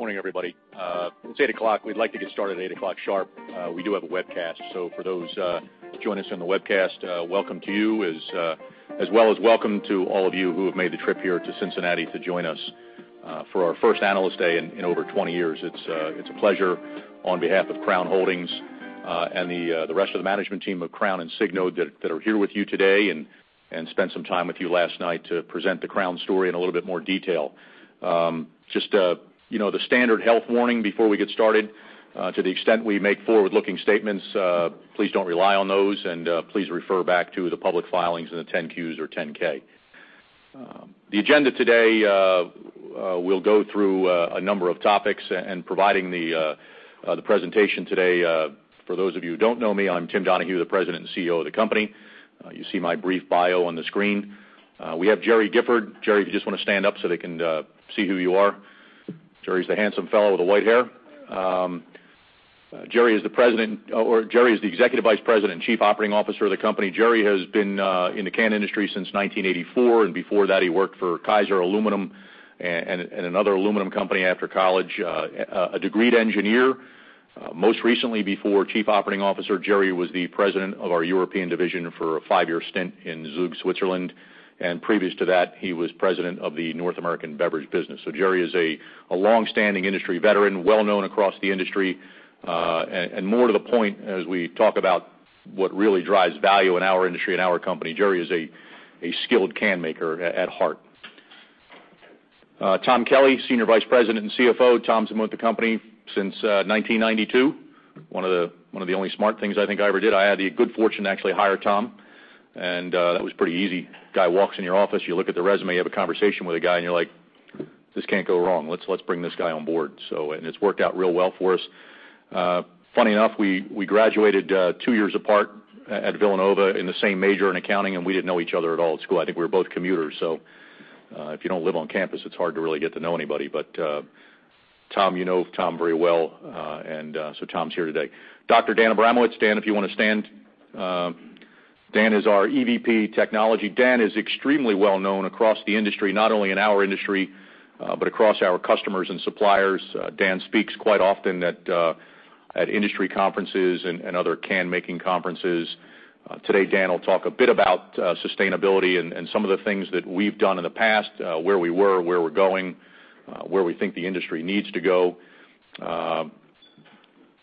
Good morning, everybody. It's 8:00. We'd like to get started at 8:00 sharp. We do have a webcast, for those joining us on the webcast, welcome to you, as well as welcome to all of you who have made the trip here to Cincinnati to join us for our first Analyst Day in over 20 years. It's a pleasure on behalf of Crown Holdings and the rest of the management team of Crown and Signode that are here with you today, and spent some time with you last night to present the Crown story in a little bit more detail. Just the standard health warning before we get started. To the extent we make forward-looking statements, please don't rely on those, please refer back to the public filings in the 10-Qs or 10-K. The agenda today, we'll go through a number of topics, providing the presentation today, for those of you who don't know me, I'm Tim Donahue, the President and CEO of the company. You see my brief bio on the screen. We have Gerry Gifford. Gerry, if you just want to stand up so they can see who you are. Gerry's the handsome fellow with the white hair. Gerry is the Executive Vice President and Chief Operating Officer of the company. Gerry has been in the can industry since 1984, before that he worked for Kaiser Aluminum and another aluminum company after college. A degreed engineer. Most recently, before Chief Operating Officer, Gerry was the President of our European division for a five-year stint in Zug, Switzerland. Previous to that, he was President of the North American beverage business. Gerry is a longstanding industry veteran, well-known across the industry. More to the point, as we talk about what really drives value in our industry and our company, Gerry is a skilled can maker at heart. Tom Kelly, Senior Vice President and CFO. Tom's been with the company since 1992. One of the only smart things I think I ever did, I had the good fortune to actually hire Tom, that was pretty easy. Guy walks in your office, you look at the resume, you have a conversation with the guy, and you're like, "This can't go wrong. Let's bring this guy on board." It's worked out real well for us. Funny enough, we graduated two years apart at Villanova in the same major, in accounting, we didn't know each other at all at school. I think we were both commuters. If you don't live on campus, it's hard to really get to know anybody. You know Tom very well, Tom's here today. Dr. Dan Abramowicz. Dan, if you want to stand. Dan is our EVP Technology. Dan is extremely well-known across the industry, not only in our industry, across our customers and suppliers. Dan speaks quite often at industry conferences and other can-making conferences. Today, Dan will talk a bit about sustainability and some of the things that we've done in the past, where we were, where we're going, where we think the industry needs to go.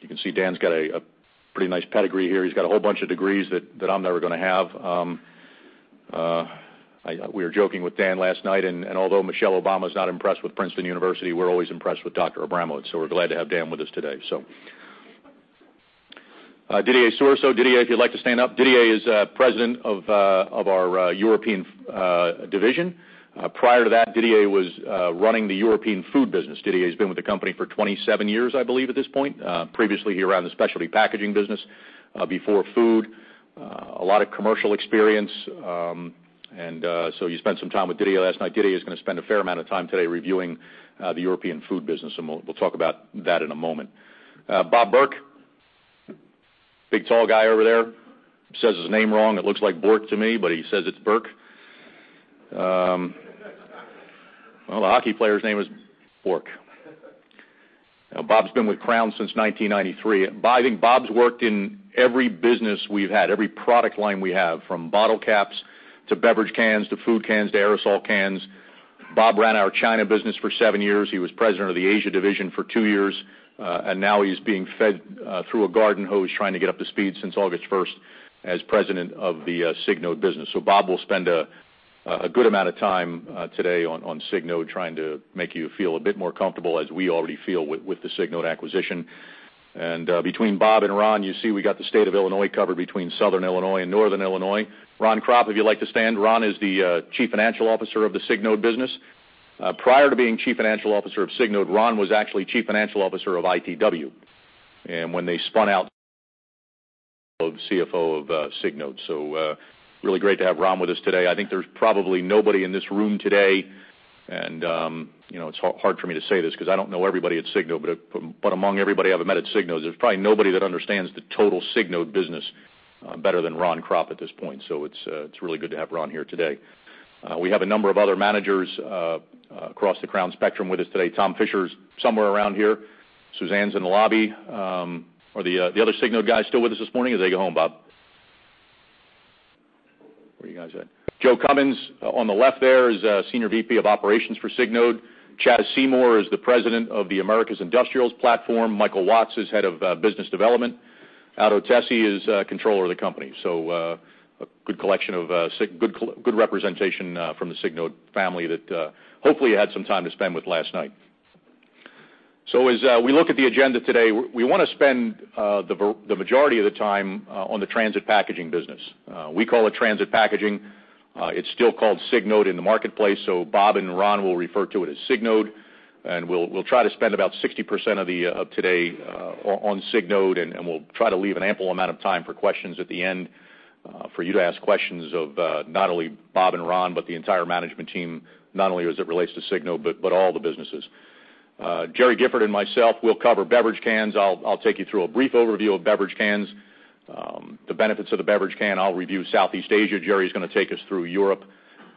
You can see Dan's got a pretty nice pedigree here. He's got a whole bunch of degrees that I'm never going to have. We were joking with Dan last night. Although Michelle Obama's not impressed with Princeton University, we're always impressed with Dr. Abramowicz. We're glad to have Dan with us today. Didier Sourisseau. Didier, if you'd like to stand up. Didier is President of our European division. Prior to that, Didier was running the European food business. Didier's been with the company for 27 years, I believe, at this point. Previously, he ran the specialty packaging business before food. A lot of commercial experience. You spent some time with Didier last night. Didier is going to spend a fair amount of time today reviewing the European food business. We'll talk about that in a moment. Bob Burke. Big, tall guy over there. Says his name wrong. It looks like "Bork" to me, but he says it's Burke. The hockey player's name is Bork. Bob's been with Crown since 1993. I think Bob's worked in every business we've had, every product line we have, from bottle caps to beverage cans to food cans to aerosol cans. Bob ran our China business for seven years. He was President of the Asia division for two years. Now he's being fed through a garden hose trying to get up to speed since August 1st as President of the Signode business. Bob will spend a good amount of time today on Signode trying to make you feel a bit more comfortable, as we already feel with the Signode acquisition. Between Bob and Ron, you see we got the state of Illinois covered between southern Illinois and northern Illinois. Ron Kropp, if you'd like to stand. Ron is the Chief Financial Officer of the Signode business. Prior to being Chief Financial Officer of Signode, Ron was actually Chief Financial Officer of ITW. When they spun out, CFO of Signode. Really great to have Ron with us today. I think there's probably nobody in this room today, and it's hard for me to say this because I don't know everybody at Signode, but among everybody I haven't met at Signode, there's probably nobody that understands the total Signode business better than Ron Kropp at this point. It's really good to have Ron here today. We have a number of other managers across the Crown spectrum with us today. Tom Fischer's somewhere around here. Suzanne's in the lobby. Are the other Signode guys still with us this morning, or did they go home, Bob? Where are you guys at? Joe Cummins on the left there is Senior VP of Operations for Signode. Chad Seymour is the President of the Americas Industrials platform. Michael Watts is Head of Business Development. Aldo Tesi is Controller of the company. A good representation from the Signode family that hopefully you had some time to spend with last night. As we look at the agenda today, we want to spend the majority of the time on the transit packaging business. We call it transit packaging. It's still called Signode in the marketplace, so Bob and Ron will refer to it as Signode. We'll try to spend about 60% of today on Signode. We'll try to leave an ample amount of time for questions at the end for you to ask questions of not only Bob and Ron, but the entire management team, not only as it relates to Signode, but all the businesses. Gerry Gifford and myself will cover beverage cans. I'll take you through a brief overview of beverage cans. The benefits of the beverage can, I'll review Southeast Asia. Gerry's going to take us through Europe,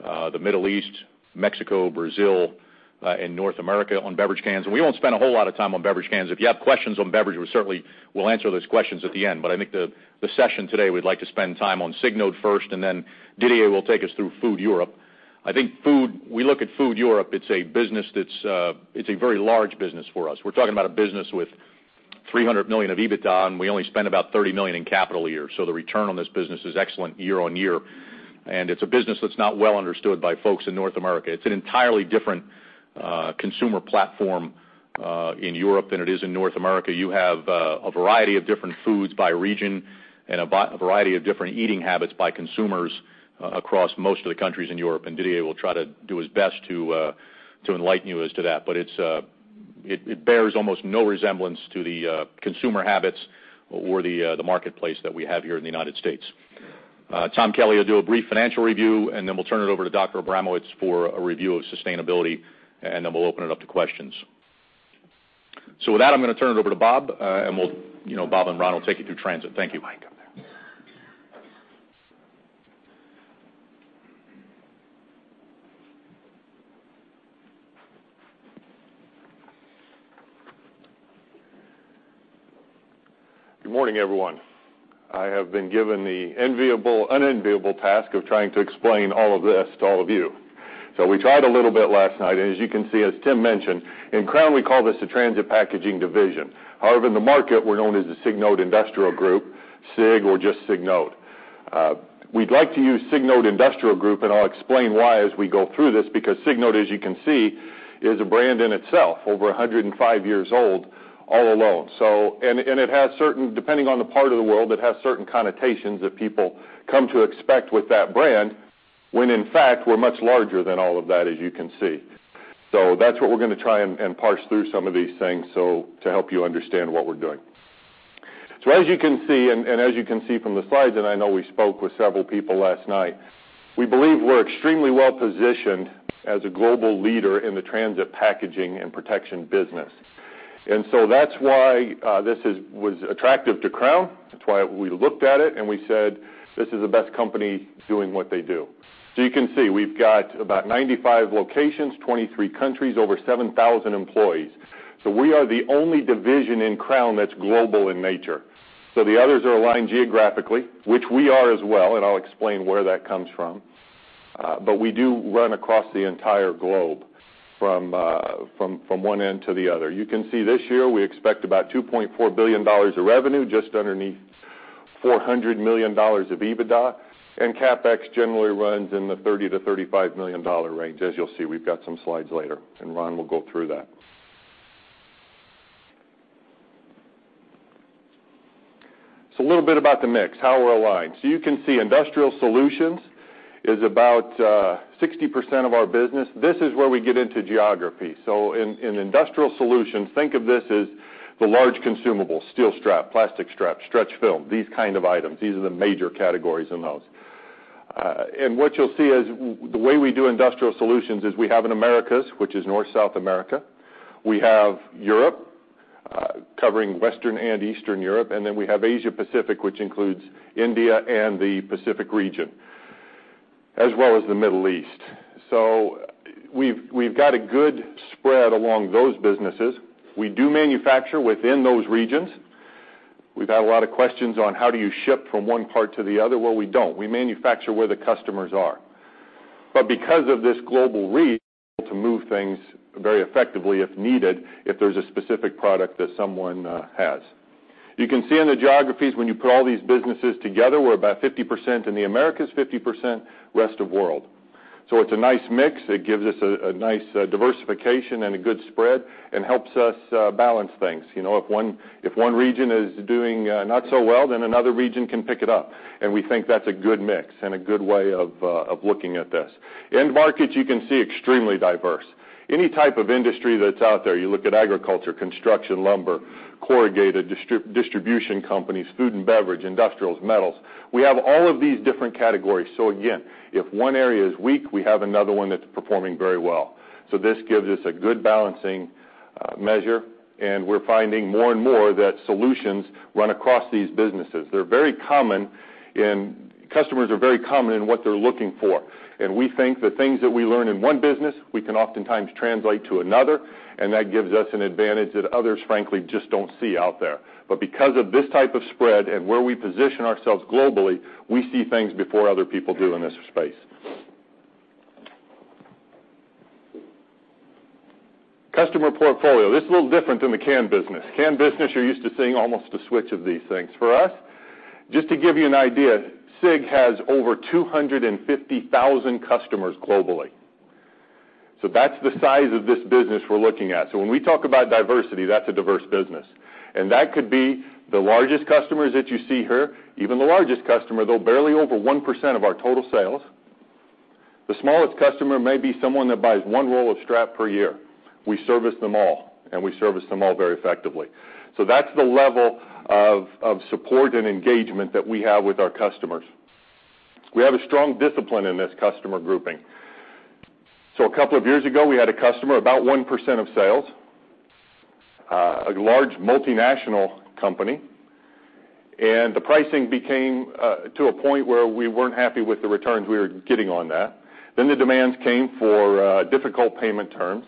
the Middle East, Mexico, Brazil, and North America on beverage cans. We won't spend a whole lot of time on beverage cans. If you have questions on beverage, we certainly will answer those questions at the end. I think the session today, we'd like to spend time on Signode first, and then Didier will take us through Food Europe. I think food, we look at Food Europe, it's a very large business for us. We're talking about a business with $300 million of EBITDA, and we only spend about $30 million in CapEx a year. The return on this business is excellent year-on-year. It's a business that's not well understood by folks in North America. It's an entirely different consumer platform in Europe than it is in North America. You have a variety of different foods by region and a variety of different eating habits by consumers across most of the countries in Europe. Didier will try to do his best to enlighten you as to that. It bears almost no resemblance to the consumer habits or the marketplace that we have here in the United States. Tom Kelly will do a brief financial review, and then we'll turn it over to Dr. Abramowicz for a review of sustainability, and then we'll open it up to questions. With that, I'm going to turn it over to Bob, and Bob and Ron will take you through Transit. Thank you. Mic up there. Good morning, everyone. I have been given the unenviable task of trying to explain all of this to all of you. We tried a little bit last night, and as you can see, as Tim mentioned, in Crown, we call this the Transit Packaging Division. However, in the market, we're known as the Signode Industrial Group, SIG, or just Signode. We'd like to use Signode Industrial Group, and I'll explain why as we go through this, because Signode, as you can see, is a brand in itself, over 105 years old, all alone. Depending on the part of the world, it has certain connotations that people come to expect with that brand, when in fact, we're much larger than all of that, as you can see. That's what we're going to try and parse through some of these things to help you understand what we're doing. As you can see, and as you can see from the slides, and I know we spoke with several people last night, we believe we're extremely well-positioned as a global leader in the transit packaging and protection business. That's why this was attractive to Crown. That's why we looked at it and we said, "This is the best company doing what they do." You can see, we've got about 95 locations, 23 countries, over 7,000 employees. We are the only division in Crown that's global in nature. The others are aligned geographically, which we are as well, and I'll explain where that comes from. We do run across the entire globe, from one end to the other. You can see this year, we expect about $2.4 billion of revenue, just underneath $400 million of EBITDA, and CapEx generally runs in the $30 million to $35 million range. As you'll see, we've got some slides later, and Ron will go through that. A little bit about the mix, how we're aligned. You can see Industrial Solutions is about 60% of our business. This is where we get into geography. In Industrial Solutions, think of this as the large consumable, steel strap, plastic strap, stretch film, these kind of items. These are the major categories in those. What you'll see is the way we do Industrial Solutions is we have an Americas, which is North, South America. We have Europe, covering Western and Eastern Europe, and we have Asia Pacific, which includes India and the Pacific region, as well as the Middle East. We've got a good spread along those businesses. We do manufacture within those regions. We've had a lot of questions on how do you ship from one part to the other. We don't. We manufacture where the customers are. Because of this global reach, to move things very effectively if needed, if there's a specific product that someone has. You can see in the geographies, when you put all these businesses together, we're about 50% in the Americas, 50% rest of world. It's a nice mix. It gives us a nice diversification and a good spread and helps us balance things. If one region is doing not so well, another region can pick it up, and we think that's a good mix and a good way of looking at this. End markets, you can see, extremely diverse. Any type of industry that's out there, you look at agriculture, construction, lumber, corrugated, distribution companies, food and beverage, industrials, metals. We have all of these different categories. Again, if one area is weak, we have another one that's performing very well. This gives us a good balancing measure, and we're finding more and more that solutions run across these businesses. Customers are very common in what they're looking for, and we think the things that we learn in one business, we can oftentimes translate to another, and that gives us an advantage that others frankly just don't see out there. Because of this type of spread and where we position ourselves globally, we see things before other people do in this space. Customer portfolio. This is a little different than the can business. Can business, you're used to seeing almost a switch of these things. For us, just to give you an idea, SIG has over 250,000 customers globally. That's the size of this business we're looking at. When we talk about diversity, that's a diverse business. That could be the largest customers that you see here. Even the largest customer, though barely over 1% of our total sales. The smallest customer may be someone that buys one roll of strap per year. We service them all, and we service them all very effectively. That's the level of support and engagement that we have with our customers. We have a strong discipline in this customer grouping. So a couple of years ago, we had a customer, about 1% of sales, a large multinational company. The pricing became to a point where we weren't happy with the returns we were getting on that. The demands came for difficult payment terms,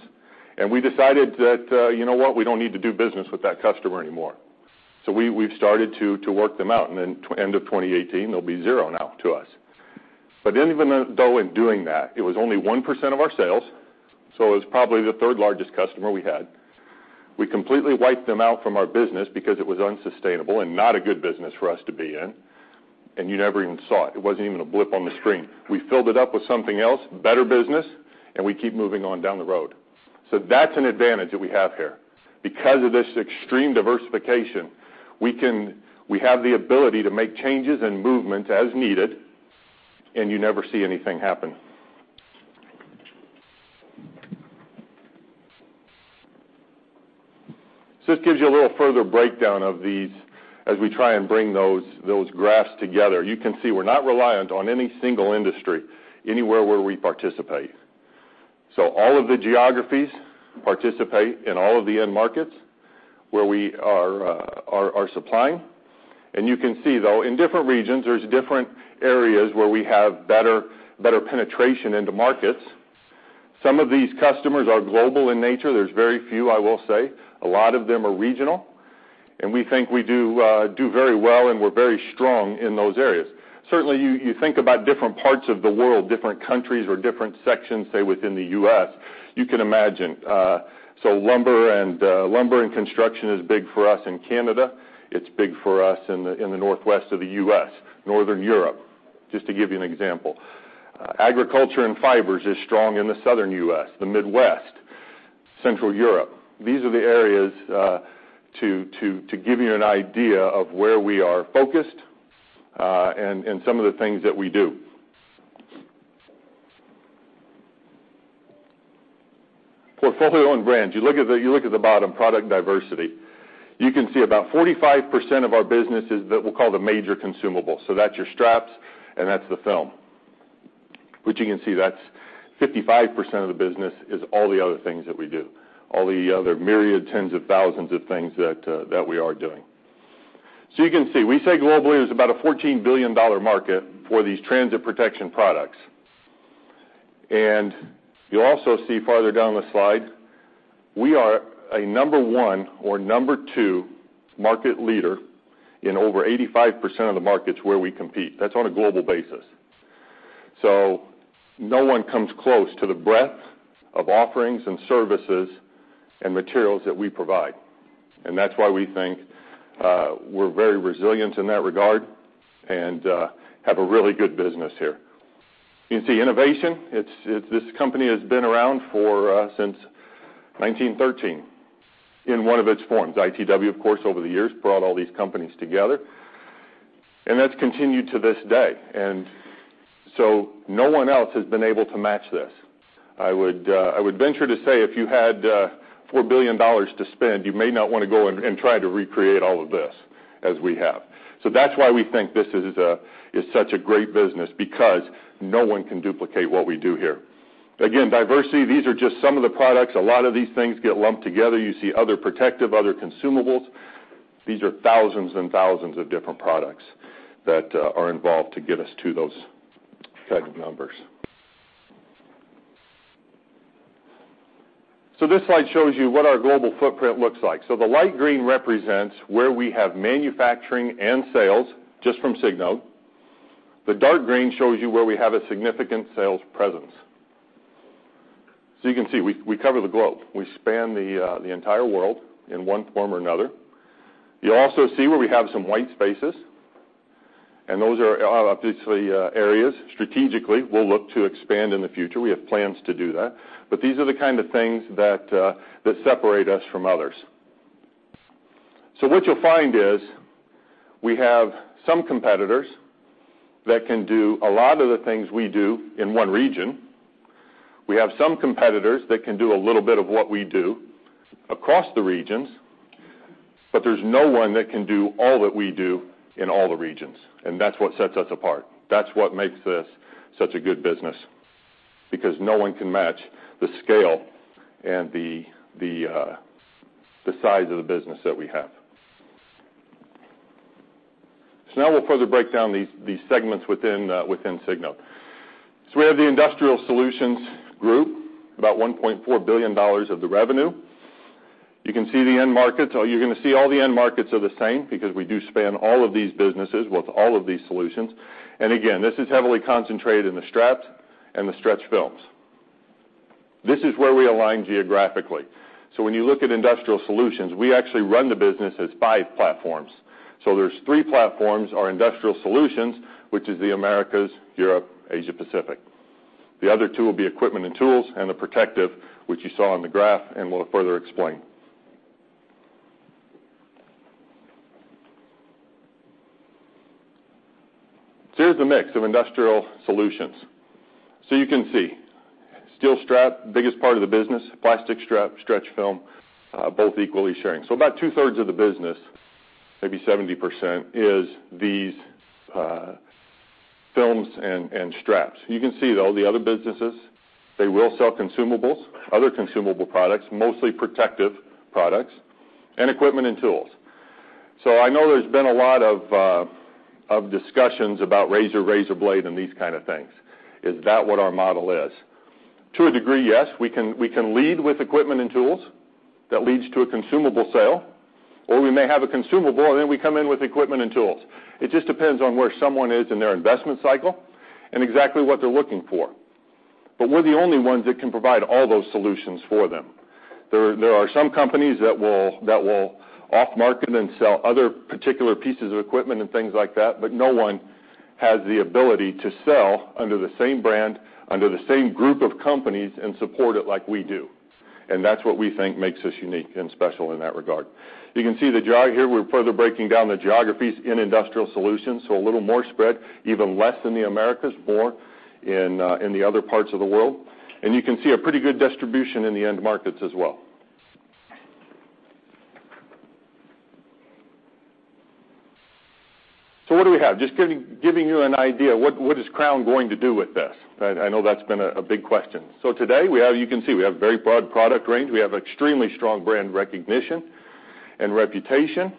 and we decided that, you know what? We don't need to do business with that customer anymore. We've started to work them out. End of 2018, they'll be zero now to us. Even though in doing that, it was only 1% of our sales, so it was probably the third-largest customer we had. We completely wiped them out from our business because it was unsustainable and not a good business for us to be in. You never even saw it. It wasn't even a blip on the screen. We filled it up with something else, better business, and we keep moving on down the road. That's an advantage that we have here. Because of this extreme diversification, we have the ability to make changes and movements as needed, and you never see anything happen. This gives you a little further breakdown of these as we try and bring those graphs together. You can see we're not reliant on any single industry anywhere where we participate. All of the geographies participate in all of the end markets where we are supplying. You can see, though, in different regions, there's different areas where we have better penetration into markets. Some of these customers are global in nature. There's very few, I will say. A lot of them are regional. We think we do very well, and we're very strong in those areas. Certainly, you think about different parts of the world, different countries or different sections, say, within the U.S., you can imagine. Lumber and construction is big for us in Canada. It's big for us in the Northwest of the U.S., Northern Europe, just to give you an example. Agriculture and fibers is strong in the Southern U.S., the Midwest, Central Europe. These are the areas to give you an idea of where we are focused, and some of the things that we do. Portfolio and brands. You look at the bottom, product diversity. You can see about 45% of our business is what we'll call the major consumables. That's your straps and that's the film, which you can see that's 55% of the business is all the other things that we do, all the other myriad tens of thousands of things that we are doing. You can see, we say globally, there's about a $14 billion market for these transit protection products. You'll also see farther down the slide, we are a number one or number two market leader in over 85% of the markets where we compete. That's on a global basis. No one comes close to the breadth of offerings and services and materials that we provide. That's why we think we're very resilient in that regard and have a really good business here. You can see innovation. This company has been around since 1913 in one of its forms. ITW, of course, over the years, brought all these companies together, and that's continued to this day. No one else has been able to match this. I would venture to say if you had $4 billion to spend, you may not want to go and try to recreate all of this as we have. That's why we think this is such a great business because no one can duplicate what we do here. Again, diversity. These are just some of the products. A lot of these things get lumped together. You see other protective, other consumables. These are thousands and thousands of different products that are involved to get us to those kind of numbers. This slide shows you what our global footprint looks like. The light green represents where we have manufacturing and sales just from Signode. The dark green shows you where we have a significant sales presence. You can see, we cover the globe. We span the entire world in one form or another. You'll also see where we have some white spaces, and those are obviously areas strategically we'll look to expand in the future. We have plans to do that. These are the kind of things that separate us from others. What you'll find is we have some competitors that can do a lot of the things we do in one region. We have some competitors that can do a little bit of what we do across the regions. There's no one that can do all that we do in all the regions. That's what sets us apart. That's what makes this such a good business because no one can match the scale and the size of the business that we have. Now we'll further break down these segments within Signode. We have the Industrial Solutions group, about $1.4 billion of the revenue. You can see the end markets. You're going to see all the end markets are the same because we do span all of these businesses with all of these solutions. Again, this is heavily concentrated in the straps and the stretch films. This is where we align geographically. When you look at Industrial Solutions, we actually run the business as five platforms. There's three platforms, our Industrial Solutions, which is the Americas, Europe, Asia Pacific. The other two will be equipment and tools, and the protective, which you saw on the graph, and we'll further explain. Here's the mix of Industrial Solutions. You can see, steel strap, biggest part of the business, plastic strap, stretch film, both equally sharing. About two-thirds of the business, maybe 70% is these films and straps. You can see, though, the other businesses, they will sell consumables, other consumable products, mostly protective products, and equipment and tools. I know there's been a lot of discussions about razor blade, and these kind of things. Is that what our model is? To a degree, yes. We can lead with equipment and tools. That leads to a consumable sale. We may have a consumable, and then we come in with equipment and tools. It just depends on where someone is in their investment cycle and exactly what they're looking for. We're the only ones that can provide all those solutions for them. There are some companies that will off market and sell other particular pieces of equipment and things like that, but no one has the ability to sell under the same brand, under the same group of companies, and support it like we do. That's what we think makes us unique and special in that regard. You can see the geo here. We're further breaking down the geographies in Industrial Solutions, a little more spread, even less in the Americas, more in the other parts of the world. You can see a pretty good distribution in the end markets as well. What do we have? Just giving you an idea, what is Crown going to do with this? I know that's been a big question. Today, you can see we have a very broad product range. We have extremely strong brand recognition and reputation.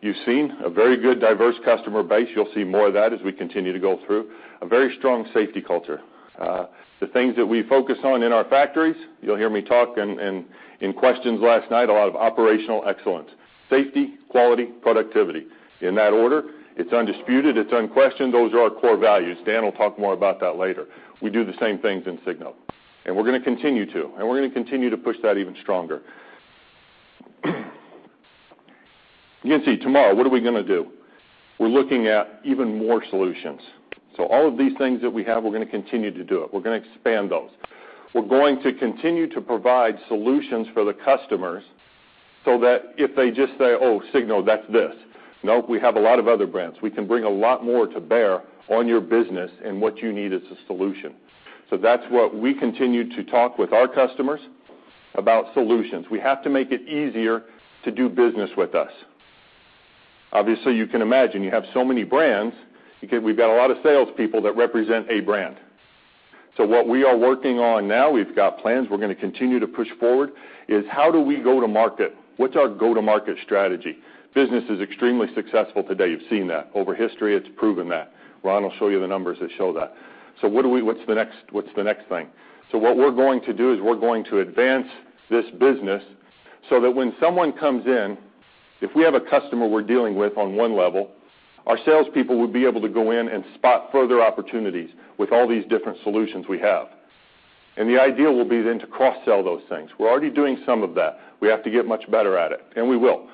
You've seen a very good, diverse customer base. You'll see more of that as we continue to go through. A very strong safety culture. The things that we focus on in our factories, you'll hear me talk in questions last night, a lot of operational excellence, safety, quality, productivity. In that order, it's undisputed, it's unquestioned. Those are our core values. Dan will talk more about that later. We do the same things in Signode, and we're going to continue to push that even stronger. You can see tomorrow, what are we going to do? We're looking at even more solutions. All of these things that we have, we're going to continue to do it. We're going to expand those. We're going to continue to provide solutions for the customers so that if they just say, "Oh, Signode, that's this." No, we have a lot of other brands. We can bring a lot more to bear on your business and what you need as a solution. That's what we continue to talk with our customers about solutions. We have to make it easier to do business with us. Obviously, you can imagine you have so many brands, we've got a lot of salespeople that represent a brand. What we are working on now, we've got plans we're going to continue to push forward, is how do we go to market? What's our go-to-market strategy? Business is extremely successful today. You've seen that. Over history, it's proven that. Ron will show you the numbers that show that. What's the next thing? What we're going to do is we're going to advance this business so that when someone comes in, if we have a customer we're dealing with on one level, our salespeople would be able to go in and spot further opportunities with all these different solutions we have. The ideal will be then to cross-sell those things. We're already doing some of that. We have to get much better at it, and we will.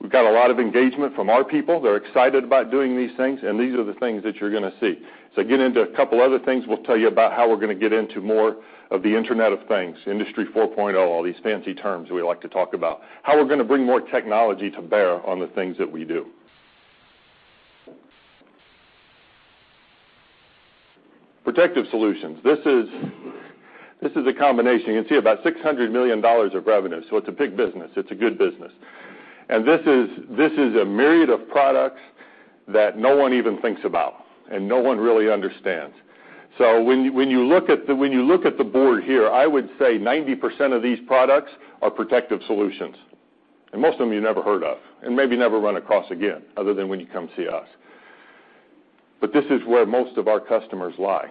We've got a lot of engagement from our people. They're excited about doing these things, and these are the things that you're going to see. Get into a couple other things. We'll tell you about how we're going to get into more of the Internet of Things, Industry 4.0, all these fancy terms we like to talk about, how we're going to bring more technology to bear on the things that we do. Protective solutions. This is a combination. You can see about $600 million of revenue, it's a big business. It's a good business. This is a myriad of products that no one even thinks about and no one really understands. When you look at the board here, I would say 90% of these products are protective solutions. Most of them you never heard of, and maybe never run across again, other than when you come see us. This is where most of our customers lie.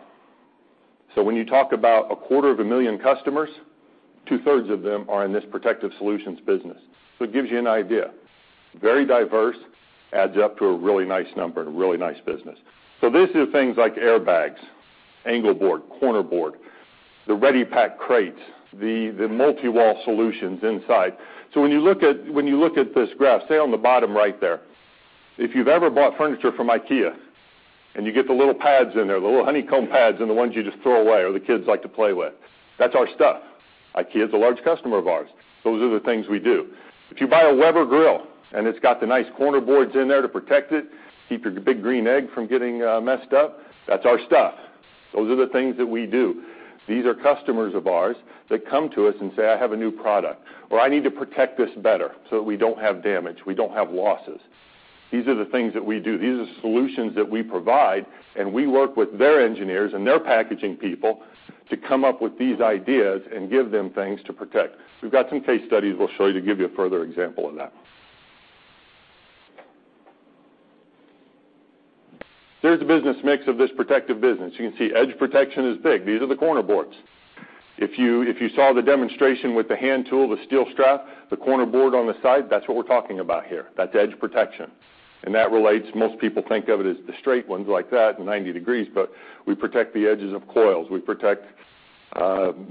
When you talk about a quarter of a million customers, two-thirds of them are in this protective solutions business. It gives you an idea. Very diverse, adds up to a really nice number and a really nice business. This is things like airbags, angle board, corner board, the Reddi-Pac crates, the multi-wall solutions inside. When you look at this graph, say on the bottom right there, if you've ever bought furniture from IKEA and you get the little pads in there, the little honeycomb pads and the ones you just throw away or the kids like to play with, that's our stuff. IKEA is a large customer of ours. Those are the things we do. If you buy a Weber grill and it's got the nice corner boards in there to protect it, keep your Big Green Egg from getting messed up, that's our stuff. Those are the things that we do. These are customers of ours that come to us and say, "I have a new product," or, "I need to protect this better so that we don't have damage, we don't have losses." These are the things that we do. These are solutions that we provide, and we work with their engineers and their packaging people to come up with these ideas and give them things to protect. We've got some case studies we'll show you to give you a further example of that. There's the business mix of this protective business. You can see edge protection is big. These are the corner boards. If you saw the demonstration with the hand tool, the steel strap, the corner board on the side, that's what we're talking about here. That's edge protection. That relates, most people think of it as the straight ones like that, 90 degrees, but we protect the edges of coils. We protect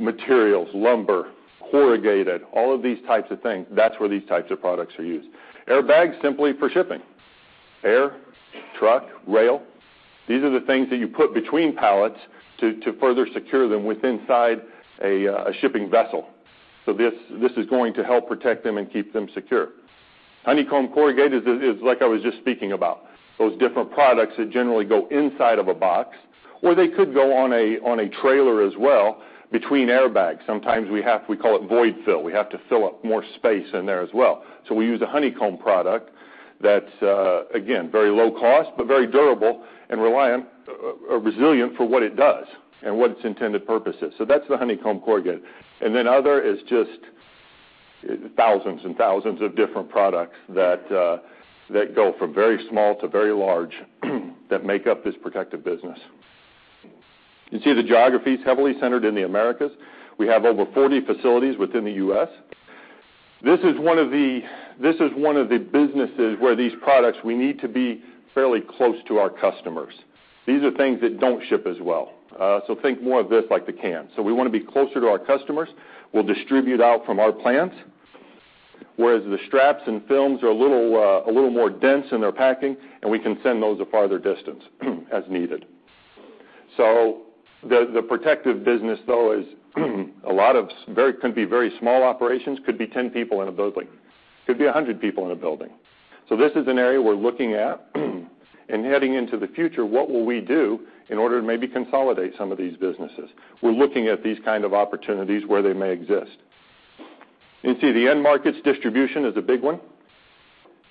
materials, lumber, corrugated, all of these types of things. That's where these types of products are used. Airbags, simply for shipping. Air, truck, rail. These are the things that you put between pallets to further secure them with inside a shipping vessel. This is going to help protect them and keep them secure. Honeycomb corrugated is like I was just speaking about. Those different products that generally go inside of a box. Or they could go on a trailer as well between airbags. Sometimes we have, we call it void fill. We have to fill up more space in there as well. We use a honeycomb product that's, again, very low cost, but very durable and resilient for what it does and what its intended purpose is. That's the honeycomb corrugated. Other is just thousands and thousands of different products that go from very small to very large that make up this protective business. You see the geography is heavily centered in the Americas. We have over 40 facilities within the U.S. This is one of the businesses where these products, we need to be fairly close to our customers. These are things that don't ship as well. Think more of this like the cans. We want to be closer to our customers. We'll distribute out from our plants, whereas the straps and films are a little more dense in their packing, and we can send those a farther distance as needed. The protective business, though, is a lot of very small operations, could be 10 people in a building, could be 100 people in a building. This is an area we're looking at. Heading into the future, what will we do in order to maybe consolidate some of these businesses? We're looking at these kind of opportunities where they may exist. You can see the end markets. Distribution is a big one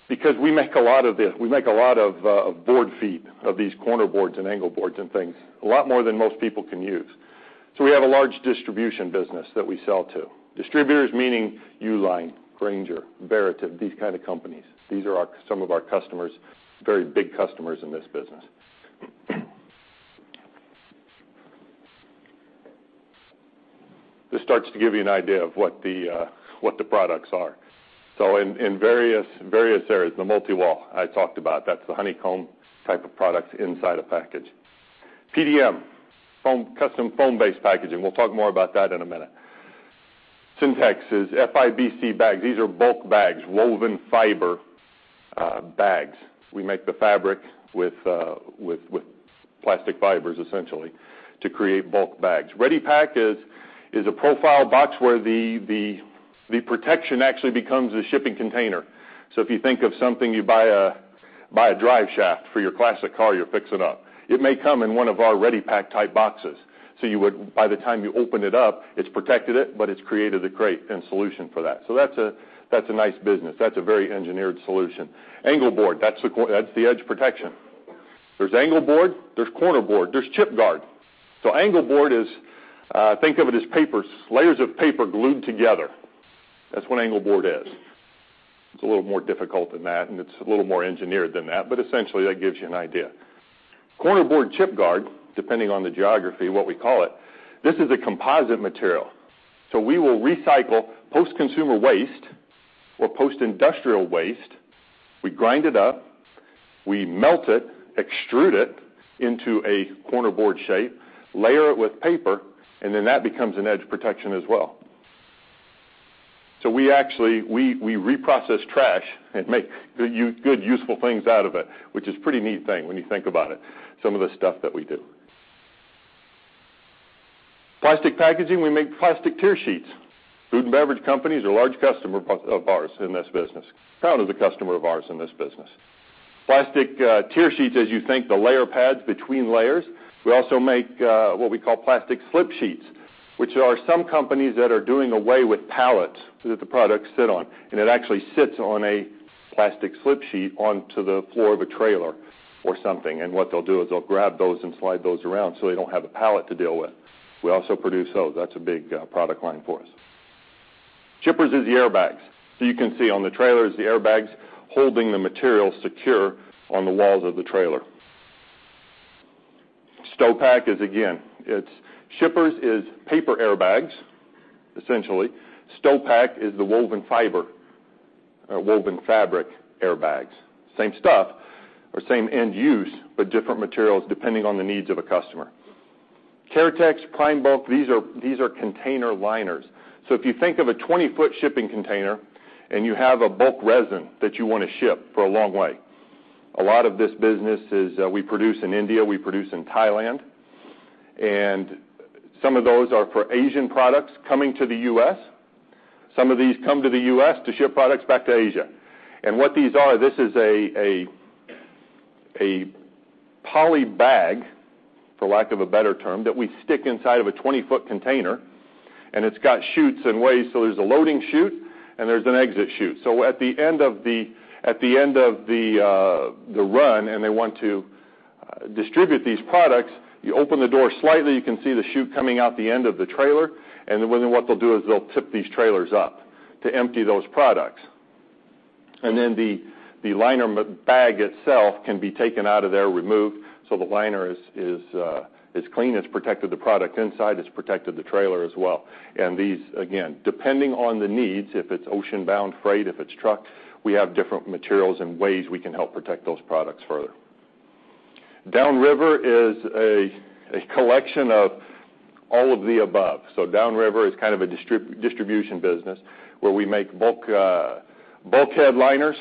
because we make a lot of this. We make a lot of board feet of these corner boards and angle boards and things, a lot more than most people can use. We have a large distribution business that we sell to. Distributors meaning Uline, Grainger, Veritiv, these kind of companies. These are some of our customers, very big customers in this business. This starts to give you an idea of what the products are. In various areas. The multi-wall, I talked about. That's the honeycomb type of products inside a package. PDM, custom foam-based packaging. We'll talk more about that in a minute. Syntex is FIBC bags. These are bulk bags, woven fiber bags. We make the fabric with plastic fibers, essentially, to create bulk bags. Reddi-Pac is a profile box where the protection actually becomes a shipping container. If you think of something, you buy a drive shaft for your classic car you're fixing up. It may come in one of our Reddi-Pac type boxes. By the time you open it up, it's protected it, but it's created a crate and solution for that. That's a nice business. That's a very engineered solution. Angle board, that's the edge protection. There's angle board, there's corner board, there's chip guard. Angle board is, think of it as layers of paper glued together. That's what angle board is. It's a little more difficult than that, and it's a little more engineered than that, but essentially, that gives you an idea. Corner board chip guard, depending on the geography, what we call it, this is a composite material. We will recycle post-consumer waste or post-industrial waste. We grind it up, we melt it, extrude it into a corner board shape, layer it with paper, then that becomes an edge protection as well. We actually reprocess trash and make good, useful things out of it, which is a pretty neat thing when you think about it, some of the stuff that we do. Plastic packaging, we make plastic tear sheets. Food and beverage companies are large customers of ours in this business. Proud of the customer of ours in this business. Plastic tear sheets, as you think, the layer pads between layers. We also make what we call plastic slip sheets, which are some companies that are doing away with pallets that the products sit on, and it actually sits on a plastic slip sheet onto the floor of a trailer or something. What they'll do is they'll grab those and slide those around, so they don't have a pallet to deal with. We also produce those. That's a big product line for us. Shippers is the airbags. So you can see on the trailers, the airbags holding the material secure on the walls of the trailer. Stopak is Shippers is paper airbags, essentially. Stopak is the woven fiber, woven fabric airbags. Same stuff or same end use, but different materials depending on the needs of a customer. Caritex, PrimeBulk, these are container liners. So if you think of a 20-foot shipping container and you have a bulk resin that you want to ship for a long way. A lot of this business is we produce in India, we produce in Thailand, and some of those are for Asian products coming to the U.S. Some of these come to the U.S. to ship products back to Asia. What these are, this is a poly bag, for lack of a better term, that we stick inside of a 20-foot container, and it's got chutes and ways. So there's a loading chute and there's an exit chute. At the end of the run, and they want to distribute these products, you open the door slightly, you can see the chute coming out the end of the trailer, what they'll do is they'll tip these trailers up to empty those products. The liner bag itself can be taken out of there, removed. So the liner is clean. It's protected the product inside. It's protected the trailer as well. These, again, depending on the needs, if it's ocean-bound freight, if it's truck, we have different materials and ways we can help protect those products further. Down River is a collection of all of the above. Down River is kind of a distribution business where we make bulkhead liners.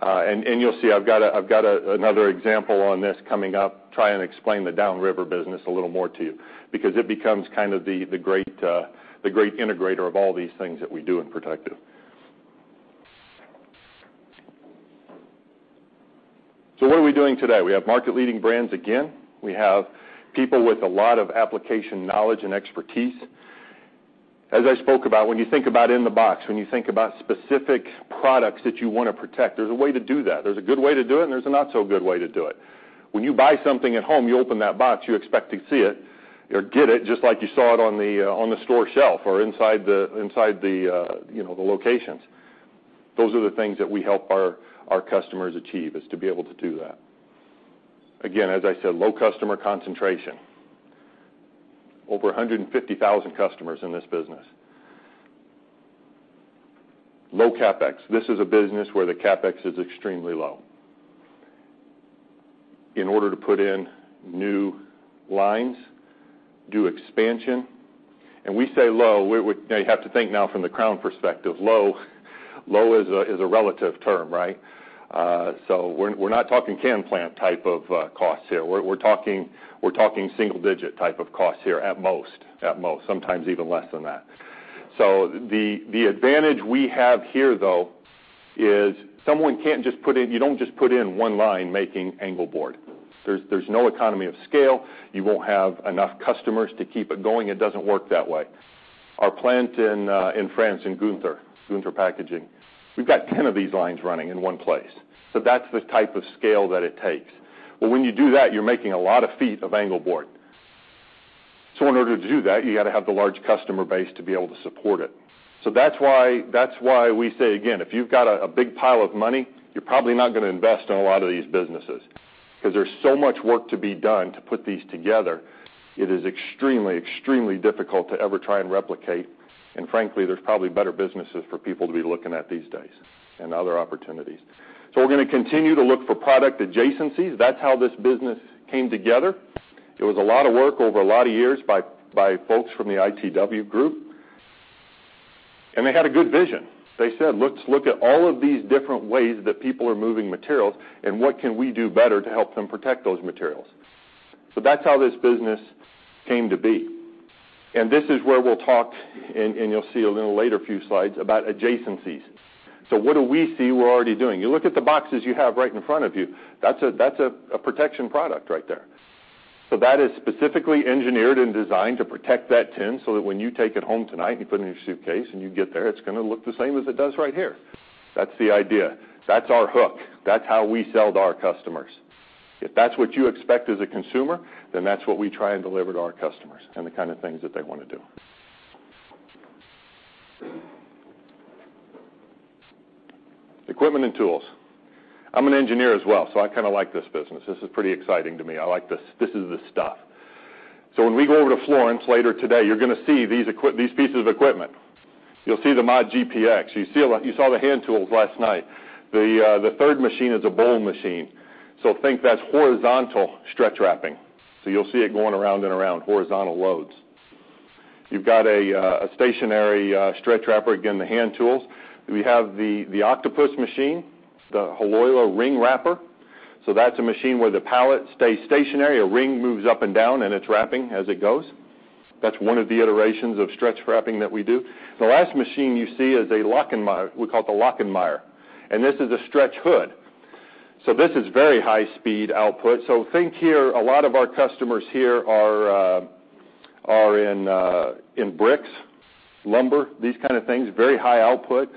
You'll see I've got another example on this coming up, try and explain the Down River business a little more to you because it becomes kind of the great integrator of all these things that we do in protective. What are we doing today? We have market-leading brands, again. We have people with a lot of application knowledge and expertise. As I spoke about, when you think about specific products that you want to protect, there's a way to do that. There's a good way to do it, and there's a not so good way to do it. When you buy something at home, you open that box, you expect to see it or get it just like you saw it on the store shelf or inside the locations. Those are the things that we help our customers achieve, is to be able to do that. Again, as I said, low customer concentration. Over 150,000 customers in this business. Low CapEx. This is a business where the CapEx is extremely low. In order to put in new lines, do expansion, and we say low, you have to think now from the Crown perspective. Low is a relative term, right? We're not talking can plant type of costs here. We're talking single digit type of costs here at most. Sometimes even less than that. The advantage we have here, though, is you don't just put in one line making angle board. There's no economy of scale. You won't have enough customers to keep it going. It doesn't work that way. Our plant in France, in Gunther Packaging, we've got 10 of these lines running in one place. That's the type of scale that it takes. Well, when you do that, you're making a lot of feet of angle board. In order to do that, you got to have the large customer base to be able to support it. That's why we say, again, if you've got a big pile of money, you're probably not going to invest in a lot of these businesses, because there's so much work to be done to put these together. It is extremely difficult to ever try and replicate, and frankly, there's probably better businesses for people to be looking at these days and other opportunities. We're going to continue to look for product adjacencies. That's how this business came together. It was a lot of work over a lot of years by folks from the ITW group. They had a good vision. They said, "Let's look at all of these different ways that people are moving materials, and what can we do better to help them protect those materials?" That's how this business came to be. This is where we'll talk, and you'll see a little later few slides, about adjacencies. What do we see we're already doing? You look at the boxes you have right in front of you. That's a protection product right there. That is specifically engineered and designed to protect that tin, so that when you take it home tonight, you put it in your suitcase, and you get there, it's going to look the same as it does right here. That's the idea. That's our hook. That's how we sell to our customers. If that's what you expect as a consumer, that's what we try and deliver to our customers and the kind of things that they want to do. Equipment and tools. I'm an engineer as well, so I kind of like this business. This is pretty exciting to me. I like this. This is the stuff. When we go over to Florence later today, you're going to see these pieces of equipment. You'll see the MOD-GPX. You saw the hand tools last night. The third machine is a bowl machine. Think that's horizontal stretch wrapping. You'll see it going around and around, horizontal loads. You've got a stationary stretch wrapper, again, the hand tools. We have the Octopus machine, the Haloila Ring Wrapper. That's a machine where the pallet stays stationary, a ring moves up and down, and it's wrapping as it goes. That's one of the iterations of stretch wrapping that we do. The last machine you see is a Lachenmeier. We call it the Lachenmeier. This is a stretch hood. This is very high speed output. Think here, a lot of our customers here are in bricks, lumber, these kind of things. Very high output.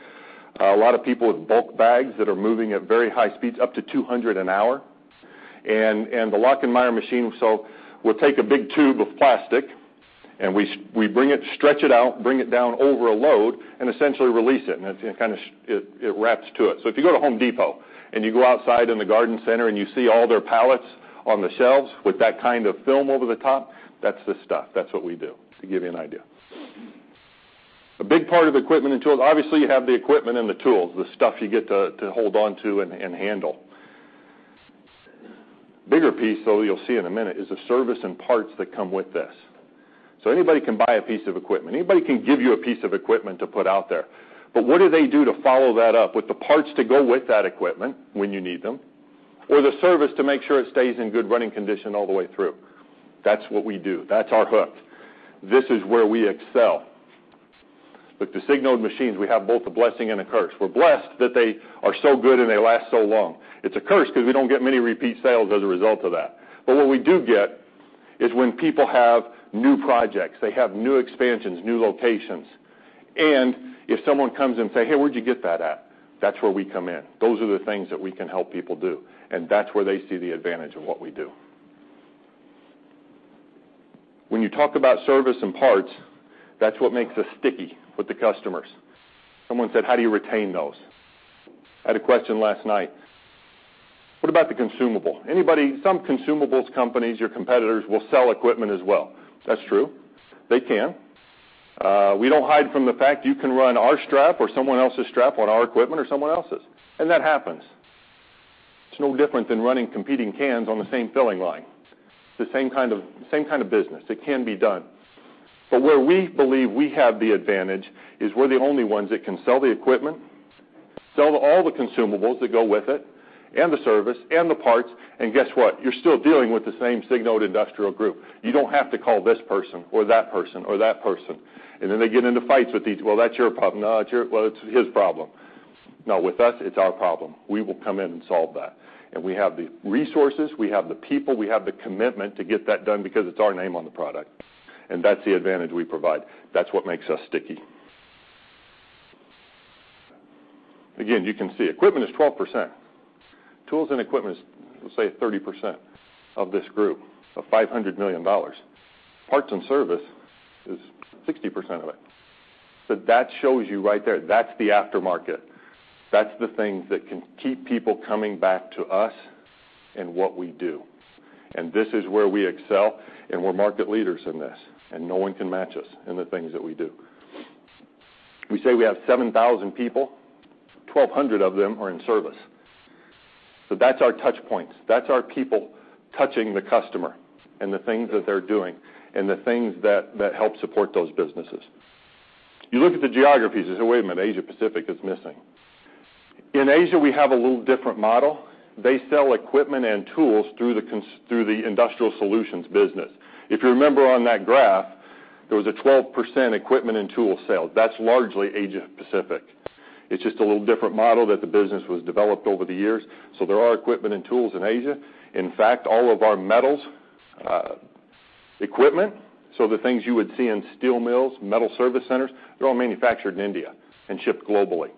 A lot of people with bulk bags that are moving at very high speeds, up to 200 an hour. The Lachenmeier machine will take a big tube of plastic, we stretch it out, bring it down over a load, essentially release it, and it wraps to it. If you go to Home Depot, you go outside in the garden center and you see all their pallets on the shelves with that kind of film over the top, that's the stuff. That's what we do, to give you an idea. A big part of equipment and tools, obviously, you have the equipment and the tools, the stuff you get to hold onto and handle. Bigger piece, though, you'll see in a minute, is the service and parts that come with this. Anybody can buy a piece of equipment. Anybody can give you a piece of equipment to put out there. What do they do to follow that up with the parts to go with that equipment when you need them, or the service to make sure it stays in good running condition all the way through? That's what we do. That's our hook. This is where we excel. With the Signode machines, we have both a blessing and a curse. We're blessed that they are so good and they last so long. It's a curse because we don't get many repeat sales as a result of that. What we do get is when people have new projects, they have new expansions, new locations, if someone comes and say, "Hey, where'd you get that at?" That's where we come in. Those are the things that we can help people do, that's where they see the advantage of what we do. When you talk about service and parts, that's what makes us sticky with the customers. Someone said, "How do you retain those?" I had a question last night. What about the consumable? Anybody, some consumables companies, your competitors, will sell equipment as well. That's true. They can. We don't hide from the fact you can run our strap or someone else's strap on our equipment or someone else's. That happens. It's no different than running competing cans on the same filling line. It's the same kind of business. It can be done. Where we believe we have the advantage is we're the only ones that can sell the equipment, sell all the consumables that go with it, the service, the parts, and guess what? You're still dealing with the same Signode Industrial Group. You don't have to call this person or that person or that person. Then they get into fights with each, "Well, that's your problem." "No, it's your." "Well, it's his problem." Now with us, it's our problem. We will come in and solve that. We have the resources, we have the people, we have the commitment to get that done because it's our name on the product. That's the advantage we provide. That's what makes us sticky. Again, you can see equipment is 12%. Tools and equipment is, let's say, 30% of this group, of $500 million. Parts and service is 60% of it. That shows you right there, that's the aftermarket. That's the things that can keep people coming back to us and what we do. And this is where we excel, and we're market leaders in this, and no one can match us in the things that we do. We say we have 7,000 people, 1,200 of them are in service. That's our touch points. That's our people touching the customer and the things that they're doing, and the things that help support those businesses. You look at the geographies and say, "Wait a minute, Asia Pacific is missing." In Asia, we have a little different model. They sell equipment and tools through the Industrial Solutions business. If you remember on that graph, there was a 12% equipment and tool sale. That's largely Asia Pacific. It's just a little different model that the business was developed over the years. There are equipment and tools in Asia. In fact, all of our metals equipment, the things you would see in steel mills, metal service centers, they're all manufactured in India and shipped globally.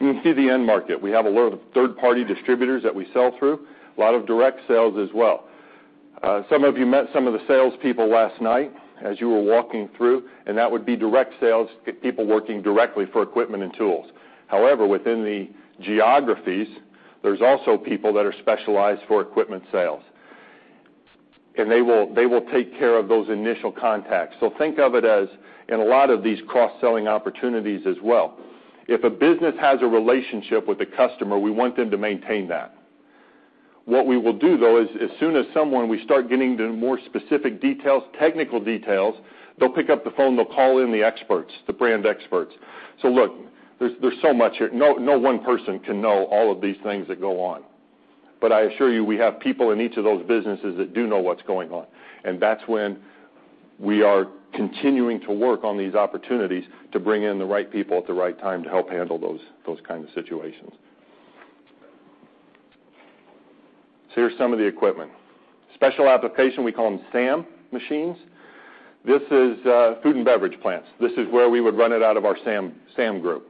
You can see the end market. We have a lot of third-party distributors that we sell through, a lot of direct sales as well. Some of you met some of the salespeople last night as you were walking through, and that would be direct sales, people working directly for equipment and tools. However, within the geographies, there's also people that are specialized for equipment sales. And they will take care of those initial contacts. Think of it as in a lot of these cross-selling opportunities as well. If a business has a relationship with a customer, we want them to maintain that. What we will do, though, is as soon as someone, we start getting into more specific details, technical details, they'll pick up the phone, they'll call in the experts, the brand experts. Look, there's so much here. No one person can know all of these things that go on. But I assure you, we have people in each of those businesses that do know what's going on. And that's when we are continuing to work on these opportunities to bring in the right people at the right time to help handle those kinds of situations. Here's some of the equipment. Special application, we call them SAM machines. This is food and beverage plants. This is where we would run it out of our SAM group.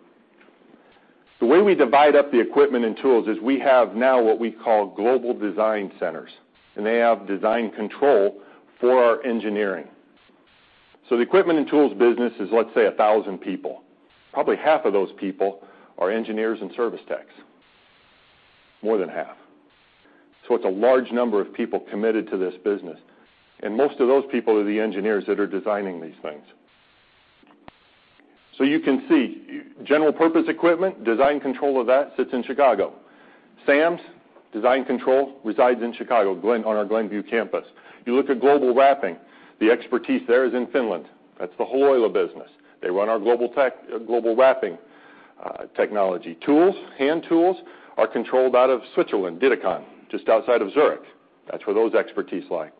The way we divide up the equipment and tools is we have now what we call global design centers, and they have design control for our engineering. The equipment and tools business is, let's say, 1,000 people. Probably half of those people are engineers and service techs. More than half. It's a large number of people committed to this business. And most of those people are the engineers that are designing these things. You can see, general purpose equipment, design control of that sits in Chicago. SAM's design control resides in Chicago, on our Glenview campus. You look at global wrapping. The expertise there is in Finland. That's the Haloila business. They run our global wrapping technology. Tools, hand tools, are controlled out of Switzerland, Dietikon, just outside of Zurich. That's where those expertise lie.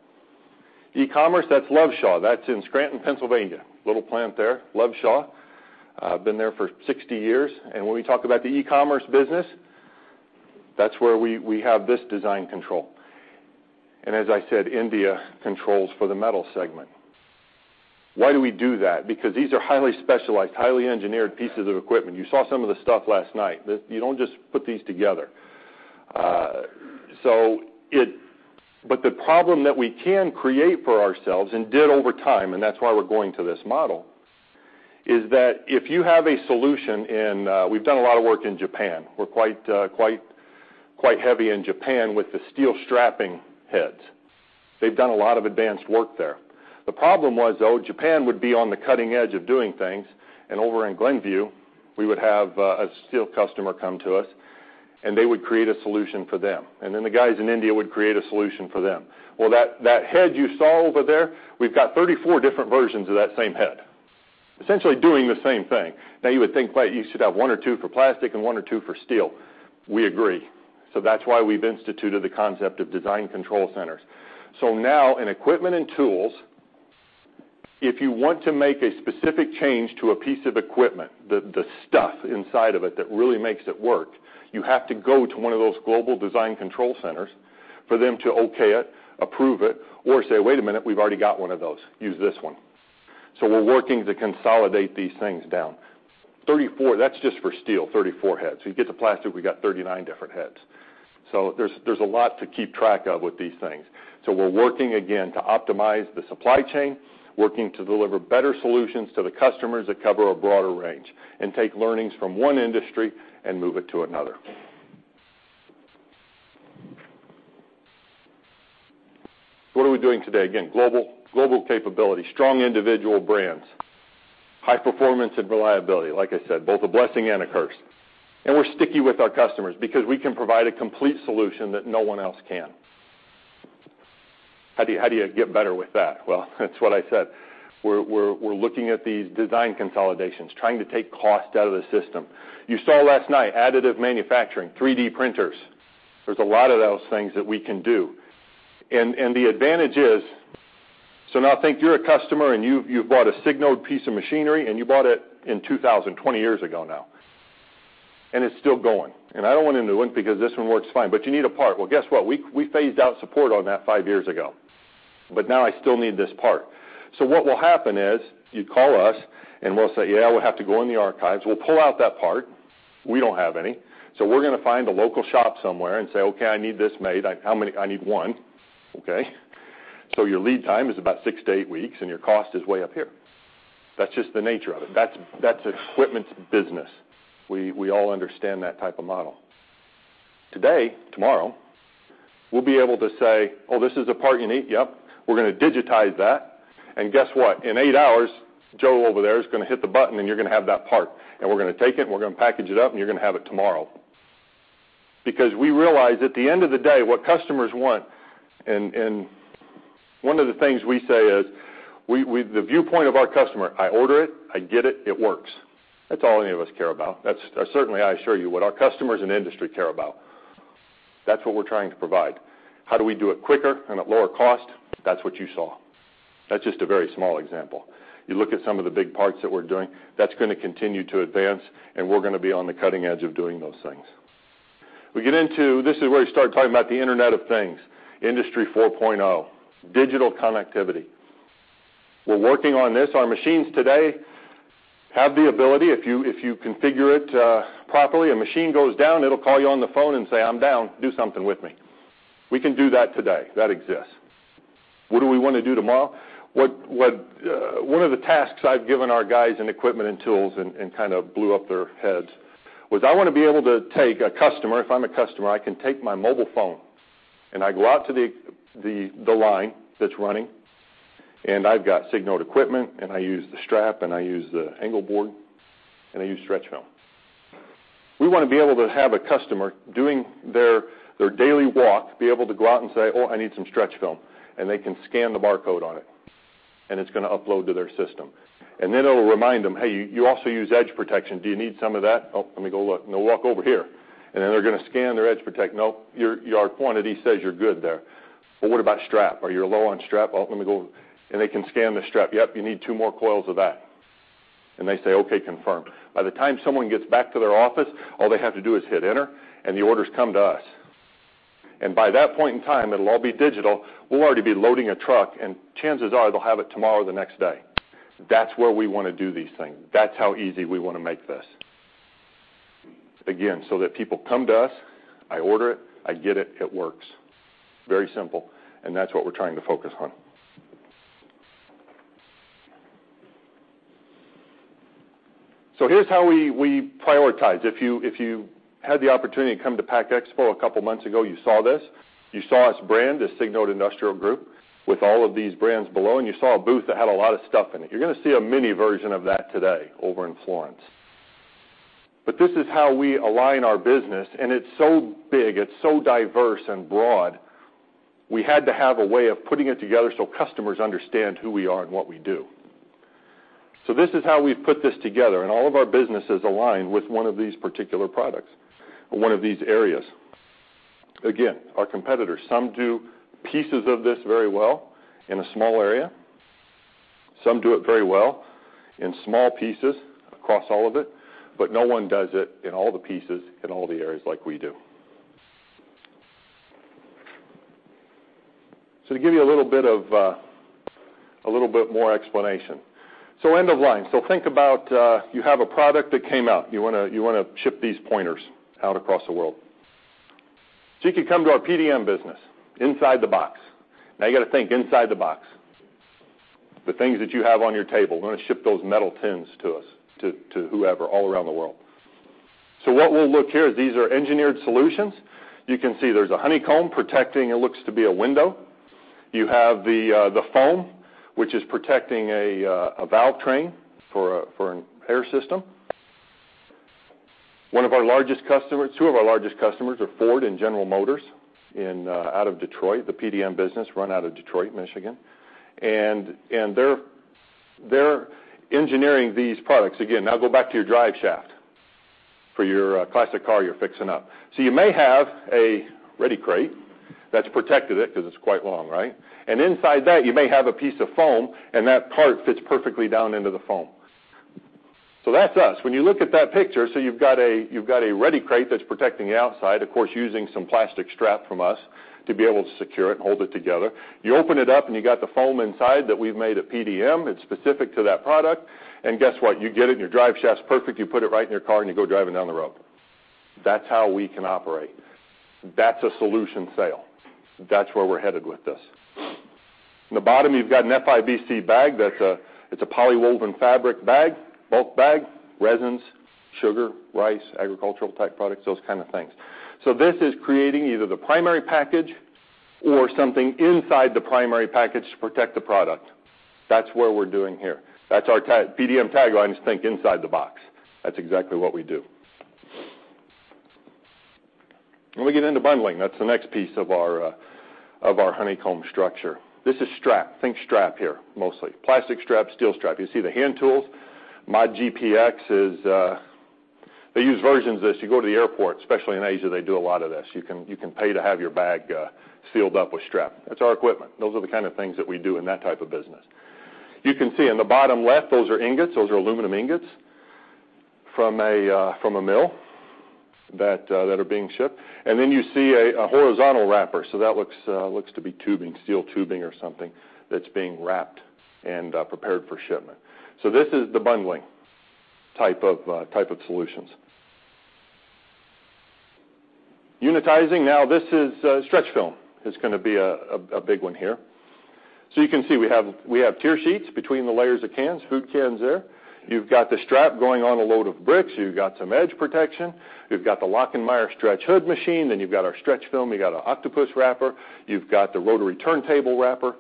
E-commerce, that's Loveshaw. That's in Scranton, Pennsylvania. Little plant there, Loveshaw. Been there for 60 years. When we talk about the e-commerce business, that's where we have this design control. As I said, India controls for the metal segment. Why do we do that? Because these are highly specialized, highly engineered pieces of equipment. You saw some of the stuff last night. You don't just put these together. The problem that we can create for ourselves, and did over time, and that's why we're going to this model, is that if you have a solution in. We've done a lot of work in Japan. We're quite heavy in Japan with the steel strapping heads. They've done a lot of advanced work there. The problem was, though, Japan would be on the cutting edge of doing things, and over in Glenview, we would have a steel customer come to us, and they would create a solution for them. Then the guys in India would create a solution for them. That head you saw over there, we've got 34 different versions of that same head. Essentially doing the same thing. Now you would think, you should have one or two for plastic and one or two for steel. We agree. That's why we've instituted the concept of design control centers. Now in equipment and tools, if you want to make a specific change to a piece of equipment, the stuff inside of it that really makes it work, you have to go to one of those global design control centers for them to okay it, approve it, or say, "Wait a minute, we've already got one of those. Use this one." We're working to consolidate these things down. 34, that's just for steel, 34 heads. You get to plastic, we got 39 different heads. There's a lot to keep track of with these things. We're working again to optimize the supply chain, working to deliver better solutions to the customers that cover a broader range, and take learnings from one industry and move it to another. What are we doing today? Again, global capability, strong individual brands, high performance, and reliability. Like I said, both a blessing and a curse. We're sticky with our customers because we can provide a complete solution that no one else can. How do you get better with that? That's what I said. We're looking at these design consolidations, trying to take cost out of the system. You saw last night, additive manufacturing, 3D printers. There's a lot of those things that we can do. Now think you're a customer and you've bought a Signode piece of machinery, and you bought it in 2000, 20 years ago now, and it's still going. I don't want a new one because this one works fine, but you need a part. Guess what? We phased out support on that five years ago. Now I still need this part. What will happen is you call us, and we'll say, "Yeah, we'll have to go in the archives. We'll pull out that part. We don't have any, so we're going to find a local shop somewhere and say, 'Okay, I need this made.' How many? I need one." Okay. Your lead time is about 6-8 weeks, and your cost is way up here. That's just the nature of it. That's equipment business. We all understand that type of model. Today, tomorrow, we'll be able to say, "This is the part you need? Yep. We're going to digitize that." Guess what? In eight hours, Joe over there is going to hit the button, and you're going to have that part. We're going to take it, and we're going to package it up, and you're going to have it tomorrow. We realize at the end of the day what customers want, one of the things we say is, the viewpoint of our customer, I order it, I get it works. That's all any of us care about. That's certainly, I assure you, what our customers in the industry care about. That's what we're trying to provide. How do we do it quicker and at lower cost? That's what you saw. That's just a very small example. You look at some of the big parts that we're doing, that's going to continue to advance, and we're going to be on the cutting edge of doing those things. We get into, this is where you start talking about the Internet of Things, Industry 4.0, digital connectivity. We're working on this. Our machines today have the ability, if you configure it properly, a machine goes down, it'll call you on the phone and say, "I'm down. Do something with me." We can do that today. That exists. What do we want to do tomorrow? One of the tasks I've given our guys in equipment and tools and kind of blew up their heads was I want to be able to take a customer, if I'm a customer, I can take my mobile phone and I go out to the line that's running, and I've got Signode equipment, and I use the strap, and I use the angle board, and I use stretch film. We want to be able to have a customer doing their daily walk, be able to go out and say, "I need some stretch film." They can scan the barcode on it's going to upload to their system. It'll remind them, "Hey, you also use edge protection. Do you need some of that?" "Let me go look." They'll walk over here, then they're going to scan their edge protect. "Your quantity says you're good there." "What about strap? Are you low on strap?" They can scan the strap. "You need two more coils of that." They say, "Okay, confirmed." By the time someone gets back to their office, all they have to do is hit enter, the orders come to us. By that point in time, it'll all be digital. We'll already be loading a truck, chances are they'll have it tomorrow or the next day. That's where we want to do these things. That's how easy we want to make this. Again, so that people come to us, I order it, I get it works. Very simple, and that's what we're trying to focus on. Here's how we prioritize. If you had the opportunity to come to PACK EXPO a couple of months ago, you saw this. You saw us brand as Signode Industrial Group with all of these brands below, and you saw a booth that had a lot of stuff in it. You're going to see a mini version of that today over in Florence. This is how we align our business, and it's so big, it's so diverse and broad, we had to have a way of putting it together so customers understand who we are and what we do. This is how we've put this together, and all of our businesses align with one of these particular products or one of these areas. Again, our competitors, some do pieces of this very well in a small area. Some do it very well in small pieces across all of it, but no one does it in all the pieces in all the areas like we do. To give you a little bit more explanation. End of line. Think about, you have a product that came out. You want to ship these pointers out across the world. You could come to our PDM business, inside the box. You got to think inside the box. The things that you have on your table, you want to ship those metal tins to us, to whoever, all around the world. What we'll look here is these are engineered solutions. You can see there's a honeycomb protecting, it looks to be a window. You have the foam, which is protecting a valve train for an air system. Two of our largest customers are Ford and General Motors out of Detroit. The PDM business run out of Detroit, Michigan. They're engineering these products. Again, now go back to your drive shaft for your classic car you're fixing up. You may have a Reddi-Crate that's protected it because it's quite long, right? Inside that, you may have a piece of foam, and that part fits perfectly down into the foam. That's us. When you look at that picture, you've got a Reddi-Crate that's protecting the outside, of course, using some plastic strap from us to be able to secure it and hold it together. You open it up, and you got the foam inside that we've made at PDM. It's specific to that product. Guess what? You get it, and your drive shaft's perfect. You put it right in your car, and you go driving down the road. That's how we can operate. That's a solution sale. That's where we're headed with this. In the bottom, you've got an FIBC bag. It's a polywoven fabric bag, bulk bag, resins, sugar, rice, agricultural-type products, those kind of things. This is creating either the primary package or something inside the primary package to protect the product. That's what we're doing here. PDM tagline is, "Think inside the box." That's exactly what we do. When we get into bundling, that's the next piece of our honeycomb structure. This is strap. Think strap here, mostly. Plastic strap, steel strap. You see the hand tools. They use versions of this. You go to the airport, especially in Asia, they do a lot of this. You can pay to have your bag sealed up with strap. That's our equipment. Those are the kind of things that we do in that type of business. You can see in the bottom left, those are ingots. Those are aluminum ingots from a mill that are being shipped. Then you see a horizontal wrapper. That looks to be tubing, steel tubing or something, that's being wrapped and prepared for shipment. This is the bundling type of solutions. Unitizing. This is stretch film. It's going to be a big one here. You can see we have tear sheets between the layers of cans, food cans there. You've got the strap going on a load of bricks. You've got some edge protection. You've got the Lachenmeier stretch hood machine, then you've got our stretch film. You got an Octopus wrapper. You've got the rotary turntable wrapper,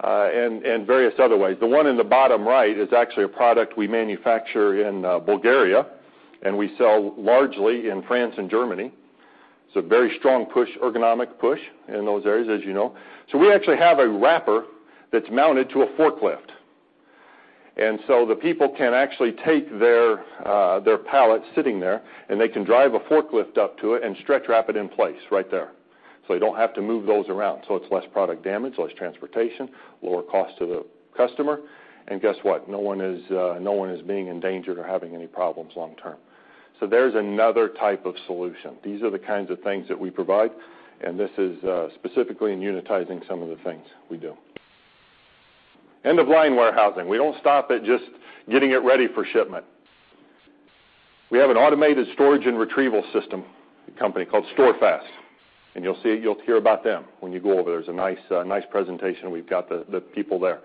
various other ways. The one in the bottom right is actually a product we manufacture in Bulgaria and we sell largely in France and Germany. It's a very strong ergonomic push in those areas, as you know. We actually have a wrapper that's mounted to a forklift. The people can actually take their pallet sitting there, and they can drive a forklift up to it and stretch wrap it in place right there. You don't have to move those around. It's less product damage, less transportation, lower cost to the customer. Guess what? No one is being endangered or having any problems long-term. There's another type of solution. These are the kinds of things that we provide, and this is specifically in unitizing some of the things we do. End-of-line warehousing. We don't stop at just getting it ready for shipment. We have an automated storage and retrieval system company called StorFast, you'll hear about them when you go over. There's a nice presentation. We've got the people there.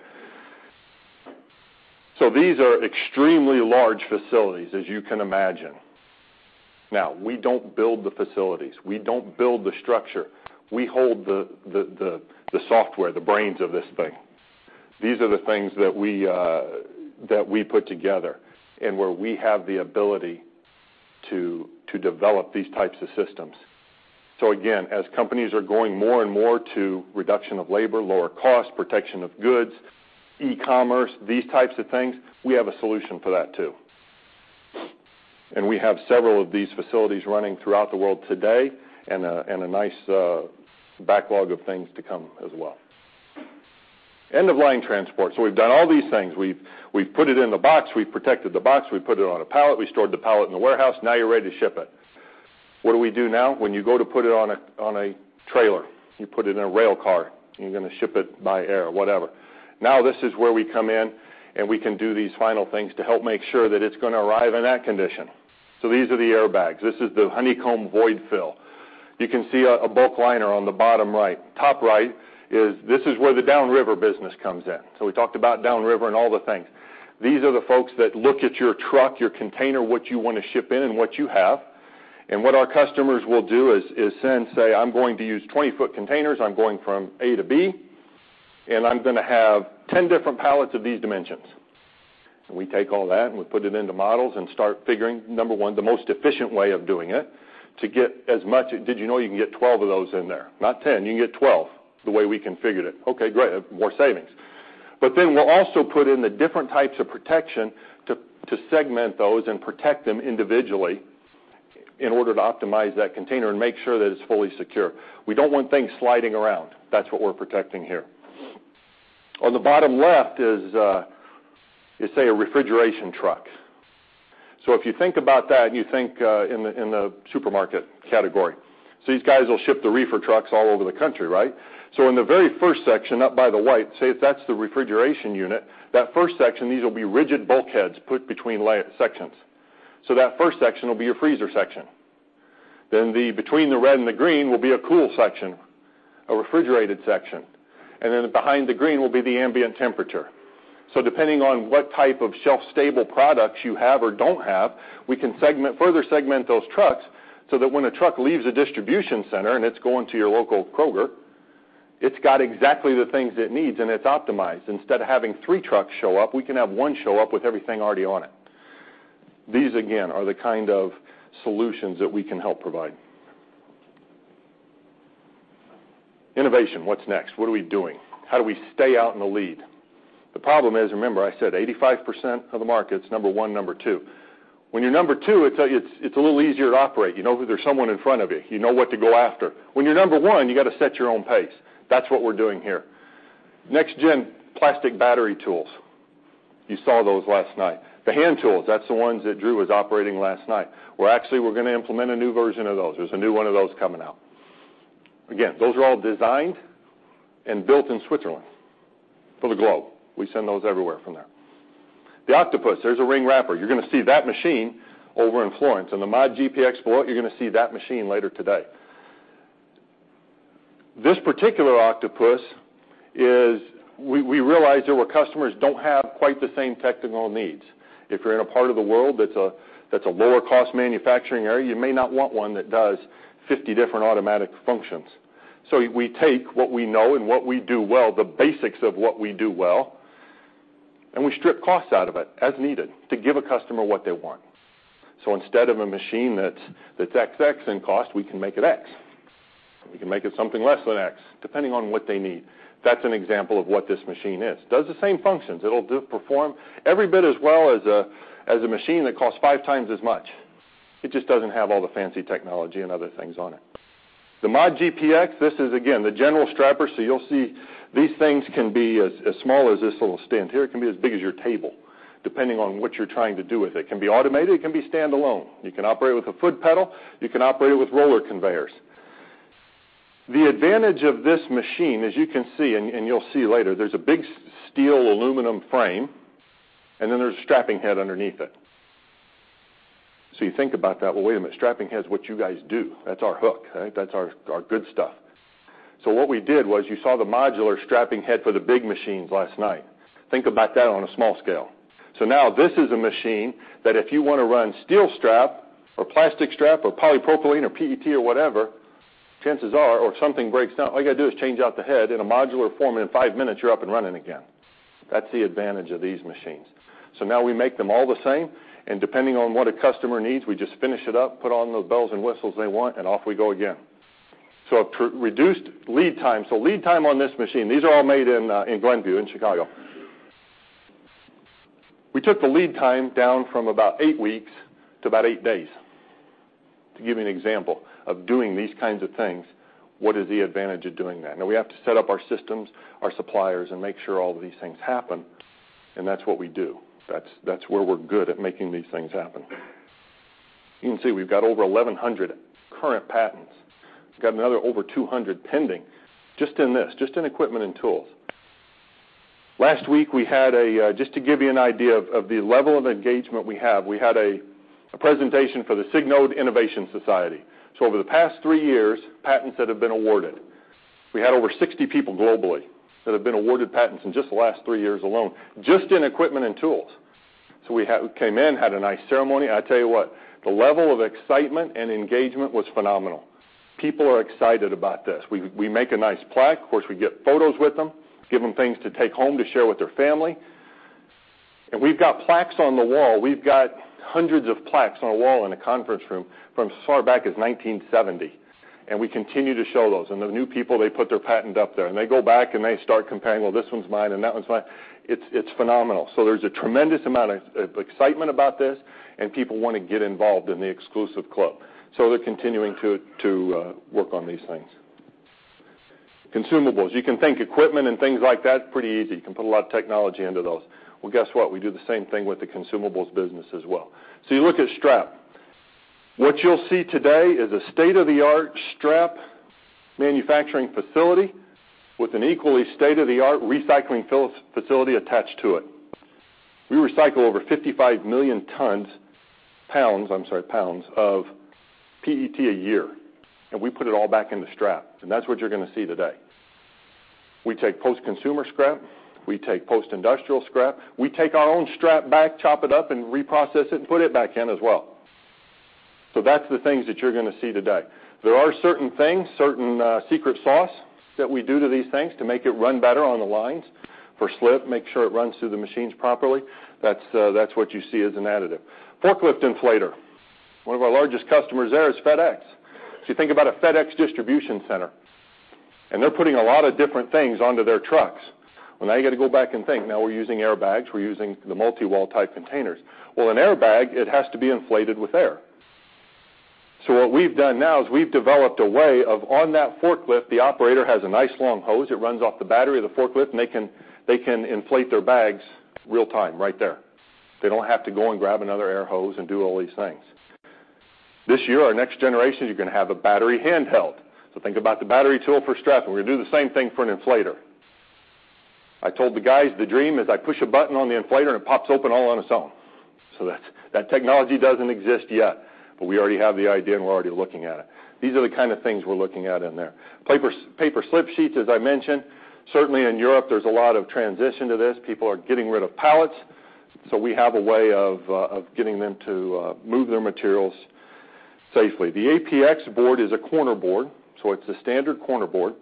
These are extremely large facilities, as you can imagine. We don't build the facilities. We don't build the structure. We hold the software, the brains of this thing. These are the things that we put together and where we have the ability to develop these types of systems. Again, as companies are going more and more to reduction of labor, lower cost, protection of goods, e-commerce, these types of things, we have a solution for that, too. We have several of these facilities running throughout the world today and a nice backlog of things to come as well. End-of-line transport. We've done all these things. We've put it in the box, we've protected the box, we've put it on a pallet, we stored the pallet in the warehouse. You're ready to ship it. What do we do now? When you go to put it on a trailer, you put it in a rail car, you're going to ship it by air, whatever. This is where we come in, we can do these final things to help make sure that it's going to arrive in that condition. These are the airbags. This is the honeycomb void fill. You can see a bulk liner on the bottom right. Top right is, this is where the Down River business comes in. We talked about Down River and all the things. These are the folks that look at your truck, your container, what you want to ship in and what you have. What our customers will do is then say, "I'm going to use 20-foot containers. I'm going from A to B, and I'm going to have 10 different pallets of these dimensions." We take all that, and we put it into models and start figuring, number 1, the most efficient way of doing it to get as much. Did you know you can get 12 of those in there? Not 10, you can get 12 the way we configured it. Okay, great. More savings. We'll also put in the different types of protection to segment those and protect them individually in order to optimize that container and make sure that it's fully secure. We don't want things sliding around. That's what we're protecting here. On the bottom left is, let's say, a refrigeration truck. If you think about that, you think in the supermarket category. These guys will ship the reefer trucks all over the country, right? In the very first section up by the white, say if that's the refrigeration unit, that first section, these will be rigid bulkheads put between sections. That first section will be your freezer section. Then between the red and the green will be a cool section, a refrigerated section. Behind the green will be the ambient temperature. Depending on what type of shelf-stable products you have or don't have, we can further segment those trucks so that when a truck leaves a distribution center and it's going to your local Kroger, it's got exactly the things it needs, and it's optimized. Instead of having three trucks show up, we can have one show up with everything already on it. These, again, are the kind of solutions that we can help provide. Innovation. What's next? What are we doing? How do we stay out in the lead? The problem is, remember I said 85% of the market's number 1, number 2. When you're number 2, it's a little easier to operate. You know there's someone in front of you. You know what to go after. When you're number 1, you got to set your own pace. That's what we're doing here. Next gen plastic battery tools. You saw those last night. The hand tools, that's the ones that Drew was operating last night. Well, actually, we're going to implement a new version of those. There's a new one of those coming out. Again, those are all designed and built in Switzerland for the globe. We send those everywhere from there. The Octopus, there's a ring wrapper. You're going to see that machine over in Florence. The MOD GPX, you're going to see that machine later today. This particular Octopus is, we realized there were customers don't have quite the same technical needs. If you're in a part of the world that's a lower cost manufacturing area, you may not want one that does 50 different automatic functions. We take what we know and what we do well, the basics of what we do well, and we strip costs out of it as needed to give a customer what they want. Instead of a machine that's XX in cost, we can make it X. We can make it something less than X, depending on what they need. That's an example of what this machine is. Does the same functions. It will perform every bit as well as a machine that costs five times as much. It just doesn't have all the fancy technology and other things on it. The MOD-GPX, this is, again, the general strapper. You'll see these things can be as small as this little stand here, it can be as big as your table, depending on what you're trying to do with it. It can be automated, it can be standalone. You can operate with a foot pedal, you can operate it with roller conveyors. The advantage of this machine, as you can see, and you'll see later, there's a big steel aluminum frame, and then there's a strapping head underneath it. You think about that. Well, wait a minute, strapping heads, what you guys do, that's our hook, right? That's our good stuff. What we did was, you saw the modular strapping head for the big machines last night. Think about that on a small scale. Now, this is a machine that if you want to run steel strap or plastic strap or polypropylene or PET or whatever, chances are, or if something breaks down, all you got to do is change out the head in a modular form, and in five minutes you're up and running again. That's the advantage of these machines. Now we make them all the same, and depending on what a customer needs, we just finish it up, put on those bells and whistles they want, and off we go again. A reduced lead time. Lead time on this machine, these are all made in Glenview, in Chicago. We took the lead time down from about eight weeks to about eight days, to give you an example of doing these kinds of things. What is the advantage of doing that? Now we have to set up our systems, our suppliers, and make sure all of these things happen, and that's what we do. That's where we're good at making these things happen. You can see we've got over 1,100 current patents. We've got another over 200 pending just in this, just in equipment and tools. Last week, just to give you an idea of the level of engagement we have, we had a presentation for the Signode Innovation Society. Over the past three years, patents that have been awarded. We had over 60 people globally that have been awarded patents in just the last three years alone, just in equipment and tools. We came in, had a nice ceremony. I tell you what, the level of excitement and engagement was phenomenal. People are excited about this. We make a nice plaque. Of course, we get photos with them, give them things to take home to share with their family. We've got plaques on the wall. We've got hundreds of plaques on a wall in a conference room from as far back as 1970. We continue to show those. The new people, they put their patent up there. They go back and they start comparing, "Well, this one's mine, and that one's mine." It's phenomenal. There's a tremendous amount of excitement about this, and people want to get involved in the exclusive club. They're continuing to work on these things. Consumables. You can think equipment and things like that, pretty easy. You can put a lot of technology into those. Well, guess what? We do the same thing with the consumables business as well. You look at strap. What you'll see today is a state-of-the-art strap manufacturing facility with an equally state-of-the-art recycling facility attached to it. We recycle over 55 million pounds of PET a year, and we put it all back into strap. That's what you're going to see today. We take post-consumer scrap, we take post-industrial scrap. We take our own strap back, chop it up and reprocess it, and put it back in as well. That's the things that you're going to see today. There are certain things, certain secret sauce that we do to these things to make it run better on the lines for slip, make sure it runs through the machines properly. That's what you see as an additive. Forklift inflator. One of our largest customers there is FedEx. You think about a FedEx distribution center, and they're putting a lot of different things onto their trucks. Well, now you got to go back and think, now we're using airbags, we're using the multi-wall type containers. Well, an airbag, it has to be inflated with air. What we've done now is we've developed a way of on that forklift, the operator has a nice long hose. It runs off the battery of the forklift, and they can inflate their bags real time, right there. They don't have to go and grab another air hose and do all these things. This year, our next generation, you're going to have a battery handheld. Think about the battery tool for strapping. We're going to do the same thing for an inflator. I told the guys the dream is I push a button on the inflator and it pops open all on its own. That technology doesn't exist yet, but we already have the idea, and we're already looking at it. These are the kind of things we're looking at in there. Paper slip sheets, as I mentioned. Certainly in Europe, there's a lot of transition to this. People are getting rid of pallets, so we have a way of getting them to move their materials safely. The APXboard is a corner board, so it's a standard corner board.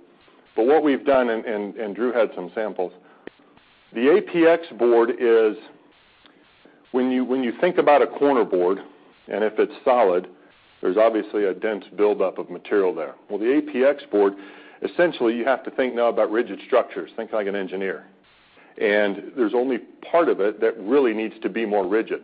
What we've done, and Drew had some samples. The APXboard is, when you think about a corner board, and if it's solid, there's obviously a dense buildup of material there. Well, the APXboard, essentially you have to think now about rigid structures. Think like an engineer. There's only part of it that really needs to be more rigid.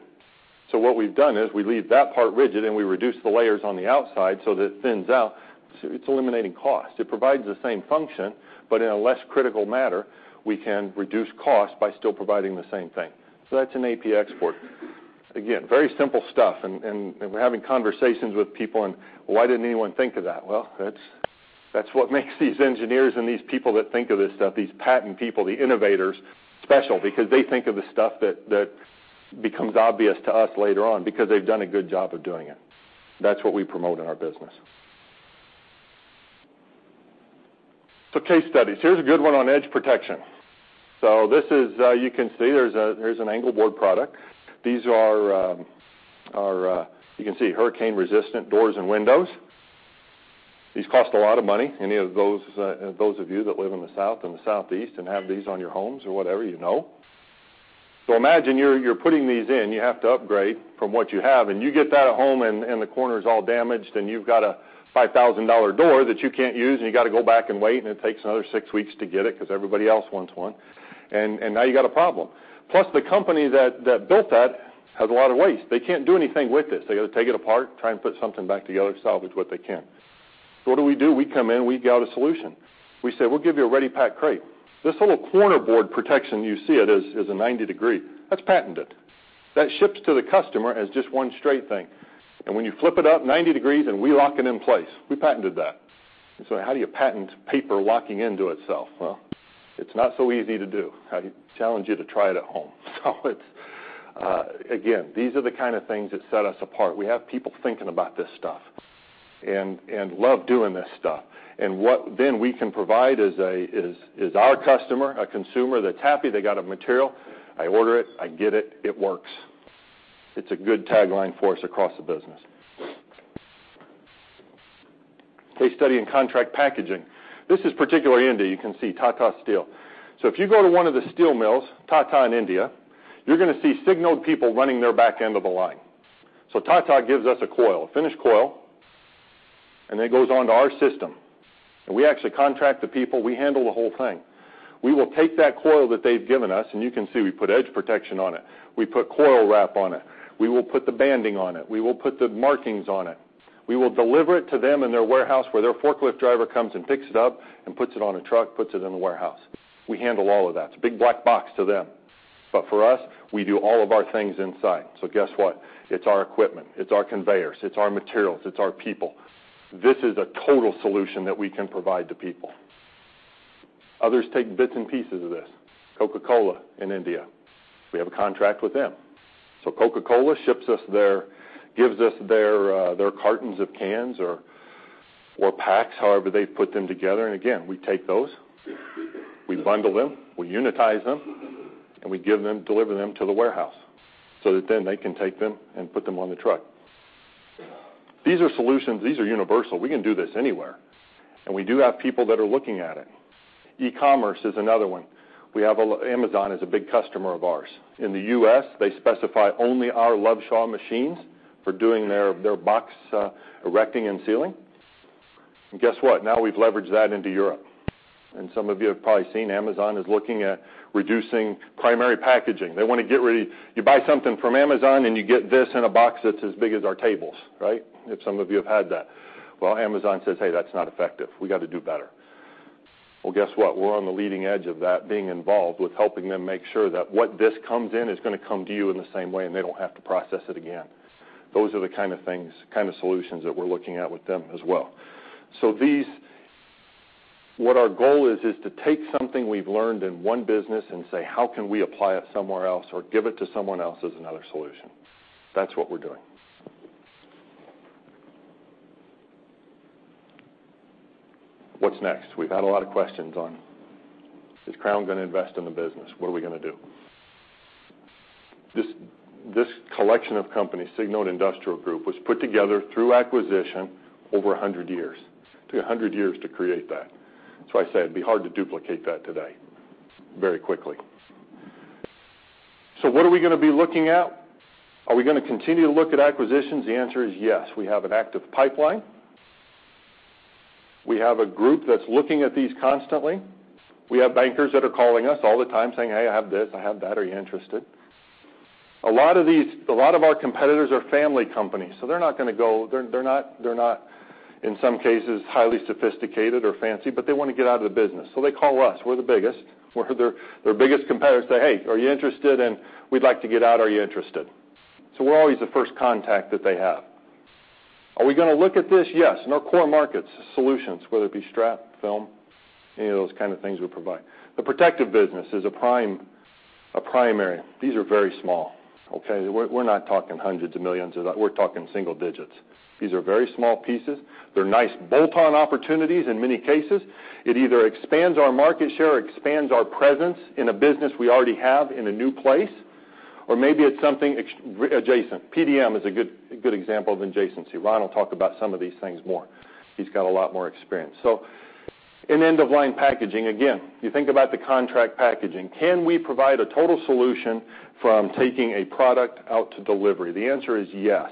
What we've done is we leave that part rigid, and we reduce the layers on the outside so that it thins out. It's eliminating cost. It provides the same function, but in a less critical matter, we can reduce cost by still providing the same thing. That's an APXboard. Again, very simple stuff, and we're having conversations with people, and why didn't anyone think of that? That's what makes these engineers and these people that think of this stuff, these patent people, the innovators, special, because they think of the stuff that becomes obvious to us later on because they've done a good job of doing it. That's what we promote in our business. Case studies. Here's a good one on edge protection. This is, you can see, here's an angle board product. These are, you can see, hurricane-resistant doors and windows. These cost a lot of money. Any of those of you that live in the South and the Southeast and have these on your homes or whatever, you know. Imagine you're putting these in. You have to upgrade from what you have, and you get that at home, and the corner's all damaged, and you've got a $5,000 door that you can't use, and you got to go back and wait, and it takes another 6 weeks to get it because everybody else wants one. Now you got a problem. Plus, the company that built that has a lot of waste. They can't do anything with this. They got to take it apart, try and put something back together, salvage what they can. What do we do? We come in, we got a solution. We say, "We'll give you a Reddi-Pac crate." This little corner board protection you see it as is a 90-degree. That's patented. That ships to the customer as just one straight thing. When you flip it up 90 degrees, then we lock it in place. We patented that. How do you patent paper locking into itself? It's not so easy to do. I challenge you to try it at home. Again, these are the kind of things that set us apart. We have people thinking about this stuff and love doing this stuff. What then we can provide is our customer, a consumer that's happy they got a material. I order it, I get it works. It's a good tagline for us across the business. A study in contract packaging. This is particularly India. You can see Tata Steel. If you go to one of the steel mills, Tata in India, you're going to see Signode people running their back end of the line. Tata gives us a coil, a finished coil, and then it goes on to our system. We actually contract the people. We handle the whole thing. We will take that coil that they've given us, and you can see we put edge protection on it. We put coil wrap on it. We will put the banding on it. We will put the markings on it. We will deliver it to them in their warehouse, where their forklift driver comes and picks it up and puts it on a truck, puts it in the warehouse. We handle all of that. It's a big black box to them. For us, we do all of our things inside. Guess what? It's our equipment. It's our conveyors. It's our materials. It's our people. This is a total solution that we can provide to people. Others take bits and pieces of this. Coca-Cola in India. We have a contract with them. Coca-Cola gives us their cartons of cans or packs, however they put them together. Again, we take those, we bundle them, we unitize them, and we give them, deliver them to the warehouse so that then they can take them and put them on the truck. These are solutions. These are universal. We can do this anywhere. We do have people that are looking at it. E-commerce is another one. Amazon is a big customer of ours. In the U.S., they specify only our Loveshaw machines for doing their box erecting and sealing. Guess what? Now we've leveraged that into Europe. Some of you have probably seen Amazon is looking at reducing primary packaging. They want to get rid of. You buy something from Amazon and you get this in a box that's as big as our tables, right? If some of you have had that. Amazon says, "Hey, that's not effective. We got to do better." Guess what? We're on the leading edge of that, being involved with helping them make sure that what this comes in is going to come to you in the same way, and they don't have to process it again. Those are the kind of solutions that we're looking at with them as well. What our goal is to take something we've learned in one business and say, "How can we apply it somewhere else or give it to someone else as another solution?" That's what we're doing. What's next? We've had a lot of questions on, is Crown going to invest in the business? What are we going to do? This collection of companies, Signode Industrial Group, was put together through acquisition over 100 years. It took 100 years to create that. That's why I say it'd be hard to duplicate that today very quickly. What are we going to be looking at? Are we going to continue to look at acquisitions? The answer is yes. We have an active pipeline. We have a group that's looking at these constantly. We have bankers that are calling us all the time saying, "Hey, I have this, I have that. Are you interested?" A lot of our competitors are family companies, so they're not, in some cases, highly sophisticated or fancy, but they want to get out of the business, so they call us. We're the biggest. Their biggest competitors say, "Hey, are you interested?" "We'd like to get out. Are you interested?" We're always the first contact that they have. Are we going to look at this? Yes. In our core markets, solutions, whether it be strap, film, any of those kind of things we provide. The protective business is a primary. These are very small, okay? We're not talking hundreds of millions. We're talking single digits. These are very small pieces. They're nice bolt-on opportunities, in many cases. It either expands our market share or expands our presence in a business we already have in a new place. Or maybe it's something adjacent. PDM is a good example of an adjacency. Ron will talk about some of these things more. He's got a lot more experience. In end-of-line packaging, again, you think about the contract packaging. Can we provide a total solution from taking a product out to delivery? The answer is yes.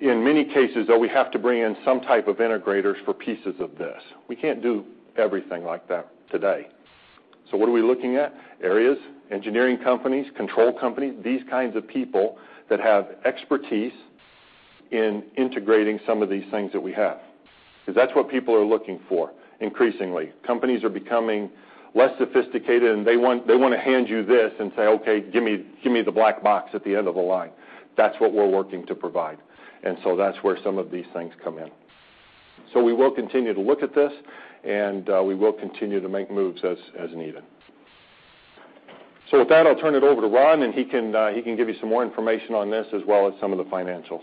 In many cases, though, we have to bring in some type of integrators for pieces of this. We can't do everything like that today. What are we looking at? Areas, engineering companies, control companies, these kinds of people that have expertise in integrating some of these things that we have. That's what people are looking for increasingly. Companies are becoming less sophisticated, and they want to hand you this and say, "Okay, give me the black box at the end of the line." That's what we're working to provide. That's where some of these things come in. We will continue to look at this, and we will continue to make moves as needed. With that, I'll turn it over to Ron, and he can give you some more information on this, as well as some of the financials.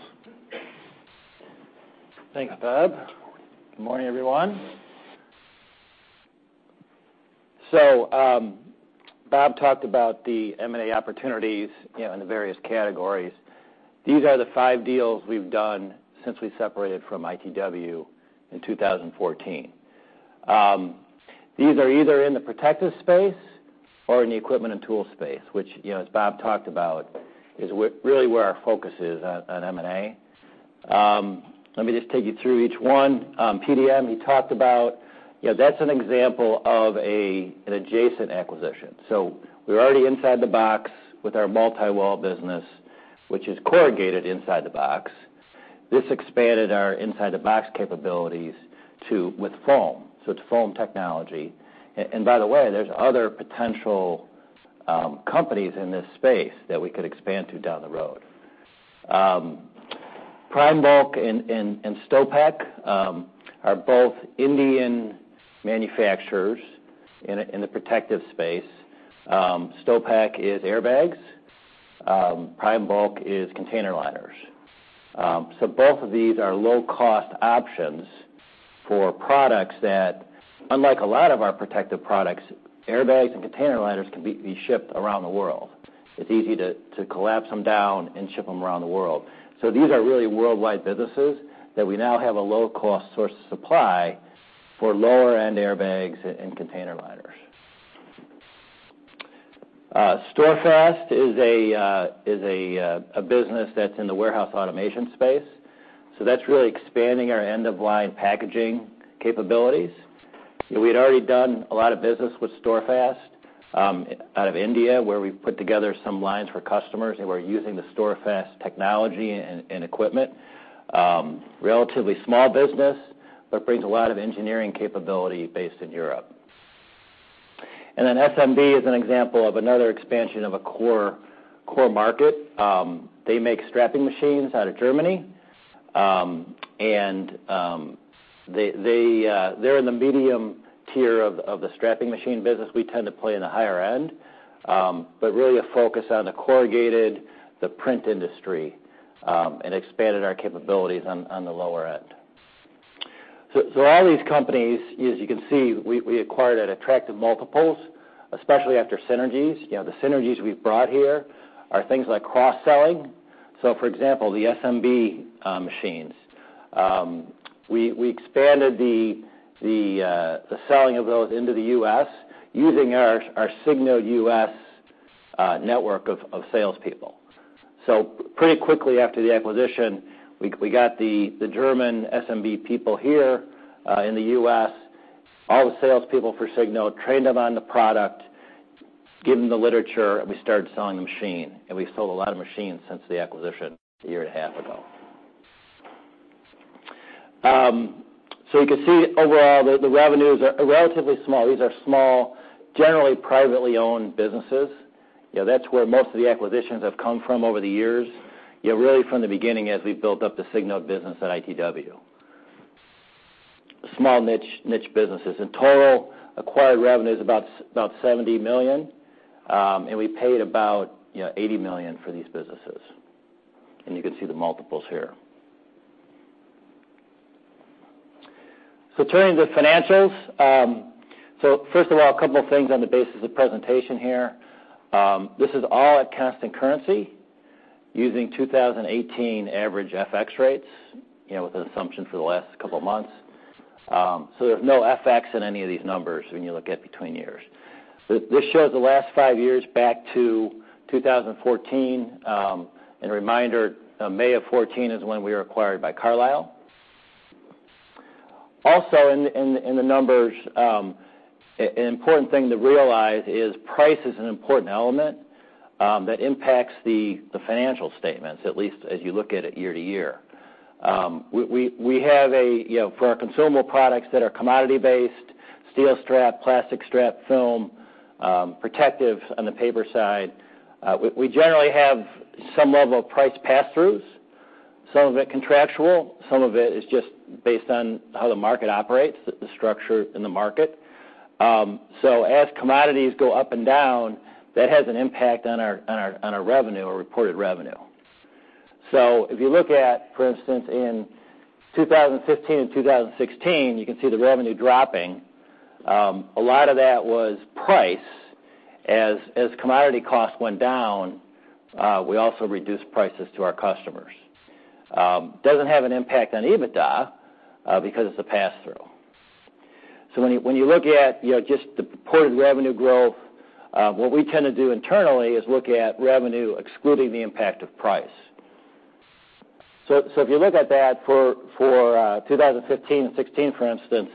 Thanks, Bob. Good morning, everyone. Bob talked about the M&A opportunities in the various categories. These are the five deals we've done since we separated from ITW in 2014. These are either in the protective space or in the equipment and tool space, which, as Bob talked about, is really where our focus is on M&A. Let me just take you through each one. PDM, he talked about. That's an example of an adjacent acquisition. We're already inside the box with our multi-wall business, which is corrugated inside the box. This expanded our inside the box capabilities with foam. It's foam technology. By the way, there's other potential companies in this space that we could expand to down the road. PrimeBulk and Stopak are both Indian manufacturers in the protective space. Stopak is airbags. PrimeBulk is container liners. Both of these are low-cost options for products that, unlike a lot of our protective products, airbags and container liners can be shipped around the world. It's easy to collapse them down and ship them around the world. These are really worldwide businesses that we now have a low-cost source of supply for lower-end airbags and container liners. StorFast is a business that's in the warehouse automation space. That's really expanding our end-of-line packaging capabilities. We had already done a lot of business with StorFast out of India, where we put together some lines for customers and we're using the StorFast technology and equipment. Relatively small business, but brings a lot of engineering capability based in Europe. Then SMB is an example of another expansion of a core market. They make strapping machines out of Germany. They're in the medium tier of the strapping machine business. We tend to play in the higher end. Really a focus on the corrugated, the print industry, and expanded our capabilities on the lower end. All these companies, as you can see, we acquired at attractive multiples, especially after synergies. The synergies we've brought here are things like cross-selling. For example, the SMB machines. We expanded the selling of those into the U.S. using our Signode U.S. network of salespeople. Pretty quickly after the acquisition, we got the German SMB people here in the U.S., all the salespeople for Signode, trained them on the product, gave them the literature, and we started selling the machine. We've sold a lot of machines since the acquisition a year and a half ago. You can see overall, the revenues are relatively small. These are small, generally privately owned businesses. That's where most of the acquisitions have come from over the years, really from the beginning as we built up the Signode business at ITW. Small niche businesses. In total, acquired revenue is about $70 million, and we paid about $80 million for these businesses. You can see the multiples here. Turning to financials. First of all, a couple of things on the basis of presentation here. This is all at constant currency using 2018 average FX rates, with an assumption for the last couple of months. There's no FX in any of these numbers when you look at between years. This shows the last five years back to 2014. A reminder, May of 2014 is when we were acquired by Carlyle. Also in the numbers, an important thing to realize is price is an important element that impacts the financial statements, at least as you look at it year to year. For our consumable products that are commodity-based, steel strap, plastic strap, film, protective on the paper side, we generally have some level of price passthroughs. Some of it contractual, some of it is just based on how the market operates, the structure in the market. As commodities go up and down, that has an impact on our revenue, our reported revenue. If you look at, for instance, in 2015 and 2016, you can see the revenue dropping. A lot of that was price. As commodity costs went down, we also reduced prices to our customers. Doesn't have an impact on EBITDA because it's a passthrough. When you look at just the reported revenue growth, what we tend to do internally is look at revenue excluding the impact of price. If you look at that for 2015 and 2016, for instance,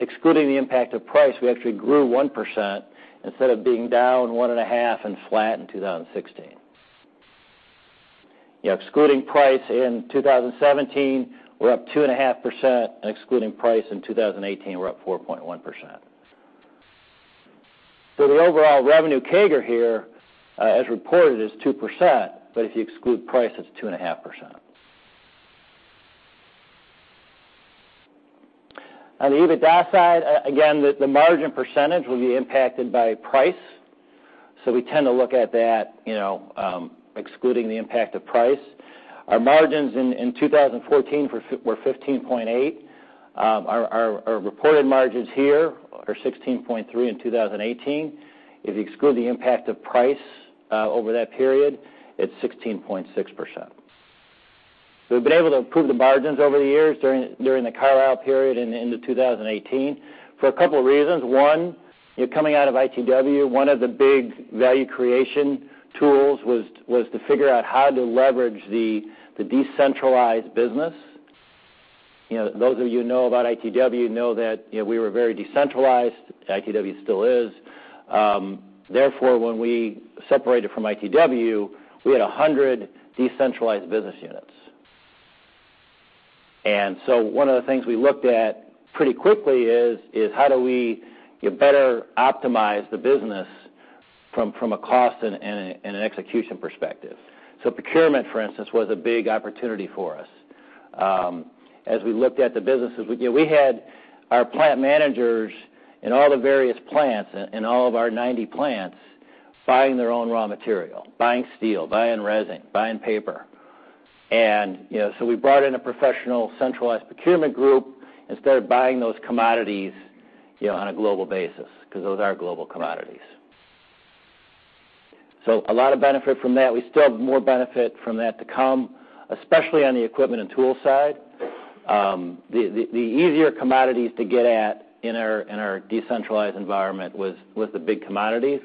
excluding the impact of price, we actually grew 1% instead of being down 1.5% and flat in 2016. Excluding price in 2017, we're up 2.5%, and excluding price in 2018, we're up 4.1%. The overall revenue CAGR here, as reported, is 2%, but if you exclude price, it's 2.5%. On the EBITDA side, again, the margin percentage will be impacted by price. We tend to look at that excluding the impact of price. Our margins in 2014 were 15.8%. Our reported margins here are 16.3% in 2018. If you exclude the impact of price over that period, it's 16.6%. We've been able to improve the margins over the years during the Carlyle period into 2018 for a couple of reasons. One, coming out of ITW, one of the big value creation tools was to figure out how to leverage the decentralized business. Those of you who know about ITW know that we were very decentralized. ITW still is. Therefore, when we separated from ITW, we had 100 decentralized business units. One of the things we looked at pretty quickly is how do we better optimize the business from a cost and an execution perspective. Procurement, for instance, was a big opportunity for us. As we looked at the businesses, we had our plant managers in all the various plants, in all of our 90 plants, buying their own raw material, buying steel, buying resin, buying paper. We brought in a professional centralized procurement group and started buying those commodities on a global basis, because those are global commodities. A lot of benefit from that. We still have more benefit from that to come, especially on the equipment and tool side. The easier commodities to get at in our decentralized environment was the big commodities.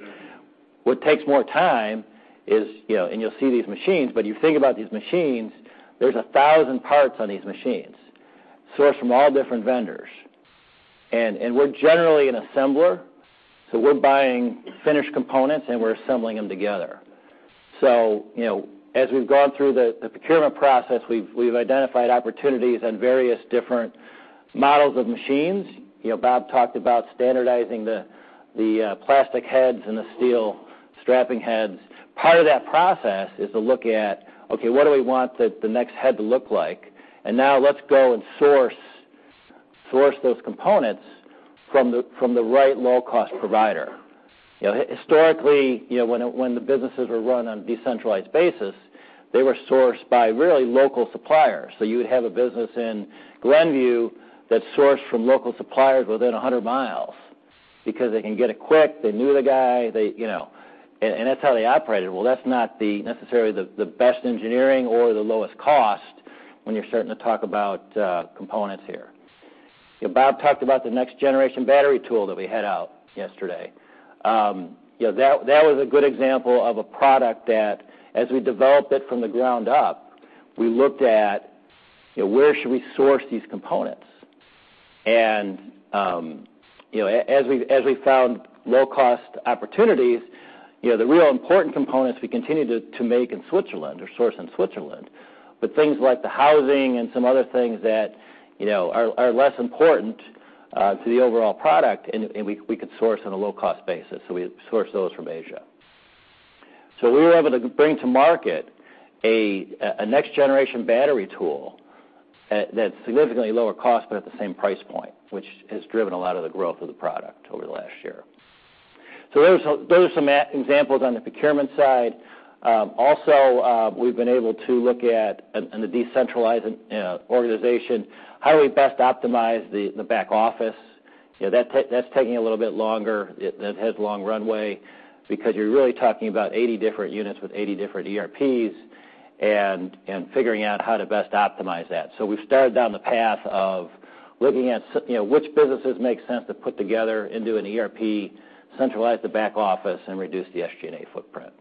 What takes more time is, and you'll see these machines, but you think about these machines, there's 1,000 parts on these machines sourced from all different vendors. We're generally an assembler, so we're buying finished components, and we're assembling them together. As we've gone through the procurement process, we've identified opportunities on various different models of machines. Bob talked about standardizing the plastic heads and the steel strapping heads. Part of that process is to look at, okay, what do we want the next head to look like? Now let's go and source those components from the right low-cost provider. Historically, when the businesses were run on a decentralized basis, they were sourced by really local suppliers. You would have a business in Glenview that sourced from local suppliers within 100 miles because they can get it quick. They knew the guy. That's how they operated. Well, that's not necessarily the best engineering or the lowest cost when you're starting to talk about components here. Bob talked about the next generation battery tool that we had out yesterday. That was a good example of a product that as we developed it from the ground up, we looked at where should we source these components. As we found low-cost opportunities, the real important components we continued to make in Switzerland or source in Switzerland. Things like the housing and some other things that are less important to the overall product, and we could source on a low-cost basis. We sourced those from Asia. We were able to bring to market a next generation battery tool that's significantly lower cost, but at the same price point, which has driven a lot of the growth of the product over the last year. Those are some examples on the procurement side. Also, we've been able to look at, in the decentralized organization, how we best optimize the back office. That's taking a little bit longer. That has long runway because you're really talking about 80 different units with 80 different ERPs and figuring out how to best optimize that. We've started down the path of looking at which businesses make sense to put together into an ERP, centralize the back office, and reduce the SG&A footprint.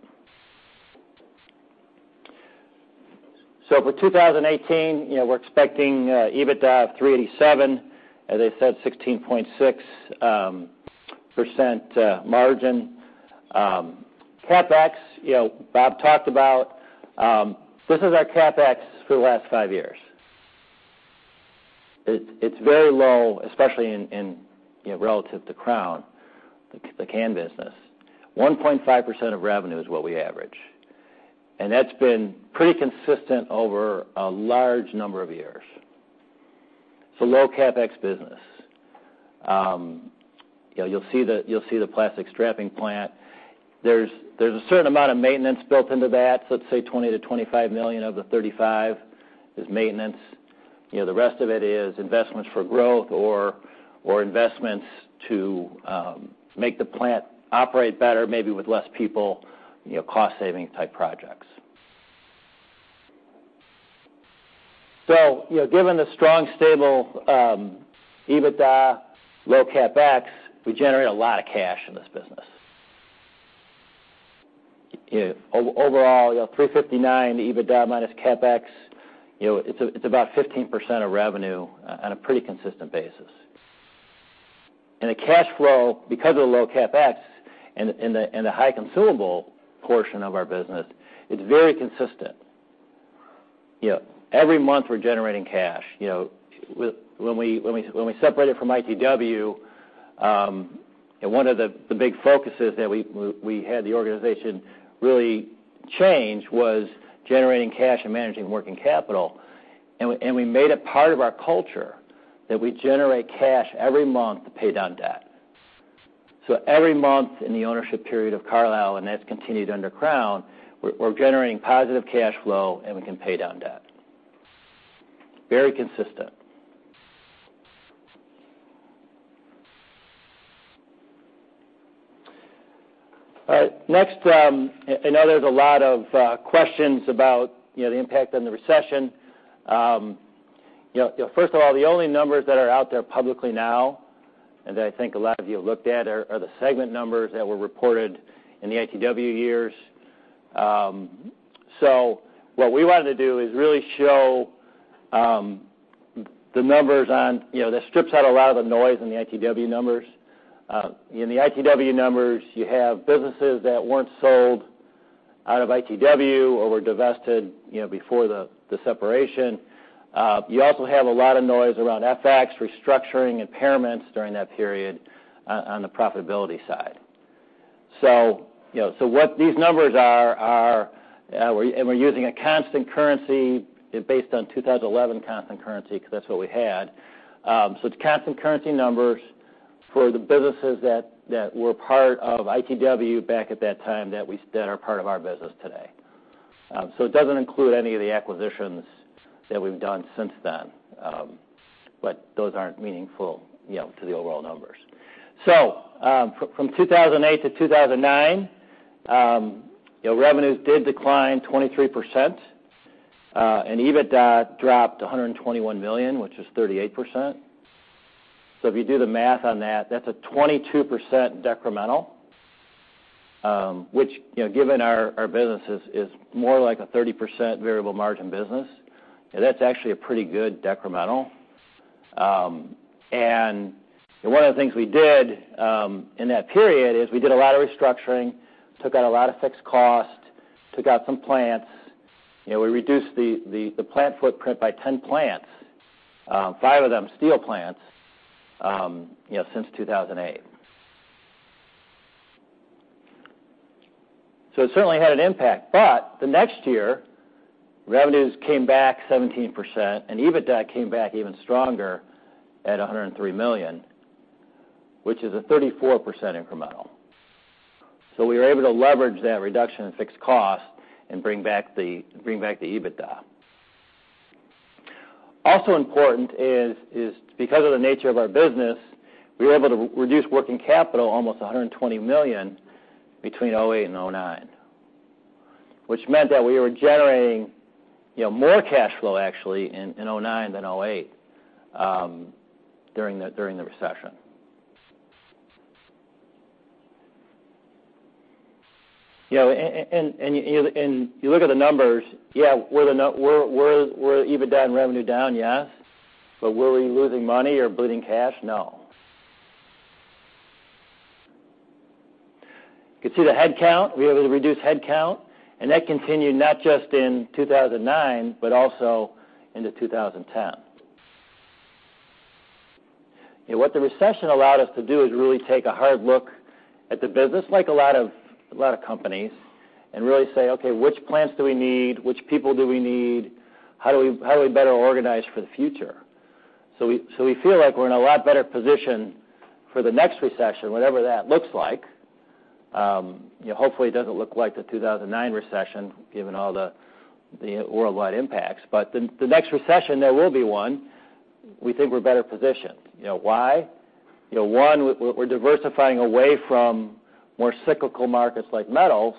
For 2018, we're expecting EBITDA of $387. As I said, 16.6% margin. CapEx, Bob talked about. This is our CapEx for the last five years. It's very low, especially relative to Crown, the can business. 1.5% of revenue is what we average, and that's been pretty consistent over a large number of years. It's a low CapEx business. You'll see the plastic strapping plant. There's a certain amount of maintenance built into that. Let's say $20 million-$25 million of the $35 is maintenance. The rest of it is investments for growth or investments to make the plant operate better, maybe with less people, cost saving type projects. Given the strong, stable EBITDA, low CapEx, we generate a lot of cash in this business. Overall, $359, the EBITDA minus CapEx, it's about 15% of revenue on a pretty consistent basis. The cash flow, because of the low CapEx and the high consumable portion of our business, it's very consistent. Every month, we're generating cash. When we separated from ITW, one of the big focuses that we had the organization really change was generating cash and managing working capital. We made it part of our culture that we generate cash every month to pay down debt. Every month in the ownership period of Carlyle, and that's continued under Crown, we're generating positive cash flow, and we can pay down debt. Very consistent. All right. Next, I know there's a lot of questions about the impact on the recession. First of all, the only numbers that are out there publicly now, and that I think a lot of you have looked at, are the segment numbers that were reported in the ITW years. What we wanted to do is really show the numbers that strips out a lot of the noise in the ITW numbers. In the ITW numbers, you have businesses that weren't sold out of ITW or were divested before the separation. You also have a lot of noise around FX restructuring impairments during that period on the profitability side. What these numbers are, and we're using a constant currency based on 2011 constant currency, because that's what we had. The constant currency numbers for the businesses that were part of ITW back at that time that are part of our business today. It doesn't include any of the acquisitions that we've done since then. Those aren't meaningful to the overall numbers. From 2008 to 2009, revenues did decline 23%, and EBITDA dropped $121 million, which is 38%. If you do the math on that's a 22% decremental, which, given our business is more like a 30% variable margin business, that's actually a pretty good decremental. One of the things we did in that period is we did a lot of restructuring, took out a lot of fixed cost, took out some plants. We reduced the plant footprint by 10 plants, five of them steel plants, since 2008. It certainly had an impact. The next year, revenues came back 17%, and EBITDA came back even stronger at $103 million, which is a 34% incremental. We were able to leverage that reduction in fixed cost and bring back the EBITDA. Also important is because of the nature of our business, we were able to reduce working capital almost $120 million between 2008 and 2009. Which meant that we were generating more cash flow, actually, in 2009 than 2008 during the recession. You look at the numbers. Yeah, were EBITDA and revenue down? Yes. Were we losing money or bleeding cash? No. You can see the headcount. We were able to reduce headcount, and that continued not just in 2009, but also into 2010. What the recession allowed us to do is really take a hard look at the business, like a lot of companies, and really say, "Okay, which plants do we need? Which people do we need? How do we better organize for the future?" We feel like we are in a lot better position for the next recession, whatever that looks like. Hopefully, it doesn't look like the 2009 recession, given all the worldwide impacts. The next recession, there will be one, we think we are better positioned. Why? One, we are diversifying away from more cyclical markets like metals,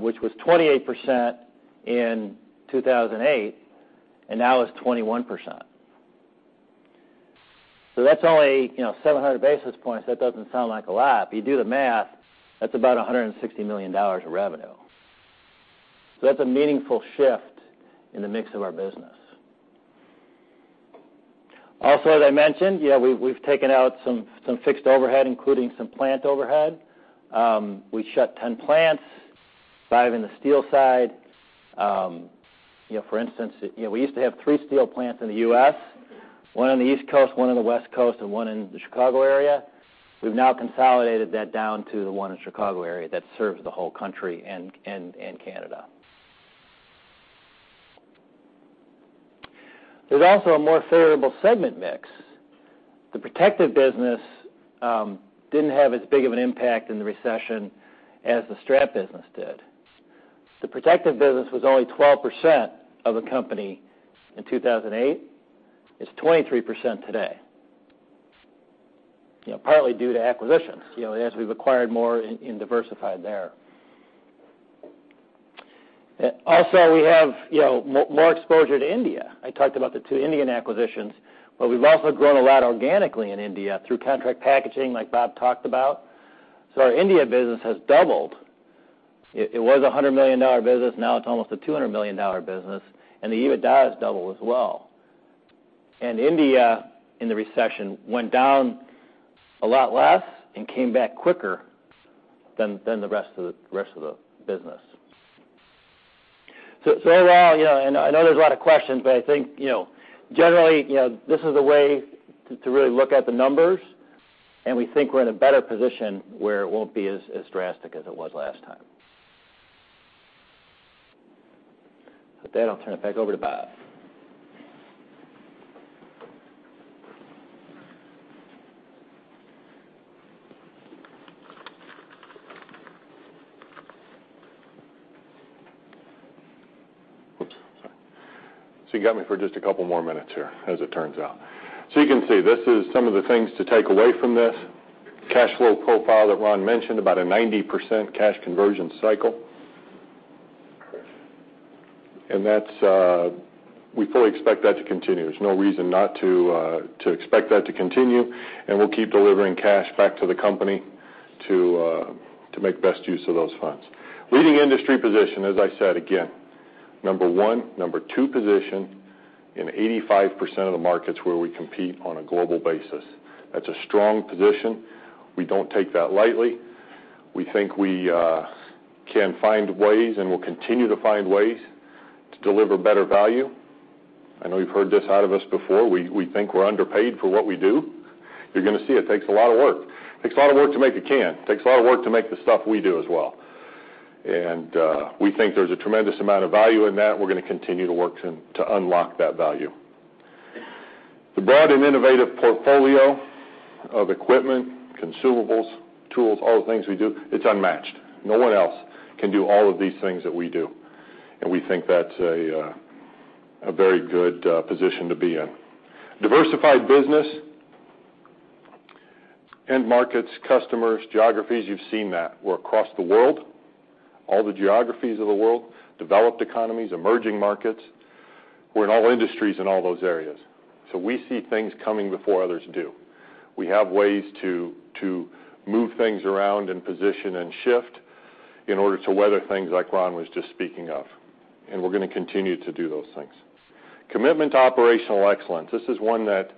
which was 28% in 2008 and now is 21%. That's only 700 basis points. That doesn't sound like a lot. You do the math, that's about $160 million of revenue. That's a meaningful shift in the mix of our business. Also, as I mentioned, we have taken out some fixed overhead, including some plant overhead. We shut 10 plants, five in the steel side. For instance, we used to have three steel plants in the U.S., one on the East Coast, one on the West Coast, and one in the Chicago area. We have now consolidated that down to the one in Chicago area that serves the whole country and Canada. There is also a more favorable segment mix. The protective business didn't have as big of an impact in the recession as the strap business did. The protective business was only 12% of the company in 2008. It's 23% today. Partly due to acquisitions, as we have acquired more and diversified there. Also, we have more exposure to India. I talked about the two Indian acquisitions, but we have also grown a lot organically in India through contract packaging, like Bob talked about. Our India business has doubled. It was a $100 million business. Now it's almost a $200 million business, and the EBITDA has doubled as well. India, in the recession, went down a lot less and came back quicker than the rest of the business. Overall, and I know there's a lot of questions, I think generally, this is a way to really look at the numbers, and we think we are in a better position where it won't be as drastic as it was last time. With that, I will turn it back over to Bob. You got me for just a couple more minutes here, as it turns out. You can see, this is some of the things to take away from this cash flow profile that Ron mentioned, about a 90% cash conversion cycle. We fully expect that to continue. There's no reason not to expect that to continue, we will keep delivering cash back to the company to make the best use of those funds. Leading industry position, as I said again, number one, number two position in 85% of the markets where we compete on a global basis. That's a strong position. We don't take that lightly. We think we can find ways, we will continue to find ways to deliver better value. I know you have heard this out of us before. We think we are underpaid for what we do. You're going to see it takes a lot of work. It takes a lot of work to make a can. It takes a lot of work to make the stuff we do as well. We think there's a tremendous amount of value in that. We're going to continue to work to unlock that value. The broad and innovative portfolio of equipment, consumables, tools, all the things we do, it's unmatched. No one else can do all of these things that we do, and we think that's a very good position to be in. Diversified business, end markets, customers, geographies, you've seen that. We're across the world, all the geographies of the world, developed economies, emerging markets. We're in all industries in all those areas. We see things coming before others do. We have ways to move things around and position and shift in order to weather things like Ron was just speaking of. We're going to continue to do those things. Commitment to operational excellence. This is one that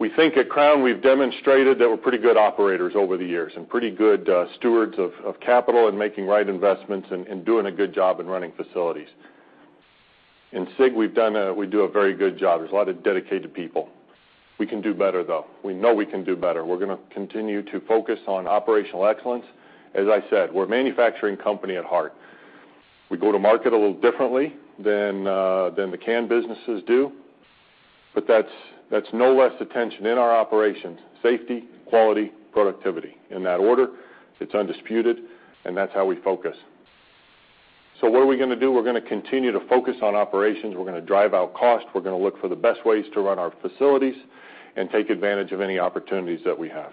we think at Crown we've demonstrated that we're pretty good operators over the years. Pretty good stewards of capital and making right investments and doing a good job in running facilities. In SIG, we do a very good job. There's a lot of dedicated people. We can do better, though. We know we can do better. We're going to continue to focus on operational excellence. As I said, we're a manufacturing company at heart. We go to market a little differently than the can businesses do, but that's no less attention in our operations: safety, quality, productivity. In that order, it's undisputed. That's how we focus. What are we going to do? We're going to continue to focus on operations. We're going to drive out cost. We're going to look for the best ways to run our facilities and take advantage of any opportunities that we have.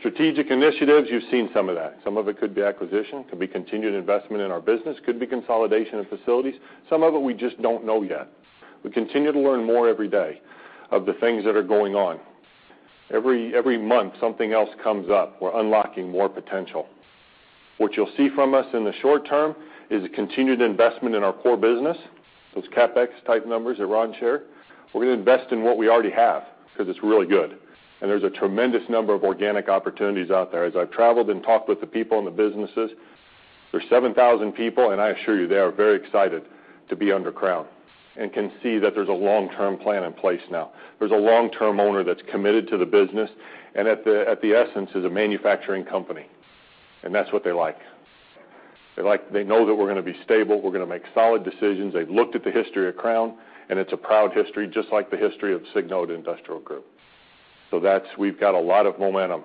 Strategic initiatives, you've seen some of that. Some of it could be acquisition, could be continued investment in our business, could be consolidation of facilities. Some of it we just don't know yet. We continue to learn more every day of the things that are going on. Every month, something else comes up. We're unlocking more potential. What you'll see from us in the short term is a continued investment in our core business, those CapEx type numbers that Ron shared. We're going to invest in what we already have because it's really good. There's a tremendous number of organic opportunities out there. As I've traveled and talked with the people in the businesses, there's 7,000 people. I assure you they are very excited to be under Crown and can see that there's a long-term plan in place now. There's a long-term owner that's committed to the business. That at the essence is a manufacturing company, and that's what they like. They know that we're going to be stable, we're going to make solid decisions. They've looked at the history of Crown. It's a proud history, just like the history of Signode Industrial Group. We've got a lot of momentum.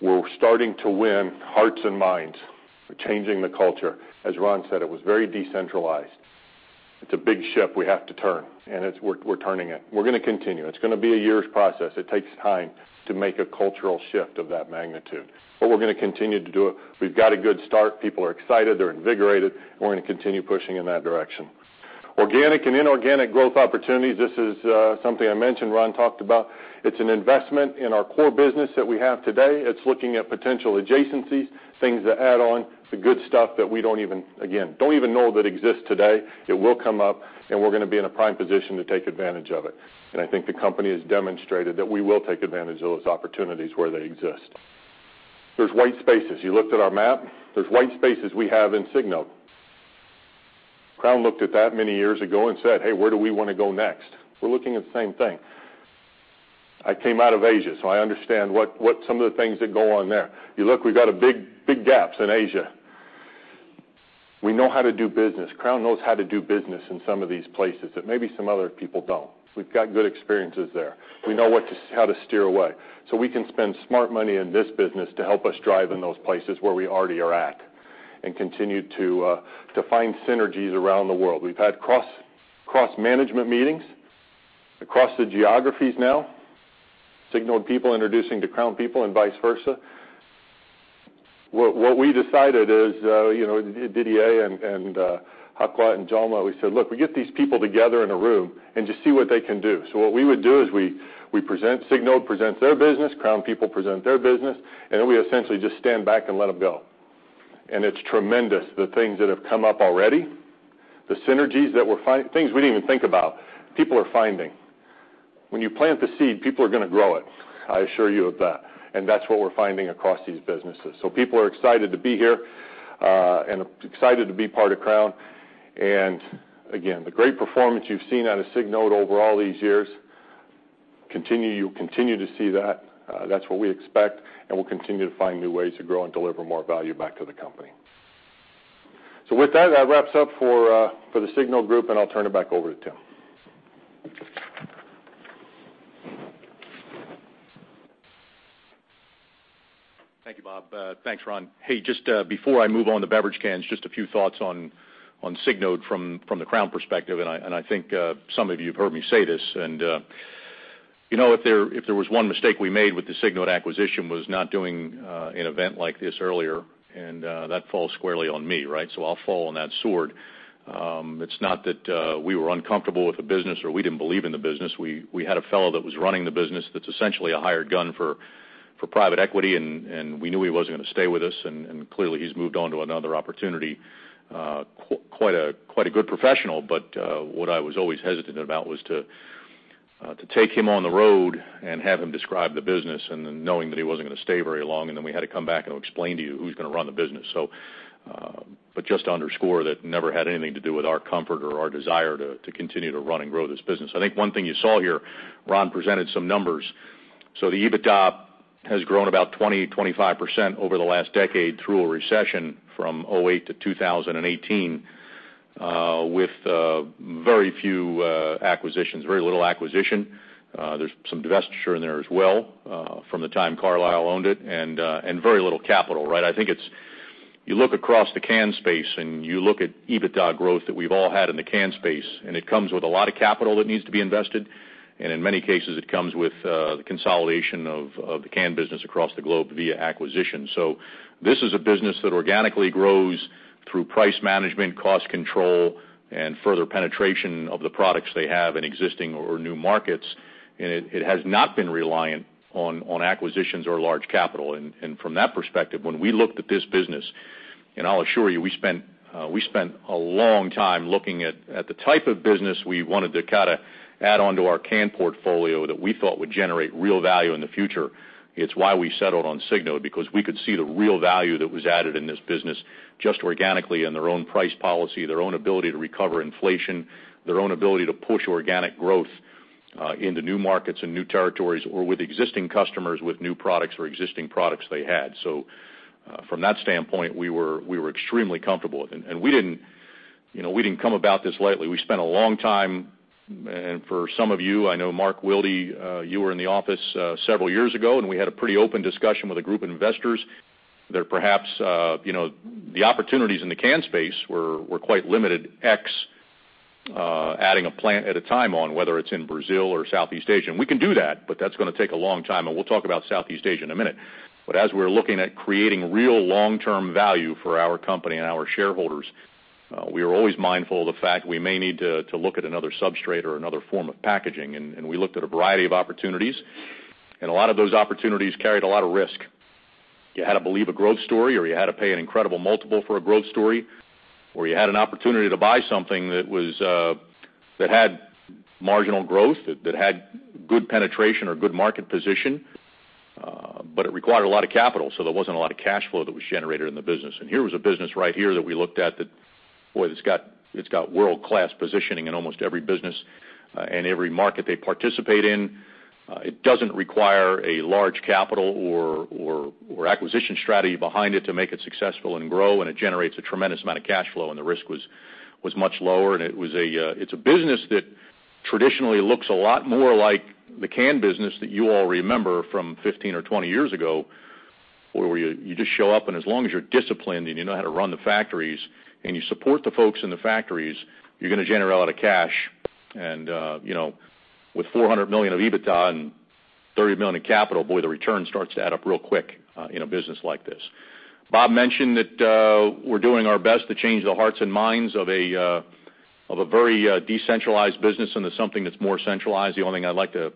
We're starting to win hearts and minds. We're changing the culture. As Ron said, it was very decentralized. It's a big ship we have to turn. We're turning it. We're going to continue. It's going to be a year's process. It takes time to make a cultural shift of that magnitude, but we're going to continue to do it. We've got a good start. People are excited. They're invigorated. We're going to continue pushing in that direction. Organic and inorganic growth opportunities. This is something I mentioned Ron talked about. It's an investment in our core business that we have today. It's looking at potential adjacencies, things to add on, the good stuff that we don't even know that exists today. It will come up, and we're going to be in a prime position to take advantage of it. I think the company has demonstrated that we will take advantage of those opportunities where they exist. There's white spaces. You looked at our map. There's white spaces we have in Signode. Crown looked at that many years ago and said, "Hey, where do we want to go next?" We're looking at the same thing. I came out of Asia, so I understand some of the things that go on there. You look, we've got big gaps in Asia. We know how to do business. Crown knows how to do business in some of these places that maybe some other people don't. We've got good experiences there. We know how to steer away. We can spend smart money in this business to help us drive in those places where we already are at and continue to find synergies around the world. We've had cross-management meetings across the geographies now, Signode people introducing to Crown people and vice versa. What we decided is, Didier and Hoc Kuan and Djalma, we said, "Look, we get these people together in a room and just see what they can do." What we would do is Signode presents their business, Crown people present their business, and then we essentially just stand back and let them go. It's tremendous, the things that have come up already, the synergies that we're finding, things we didn't even think about, people are finding. When you plant the seed, people are going to grow it, I assure you of that. That's what we're finding across these businesses. People are excited to be here and excited to be part of Crown. Again, the great performance you've seen out of Signode over all these years, you'll continue to see that. That's what we expect, and we'll continue to find new ways to grow and deliver more value back to the company. With that wraps up for the Signode Group, and I'll turn it back over to Tim. Thank you, Bob. Thanks, Ron. Hey, just before I move on to beverage cans, just a few thoughts on Signode from the Crown perspective, and I think some of you have heard me say this. If there was one mistake we made with the Signode acquisition was not doing an event like this earlier, and that falls squarely on me. I'll fall on that sword. It's not that we were uncomfortable with the business or we didn't believe in the business. We had a fellow that was running the business that's essentially a hired gun for private equity, and we knew he wasn't going to stay with us, and clearly, he's moved on to another opportunity. Quite a good professional, what I was always hesitant about was to take him on the road and have him describe the business, and then knowing that he wasn't going to stay very long, and then we had to come back and explain to you who's going to run the business. Just to underscore, that never had anything to do with our comfort or our desire to continue to run and grow this business. I think one thing you saw here, Ron presented some numbers. The EBITDA has grown about 20%, 25% over the last decade through a recession from 2008 to 2018, with very few acquisitions, very little acquisition. There's some divestiture in there as well from the time Carlyle owned it and very little capital. I think you look across the can space, and you look at EBITDA growth that we've all had in the can space, and it comes with a lot of capital that needs to be invested, and in many cases, it comes with the consolidation of the can business across the globe via acquisition. This is a business that organically grows through price management, cost control, and further penetration of the products they have in existing or new markets. It has not been reliant on acquisitions or large capital. From that perspective, when we looked at this business, and I'll assure you, we spent a long time looking at the type of business we wanted to add onto our can portfolio that we thought would generate real value in the future. It's why we settled on Signode because we could see the real value that was added in this business just organically in their own price policy, their own ability to recover inflation, their own ability to push organic growth into new markets and new territories, or with existing customers with new products or existing products they had. From that standpoint, we were extremely comfortable with it. We didn't come about this lightly. We spent a long time, for some of you, I know Mark Wilde, you were in the office, several years ago, and we had a pretty open discussion with a group of investors that perhaps the opportunities in the can space were quite limited, x adding a plant at a time on, whether it's in Brazil or Southeast Asia. We can do that, but that's going to take a long time, and we'll talk about Southeast Asia in a minute. As we're looking at creating real long-term value for our company and our shareholders, we are always mindful of the fact we may need to look at another substrate or another form of packaging. We looked at a variety of opportunities, and a lot of those opportunities carried a lot of risk. You had to believe a growth story, or you had to pay an incredible multiple for a growth story, or you had an opportunity to buy something that had marginal growth, that had good penetration or good market position, but it required a lot of capital, so there wasn't a lot of cash flow that was generated in the business. Here was a business right here that we looked at that, boy, that's got world-class positioning in almost every business and every market they participate in. It doesn't require a large capital or acquisition strategy behind it to make it successful and grow, and it generates a tremendous amount of cash flow, and the risk was much lower, and it's a business that traditionally looks a lot more like the can business that you all remember from 15 or 20 years ago, where you just show up, and as long as you're disciplined and you know how to run the factories and you support the folks in the factories, you're going to generate a lot of cash. With $400 million of EBITDA and $30 million in capital, boy, the return starts to add up real quick in a business like this. Bob mentioned that we're doing our best to change the hearts and minds of a very decentralized business into something that's more centralized. The only thing I'd like to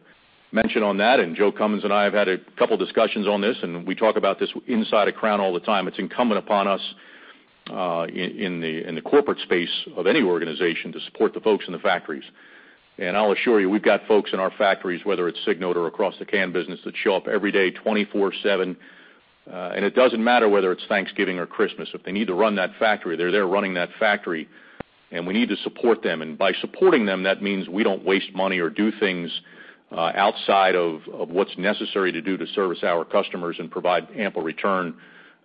mention on that, Joe Cummons and I have had a couple discussions on this, and we talk about this inside of Crown all the time. It's incumbent upon us, in the corporate space of any organization, to support the folks in the factories. I'll assure you, we've got folks in our factories, whether it's Signode or across the can business, that show up every day, 24/7. It doesn't matter whether it's Thanksgiving or Christmas. If they need to run that factory, they're there running that factory, and we need to support them. By supporting them, that means we don't waste money or do things outside of what's necessary to do to service our customers and provide ample return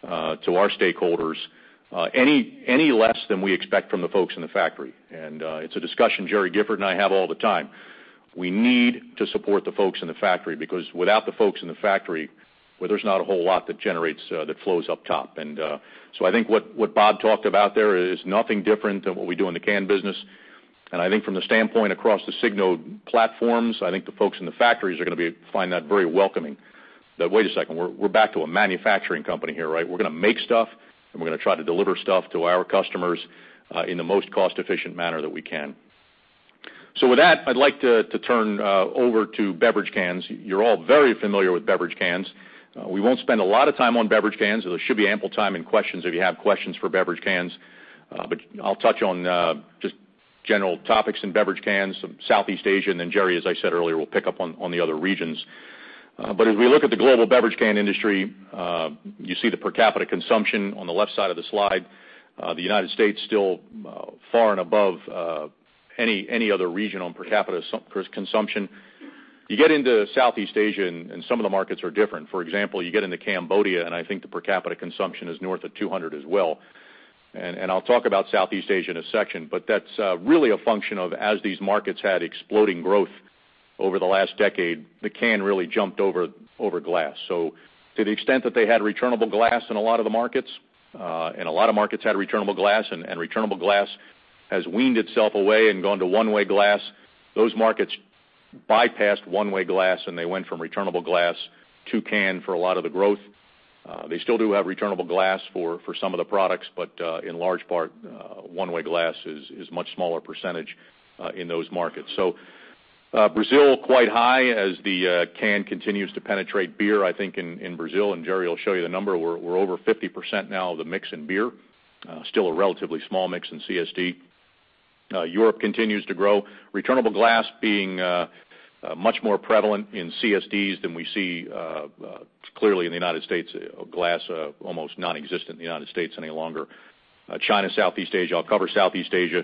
to our stakeholders, any less than we expect from the folks in the factory. It's a discussion Gerry Gifford and I have all the time. We need to support the folks in the factory because without the folks in the factory, there's not a whole lot that flows up top. I think what Bob talked about there is nothing different than what we do in the can business. I think from the standpoint across the Signode platforms, I think the folks in the factories are going to find that very welcoming. That, wait a second, we're back to a manufacturing company here. We're going to make stuff, and we're going to try to deliver stuff to our customers, in the most cost-efficient manner that we can. With that, I'd like to turn over to beverage cans. You're all very familiar with beverage cans. We won't spend a lot of time on beverage cans, so there should be ample time in questions if you have questions for beverage cans. I'll touch on just general topics in beverage cans, some Southeast Asia, and then Gerry, as I said earlier, will pick up on the other regions. As we look at the global beverage can industry, you see the per capita consumption on the left side of the slide. The U.S. still far and above any other region on per capita consumption. You get into Southeast Asia, and some of the markets are different. For example, you get into Cambodia, and I think the per capita consumption is north of 200 as well. I'll talk about Southeast Asia in a section, that's really a function of as these markets had exploding growth over the last decade, the can really jumped over glass. To the extent that they had returnable glass in a lot of the markets, a lot of markets had returnable glass, returnable glass has weaned itself away and gone to one-way glass. Those markets bypassed one-way glass, and they went from returnable glass to can for a lot of the growth. They still do have returnable glass for some of the products, in large part, one-way glass is much smaller percentage in those markets. Brazil, quite high as the can continues to penetrate beer, I think, in Brazil, and Gerry will show you the number. We're over 50% now of the mix in beer. Still a relatively small mix in CSD. Europe continues to grow. Returnable glass being much more prevalent in CSDs than we see, clearly, in the U.S. Glass almost nonexistent in the U.S. any longer. China, Southeast Asia. I'll cover Southeast Asia.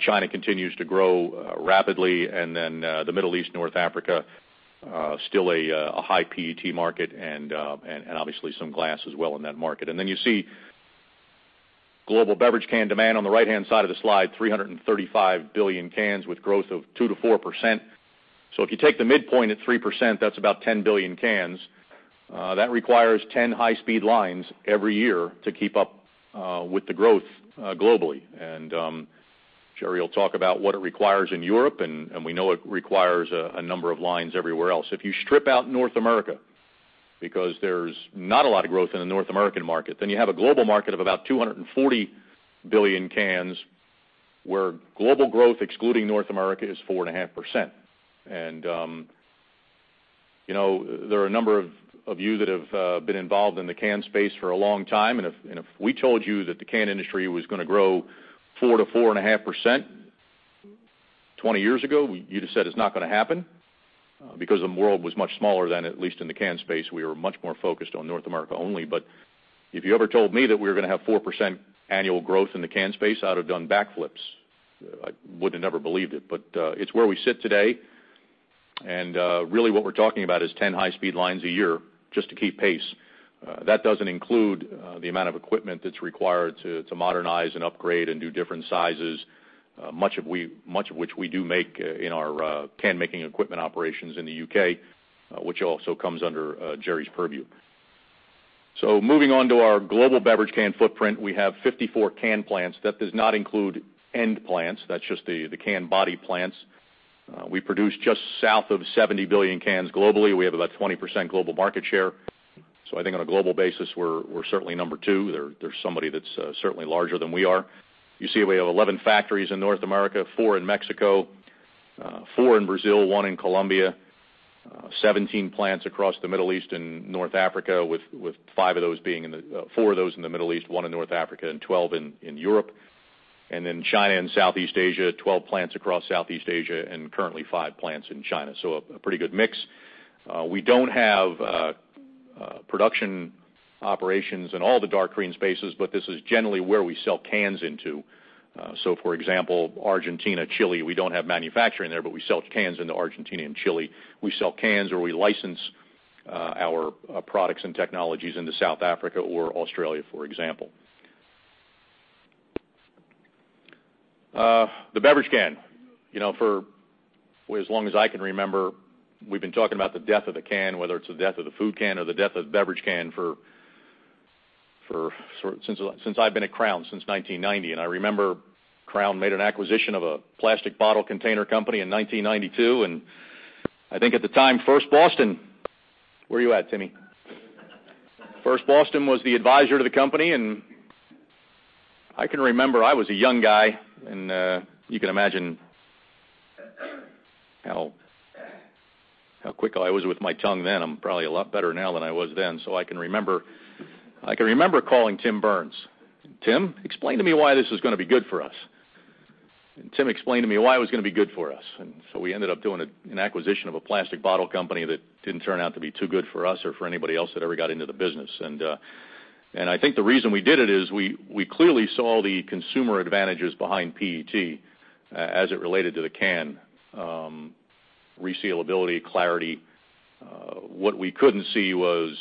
China continues to grow rapidly, then the Middle East, North Africa, still a high PET market and obviously some glass as well in that market. Then you see global beverage can demand on the right-hand side of the slide, 335 billion cans with growth of 2%-4%. If you take the midpoint at 3%, that's about 10 billion cans. That requires 10 high-speed lines every year to keep up with the growth globally. Gerry will talk about what it requires in Europe, and we know it requires a number of lines everywhere else. If you strip out North America, because there's not a lot of growth in the North American market, you have a global market of about 240 billion cans, where global growth, excluding North America, is 4.5%. There are a number of you that have been involved in the can space for a long time, if we told you that the can industry was going to grow 4%-4.5% 20 years ago, you'd have said it's not going to happen because the world was much smaller then, at least in the can space. We were much more focused on North America only. If you ever told me that we were going to have 4% annual growth in the can space, I'd have done backflips. I would have never believed it. It's where we sit today. Really what we're talking about is 10 high-speed lines a year just to keep pace. That doesn't include the amount of equipment that's required to modernize and upgrade and do different sizes, much of which we do make in our can-making equipment operations in the U.K., which also comes under Gerry's purview. Moving on to our global beverage can footprint. We have 54 can plants. That does not include end plants. That's just the can body plants. We produce just south of 70 billion cans globally. We have about 20% global market share. I think on a global basis, we're certainly number two. There's somebody that's certainly larger than we are. You see we have 11 factories in North America, four in Mexico, four in Brazil, one in Colombia, 17 plants across the Middle East and North Africa, with four of those in the Middle East, one in North Africa, and 12 in Europe. China and Southeast Asia, 12 plants across Southeast Asia, and currently five plants in China. A pretty good mix. We don't have production operations in all the dark green spaces, but this is generally where we sell cans into. For example, Argentina, Chile, we don't have manufacturing there, but we sell cans into Argentina and Chile. We sell cans, or we license our products and technologies into South Africa or Australia, for example. The beverage can. For as long as I can remember, we've been talking about the death of the can, whether it's the death of the food can or the death of the beverage can, since I've been at Crown, since 1990. I remember Crown made an acquisition of a plastic bottle container company in 1992, and I think at the time, First Boston. Where are you at, Timmy? First Boston was the advisor to the company, and I can remember I was a young guy, and you can imagine how quick I was with my tongue then. I'm probably a lot better now than I was then. I can remember calling Tim Burns. "Tim, explain to me why this is going to be good for us." Tim explained to me why it was going to be good for us. We ended up doing an acquisition of a plastic bottle company that didn't turn out to be too good for us or for anybody else that ever got into the business. I think the reason we did it is we clearly saw the consumer advantages behind PET as it related to the can. Resealability, clarity. What we couldn't see was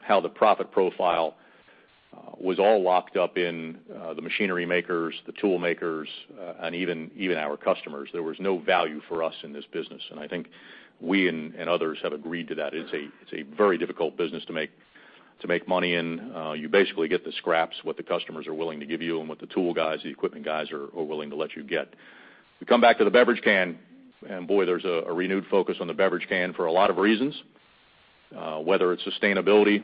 how the profit profile was all locked up in the machinery makers, the tool makers, and even our customers. There was no value for us in this business, and I think we and others have agreed to that. It's a very difficult business to make money in. You basically get the scraps, what the customers are willing to give you and what the tool guys, the equipment guys are willing to let you get. Boy, there's a renewed focus on the beverage can for a lot of reasons. Whether it's sustainability,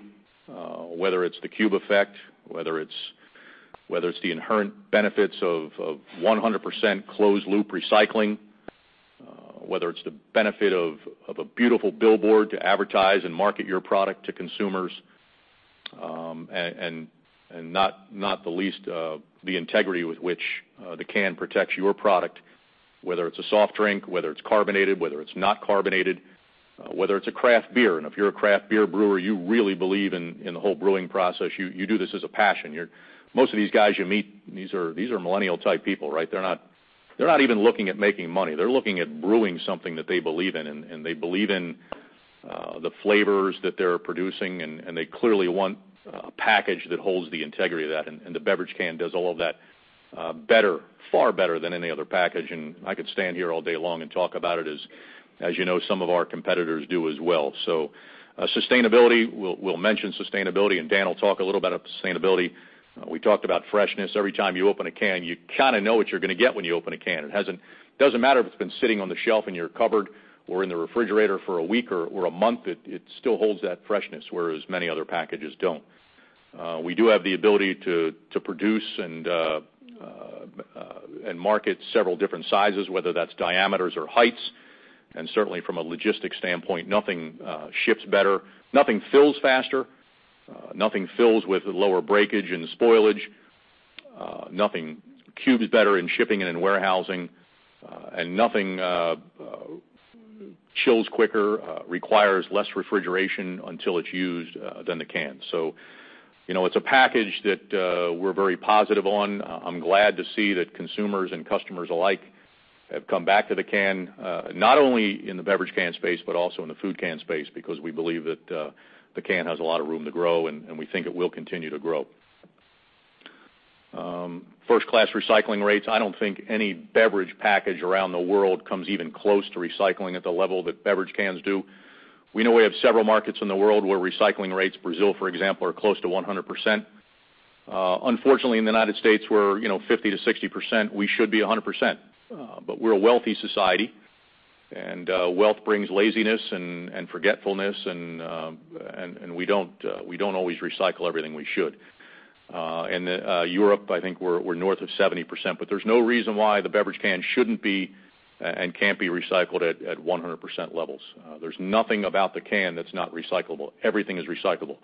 whether it's the cube effect, whether it's the inherent benefits of 100% closed-loop recycling, whether it's the benefit of a beautiful billboard to advertise and market your product to consumers, not the least, the integrity with which the can protects your product, whether it's a soft drink, whether it's carbonated, whether it's not carbonated, whether it's a craft beer. If you're a craft beer brewer, you really believe in the whole brewing process. You do this as a passion. Most of these guys you meet, these are millennial-type people, right? They're not even looking at making money. They're looking at brewing something that they believe in, they believe in the flavors that they're producing, they clearly want a package that holds the integrity of that, the beverage can does all of that better, far better than any other package. I could stand here all day long and talk about it, as you know, some of our competitors do as well. Sustainability, we'll mention sustainability, Dan will talk a little about sustainability. We talked about freshness. Every time you open a can, you kind of know what you're going to get when you open a can. It doesn't matter if it's been sitting on the shelf in your cupboard or in the refrigerator for a week or a month, it still holds that freshness, whereas many other packages don't. We do have the ability to produce and market several different sizes, whether that's diameters or heights. Certainly, from a logistics standpoint, nothing ships better, nothing fills faster, nothing fills with lower breakage and spoilage, nothing cubes better in shipping and in warehousing, nothing chills quicker, requires less refrigeration until it's used than the can. It's a package that we're very positive on. I'm glad to see that consumers and customers alike have come back to the can, not only in the beverage can space, but also in the food can space, because we believe that the can has a lot of room to grow, we think it will continue to grow. First-class recycling rates. I don't think any beverage package around the world comes even close to recycling at the level that beverage cans do. We know we have several markets in the world where recycling rates, Brazil, for example, are close to 100%. Unfortunately, in the U.S., we're 50%-60%. We should be 100%. We're a wealthy society, wealth brings laziness and forgetfulness, we don't always recycle everything we should. In Europe, I think we're north of 70%, there's no reason why the beverage can shouldn't be and can't be recycled at 100% levels. There's nothing about the can that's not recyclable. Everything is recyclable.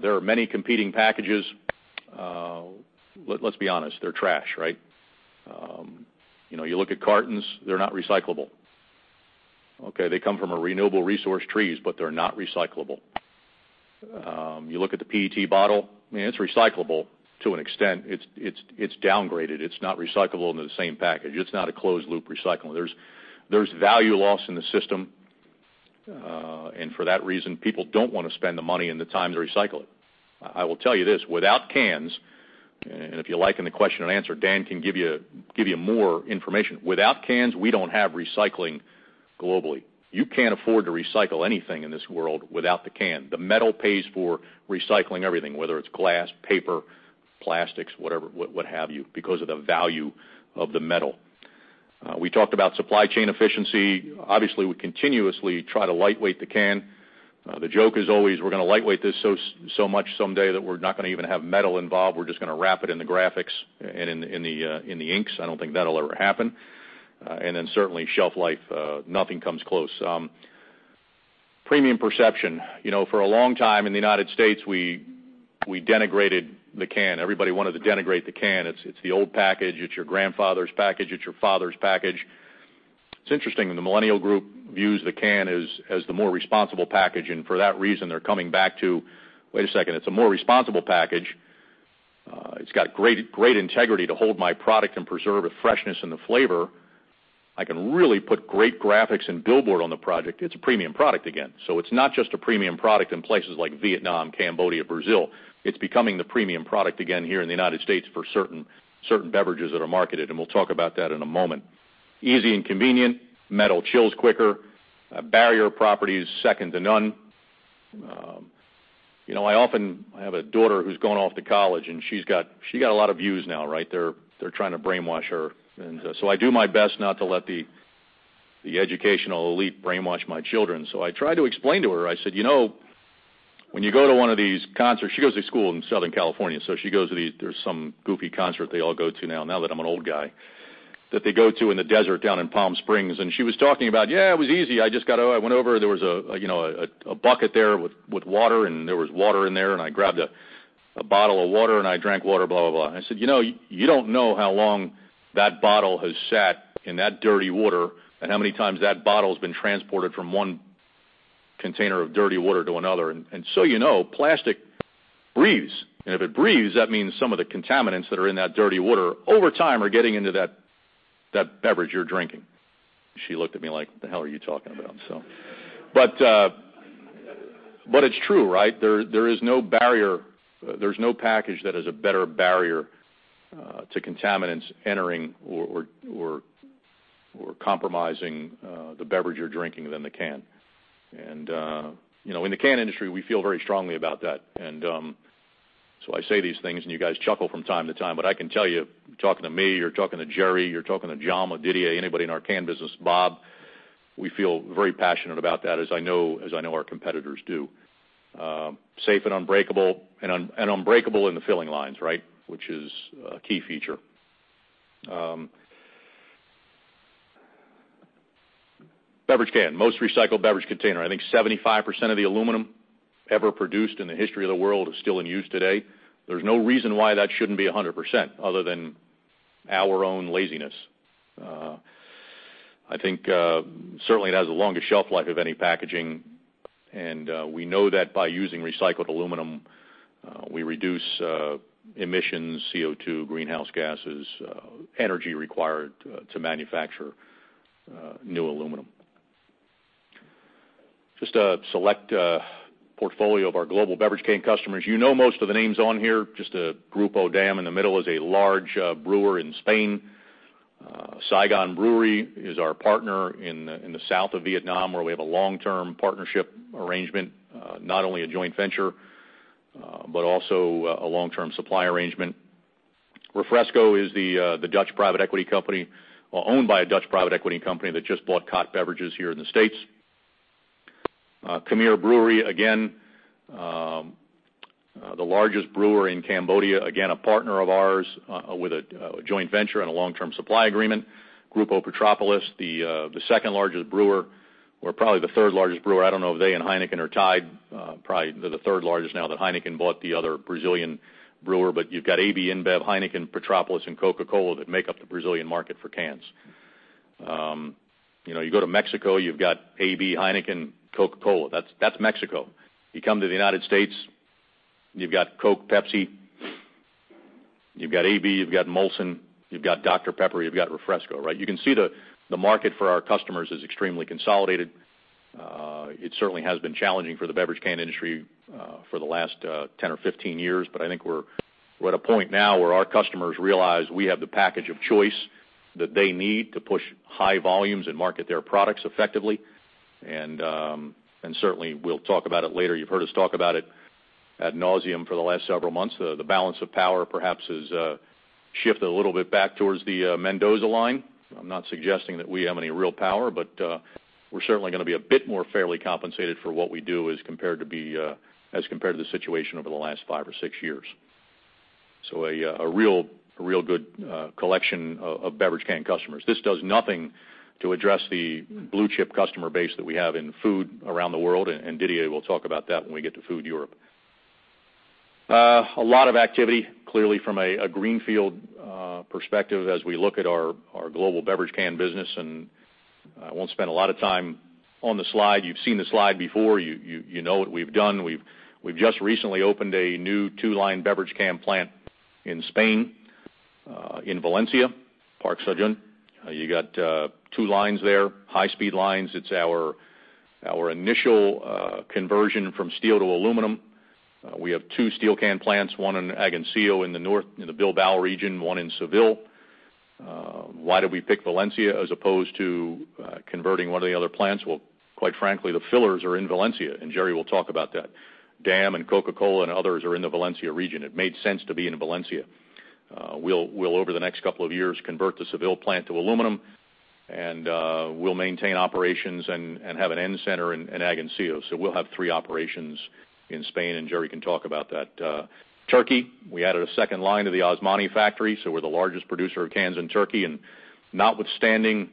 There are many competing packages. Let's be honest, they're trash, right? You look at cartons, they're not recyclable. They come from a renewable resource, trees, but they're not recyclable. You look at the PET bottle, I mean, it's recyclable to an extent. It's downgraded. It's not recyclable into the same package. It's not a closed-loop recycling. There's value loss in the system. For that reason, people don't want to spend the money and the time to recycle it. I will tell you this, without cans, and if you like in the question and answer, Dan can give you more information. Without cans, we don't have recycling globally. You can't afford to recycle anything in this world without the can. The metal pays for recycling everything, whether it's glass, paper, plastics, whatever, what have you, because of the value of the metal. We talked about supply chain efficiency. Obviously, we continuously try to lightweight the can. The joke is always, we're going to lightweight this so much someday that we're not going to even have metal involved. We're just going to wrap it in the graphics and in the inks. I don't think that'll ever happen. Certainly shelf life, nothing comes close. Premium perception. For a long time in the United States, we denigrated the can. Everybody wanted to denigrate the can. It's the old package. It's your grandfather's package. It's your father's package. It's interesting that the millennial group views the can as the more responsible package. For that reason, they're coming back to, "Wait a second, it's a more responsible package. It's got great integrity to hold my product and preserve the freshness and the flavor. I can really put great graphics and billboard on the project." It's a premium product again. It's not just a premium product in places like Vietnam, Cambodia, Brazil. It's becoming the premium product again here in the United States for certain beverages that are marketed, and we'll talk about that in a moment. Easy and convenient, metal chills quicker, barrier properties second to none. I have a daughter who's gone off to college. She's got a lot of views now. They're trying to brainwash her. I do my best not to let the educational elite brainwash my children. I try to explain to her, I said, "When you go to one of these concerts" She goes to school in Southern California, so she goes to these, there's some goofy concert they all go to now that I'm an old guy, that they go to in the desert down in Palm Springs. She was talking about, "Yeah, it was easy. I just went over, there was a bucket there with water, and there was water in there, and I grabbed a bottle of water, and I drank water," blah, blah. I said, "You don't know how long that bottle has sat in that dirty water and how many times that bottle's been transported from one container of dirty water to another. You know, plastic breathes. If it breathes, that means some of the contaminants that are in that dirty water over time are getting into that beverage you're drinking." She looked at me like, "What the hell are you talking about?" It's true. There's no package that is a better barrier to contaminants entering or compromising the beverage you're drinking than the can. In the can industry, we feel very strongly about that. I say these things, and you guys chuckle from time to time, but I can tell you're talking to me, you're talking to Gerry, you're talking to John, or Didier, anybody in our can business, Bob, we feel very passionate about that, as I know our competitors do. Safe and unbreakable, and unbreakable in the filling lines, which is a key feature. Beverage can, most recycled beverage container. I think 75% of the aluminum ever produced in the history of the world is still in use today. There's no reason why that shouldn't be 100% other than our own laziness. I think certainly it has the longest shelf life of any packaging, and we know that by using recycled aluminum. We reduce emissions, CO2, greenhouse gases, energy required to manufacture new aluminum. Just a select portfolio of our global beverage can customers. You know most of the names on here, just Grupo Damm in the middle is a large brewer in Spain. Saigon Beer is our partner in the south of Vietnam, where we have a long-term partnership arrangement. Not only a joint venture, but also a long-term supply arrangement. Refresco is the Dutch private equity company, or owned by a Dutch private equity company that just bought Cott Beverages here in the U.S. Khmer Beverages, again, the largest brewer in Cambodia. Again, a partner of ours with a joint venture and a long-term supply agreement. Grupo Petrópolis, the second-largest brewer or probably the third-largest brewer. I don't know if they and Heineken are tied. Probably they're the third largest now that Heineken bought the other Brazilian brewer. You've got AB InBev, Heineken, Petrópolis, and Coca-Cola that make up the Brazilian market for cans. You go to Mexico, you've got AB, Heineken, Coca-Cola. That's Mexico. You come to the U.S., you've got Coke, Pepsi, you've got AB, you've got Molson, you've got Dr Pepper, you've got Refresco. You can see the market for our customers is extremely consolidated. It certainly has been challenging for the beverage can industry for the last 10 or 15 years. I think we're at a point now where our customers realize we have the package of choice that they need to push high volumes and market their products effectively. Certainly, we'll talk about it later. You've heard us talk about it at nauseam for the last several months. The balance of power perhaps has shifted a little bit back towards the Mendoza line. I'm not suggesting that we have any real power, but we're certainly going to be a bit more fairly compensated for what we do as compared to the situation over the last five or six years. A real good collection of beverage can customers. This does nothing to address the blue-chip customer base that we have in food around the world, and Didier will talk about that when we get to Food Europe. A lot of activity, clearly, from a greenfield perspective as we look at our global beverage can business, and I won't spend a lot of time on the slide. You've seen the slide before. You know what we've done. We've just recently opened a new two-line beverage can plant in Spain, in Valencia, Parc Sagunt. You got two lines there, high-speed lines. It's our initial conversion from steel to aluminum. We have two steel can plants, one in Agoncillo in the north, in the Bilbao region, one in Seville. Why did we pick Valencia as opposed to converting one of the other plants? Quite frankly, the fillers are in Valencia, and Gerry will talk about that. Damm and Coca-Cola and others are in the Valencia region. It made sense to be in Valencia. We'll, over the next couple of years, convert the Seville plant to aluminum, and we'll maintain operations and have an end center in Agoncillo. We'll have three operations in Spain, and Gerry can talk about that. Turkey, we added a second line to the Osmaniye factory, so we're the largest producer of cans in Turkey, and notwithstanding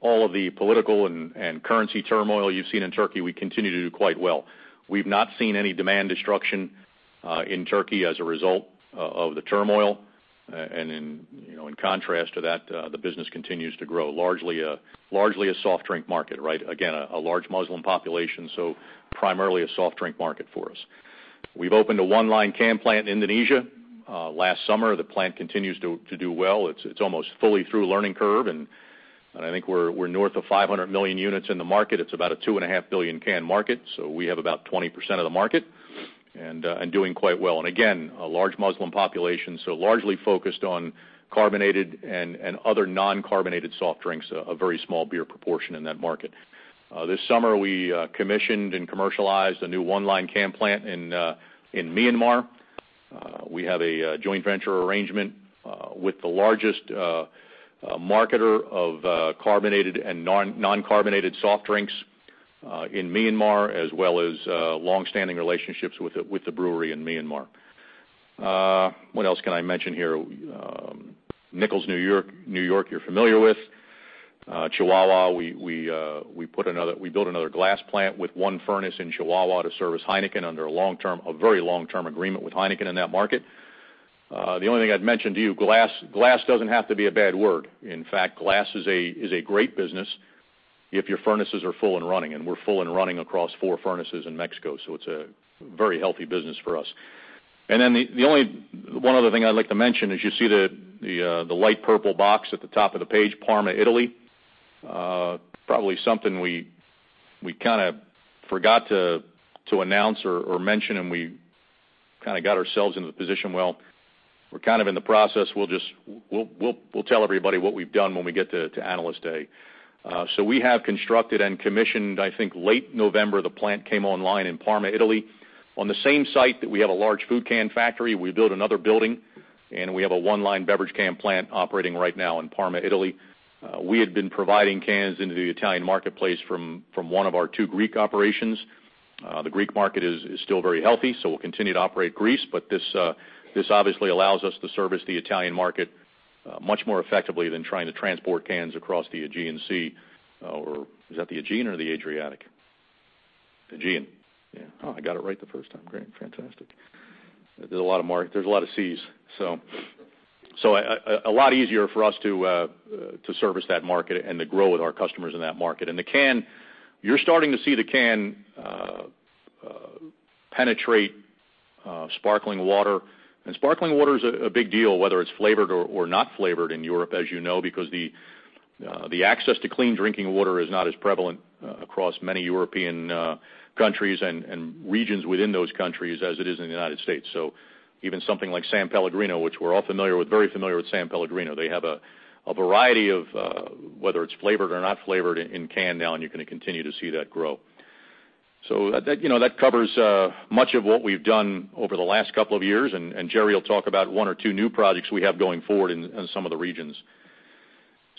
all of the political and currency turmoil you've seen in Turkey, we continue to do quite well. We've not seen any demand destruction in Turkey as a result of the turmoil. In contrast to that, the business continues to grow. Largely a soft drink market. Again, a large Muslim population, so primarily a soft drink market for us. We've opened a one-line can plant in Indonesia. Last summer, the plant continues to do well. It's almost fully through learning curve, and I think we're north of 500 million units in the market. It's about a 2.5 billion can market, so we have about 20% of the market, and doing quite well. Again, a large Muslim population, so largely focused on carbonated and other non-carbonated soft drinks, a very small beer proportion in that market. This summer, we commissioned and commercialized a new one-line can plant in Myanmar. We have a joint venture arrangement with the largest marketer of carbonated and non-carbonated soft drinks in Myanmar, as well as longstanding relationships with the brewery in Myanmar. What else can I mention here? Nichols, New York, you're familiar with. Chihuahua, we built another glass plant with one furnace in Chihuahua to service Heineken under a very long-term agreement with Heineken in that market. The only thing I'd mention to you, glass doesn't have to be a bad word. In fact, glass is a great business if your furnaces are full and running, and we're full and running across four furnaces in Mexico, so it's a very healthy business for us. The only one other thing I'd like to mention is you see the light purple box at the top of the page, Parma, Italy. Probably something we kind of forgot to announce or mention, and we kind of got ourselves into the position. We're kind of in the process. We'll tell everybody what we've done when we get to Analyst Day. We have constructed and commissioned, I think, late November, the plant came online in Parma, Italy. On the same site that we have a large food can factory, we built another building, and we have a one-line beverage can plant operating right now in Parma, Italy. We had been providing cans into the Italian marketplace from one of our two Greek operations. The Greek market is still very healthy, so we'll continue to operate Greece, but this obviously allows us to service the Italian market much more effectively than trying to transport cans across the Aegean Sea, or is that the Aegean or the Adriatic? Aegean. Yeah. Oh, I got it right the first time. Great. Fantastic. There's a lot of seas, so a lot easier for us to service that market and to grow with our customers in that market. The can, you're starting to see the can penetrate sparkling water. Sparkling water is a big deal, whether it's flavored or not flavored in Europe, as you know, because the access to clean drinking water is not as prevalent across many European countries and regions within those countries as it is in the U.S. So even something like S.Pellegrino, which we're all very familiar with S.Pellegrino, they have a variety of, whether it's flavored or not flavored in can now, and you're going to continue to see that grow. That covers much of what we've done over the last couple of years, Gerry will talk about one or two new projects we have going forward in some of the regions.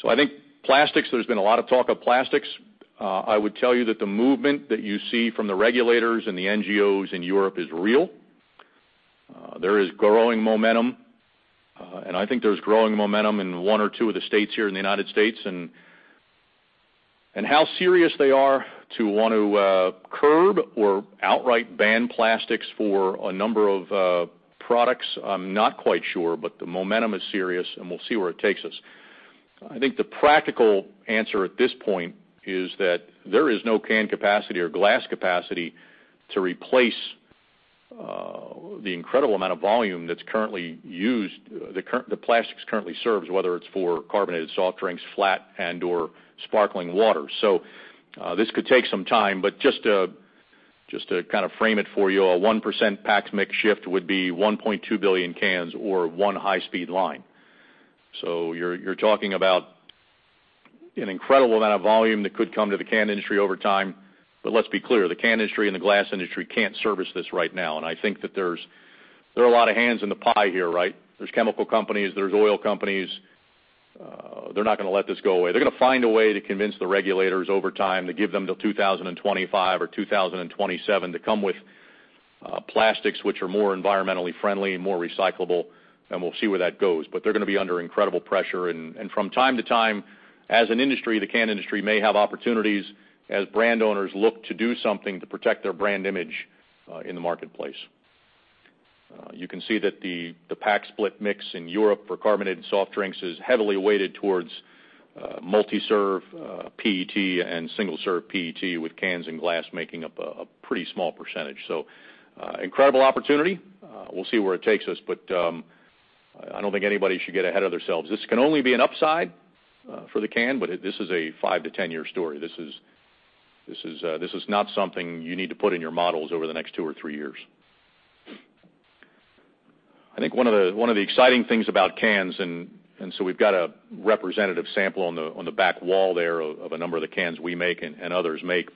I think plastics, there's been a lot of talk of plastics. I would tell you that the movement that you see from the regulators and the NGOs in Europe is real. There is growing momentum, and I think there's growing momentum in one or two of the states here in the U.S. How serious they are to want to curb or outright ban plastics for a number of products, I'm not quite sure, but the momentum is serious, and we'll see where it takes us. I think the practical answer at this point is that there is no can capacity or glass capacity to replace the incredible amount of volume that's currently used, that plastics currently serves, whether it's for carbonated soft drinks, flat, and/or sparkling water. This could take some time, but just to kind of frame it for you, a 1% pack mix shift would be 1.2 billion cans or one high-speed line. You're talking about an incredible amount of volume that could come to the can industry over time. Let's be clear, the can industry and the glass industry can't service this right now. I think that there are a lot of hands in the pie here, right? There's chemical companies, there's oil companies. They're not going to let this go away. They're going to find a way to convince the regulators over time to give them till 2025 or 2027 to come with plastics which are more environmentally friendly and more recyclable, and we'll see where that goes. They're going to be under incredible pressure. From time to time, as an industry, the can industry may have opportunities as brand owners look to do something to protect their brand image in the marketplace. You can see that the pack split mix in Europe for carbonated soft drinks is heavily weighted towards multi-serve PET and single-serve PET, with cans and glass making up a pretty small percentage. Incredible opportunity. We'll see where it takes us, I don't think anybody should get ahead of themselves. This can only be an upside for the can, but this is a five to 10-year story. This is not something you need to put in your models over the next two or three years. We've got a representative sample on the back wall there of a number of the cans we make and others make.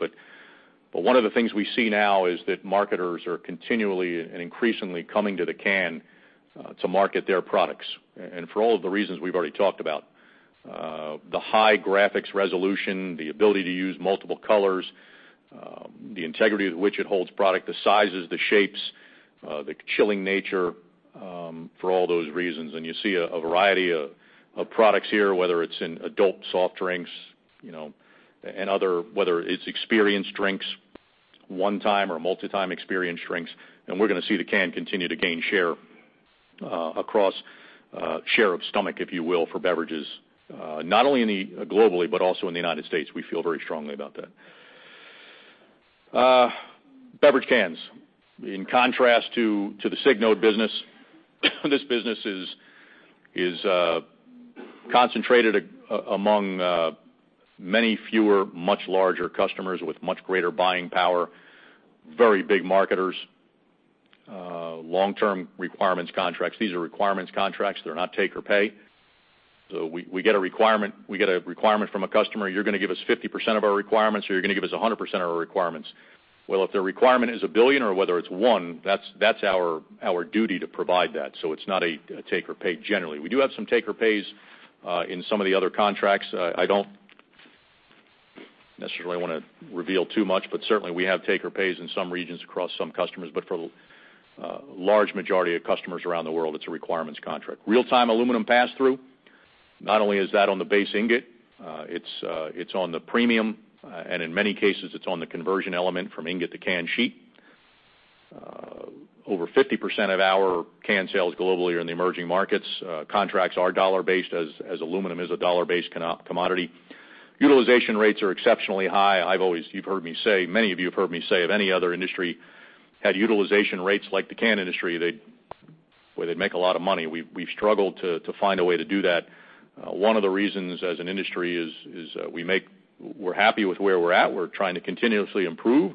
One of the things we see now is that marketers are continually and increasingly coming to the can to market their products. For all of the reasons we've already talked about. The high graphics resolution, the ability to use multiple colors, the integrity with which it holds product, the sizes, the shapes, the chilling nature, for all those reasons. You see a variety of products here, whether it's in adult soft drinks, and other, whether it's experience drinks, one-time or multi-time experience drinks. We're going to see the can continue to gain share across share of stomach, if you will, for beverages. Not only globally, but also in the U.S. We feel very strongly about that. Beverage cans. In contrast to the Signode business, this business is concentrated among many fewer, much larger customers with much greater buying power, very big marketers, long-term requirements contracts. These are requirements contracts. They're not take or pay. We get a requirement from a customer. You're going to give us 50% of our requirements, or you're going to give us 100% of our requirements. Well, if their requirement is a billion or whether it's one, that's our duty to provide that. It's not a take or pay, generally. We do have some take or pays in some of the other contracts. I don't necessarily want to reveal too much, but certainly, we have take or pays in some regions across some customers. For the large majority of customers around the world, it's a requirements contract. Real-time aluminum pass through. Not only is that on the base ingot, it's on the premium. In many cases, it's on the conversion element from ingot to can sheet. Over 50% of our can sales globally are in the emerging markets. Contracts are dollar-based as aluminum is a dollar-based commodity. Utilization rates are exceptionally high. You've heard me say, many of you have heard me say, if any other industry had utilization rates like the can industry, boy, they'd make a lot of money. We've struggled to find a way to do that. One of the reasons as an industry is we're happy with where we're at. We're trying to continuously improve.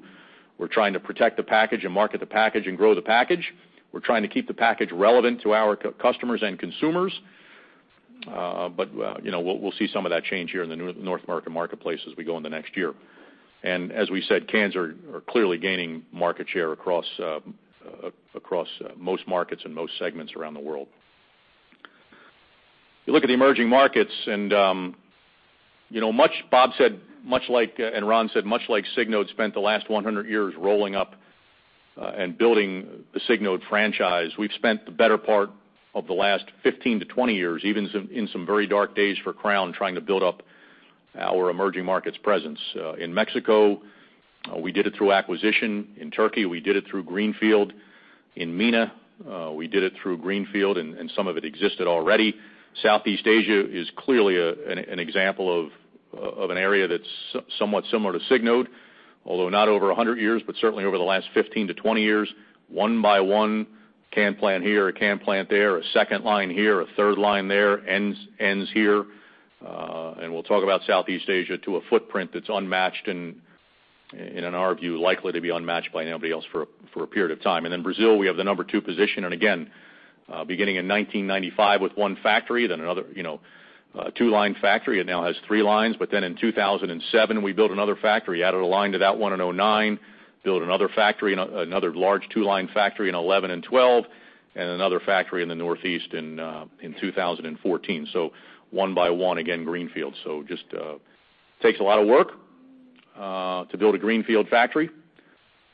We're trying to protect the package and market the package and grow the package. We're trying to keep the package relevant to our customers and consumers. We'll see some of that change here in the North American marketplace as we go in the next year. As we said, cans are clearly gaining market share across most markets and most segments around the world. You look at the emerging markets, Bob said, and Ron said, much like Signode spent the last 100 years rolling up and building the Signode franchise, we've spent the better part of the last 15 to 20 years, even in some very dark days for Crown, trying to build up our emerging markets presence. In Mexico. We did it through acquisition in Turkey. We did it through greenfield in MENA. We did it through greenfield, and some of it existed already. Southeast Asia is clearly an example of an area that's somewhat similar to Signode, although not over 100 years, but certainly over the last 15 to 20 years. One by one, can plant here, a can plant there, a second line here, a third line there. Ends here, we'll talk about Southeast Asia to a footprint that's unmatched and, in our view, likely to be unmatched by anybody else for a period of time. In Brazil, we have the number two position. Again, beginning in 1995 with one factory, then another two-line factory. It now has three lines. In 2007, we built another factory, added a line to that one in 2009, built another factory, another large two-line factory in 2011 and 2012, and another factory in the Northeast in 2014. One by one, again, greenfield. Just takes a lot of work to build a greenfield factory.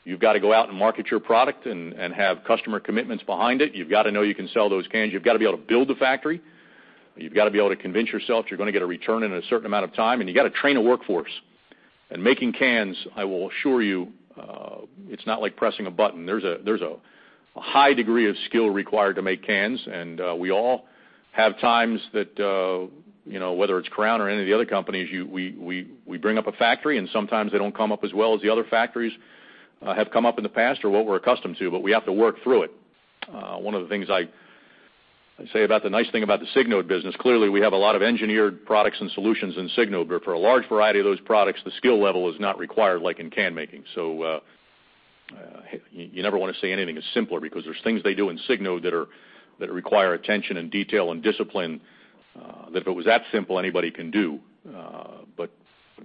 You've got to go out and market your product and have customer commitments behind it. You've got to know you can sell those cans. You've got to be able to build the factory. You've got to be able to convince yourself you're going to get a return in a certain amount of time, and you got to train a workforce. Making cans, I will assure you, it's not like pressing a button. There's a high degree of skill required to make cans, and we all have times that, whether it's Crown or any of the other companies, we bring up a factory, and sometimes they don't come up as well as the other factories have come up in the past or what we're accustomed to, but we have to work through it. One of the things I say about the nice thing about the Signode business, clearly, we have a lot of engineered products and solutions in Signode, but for a large variety of those products, the skill level is not required like in can making. You never want to say anything is simpler because there's things they do in Signode that require attention and detail and discipline, that if it was that simple, anybody can do.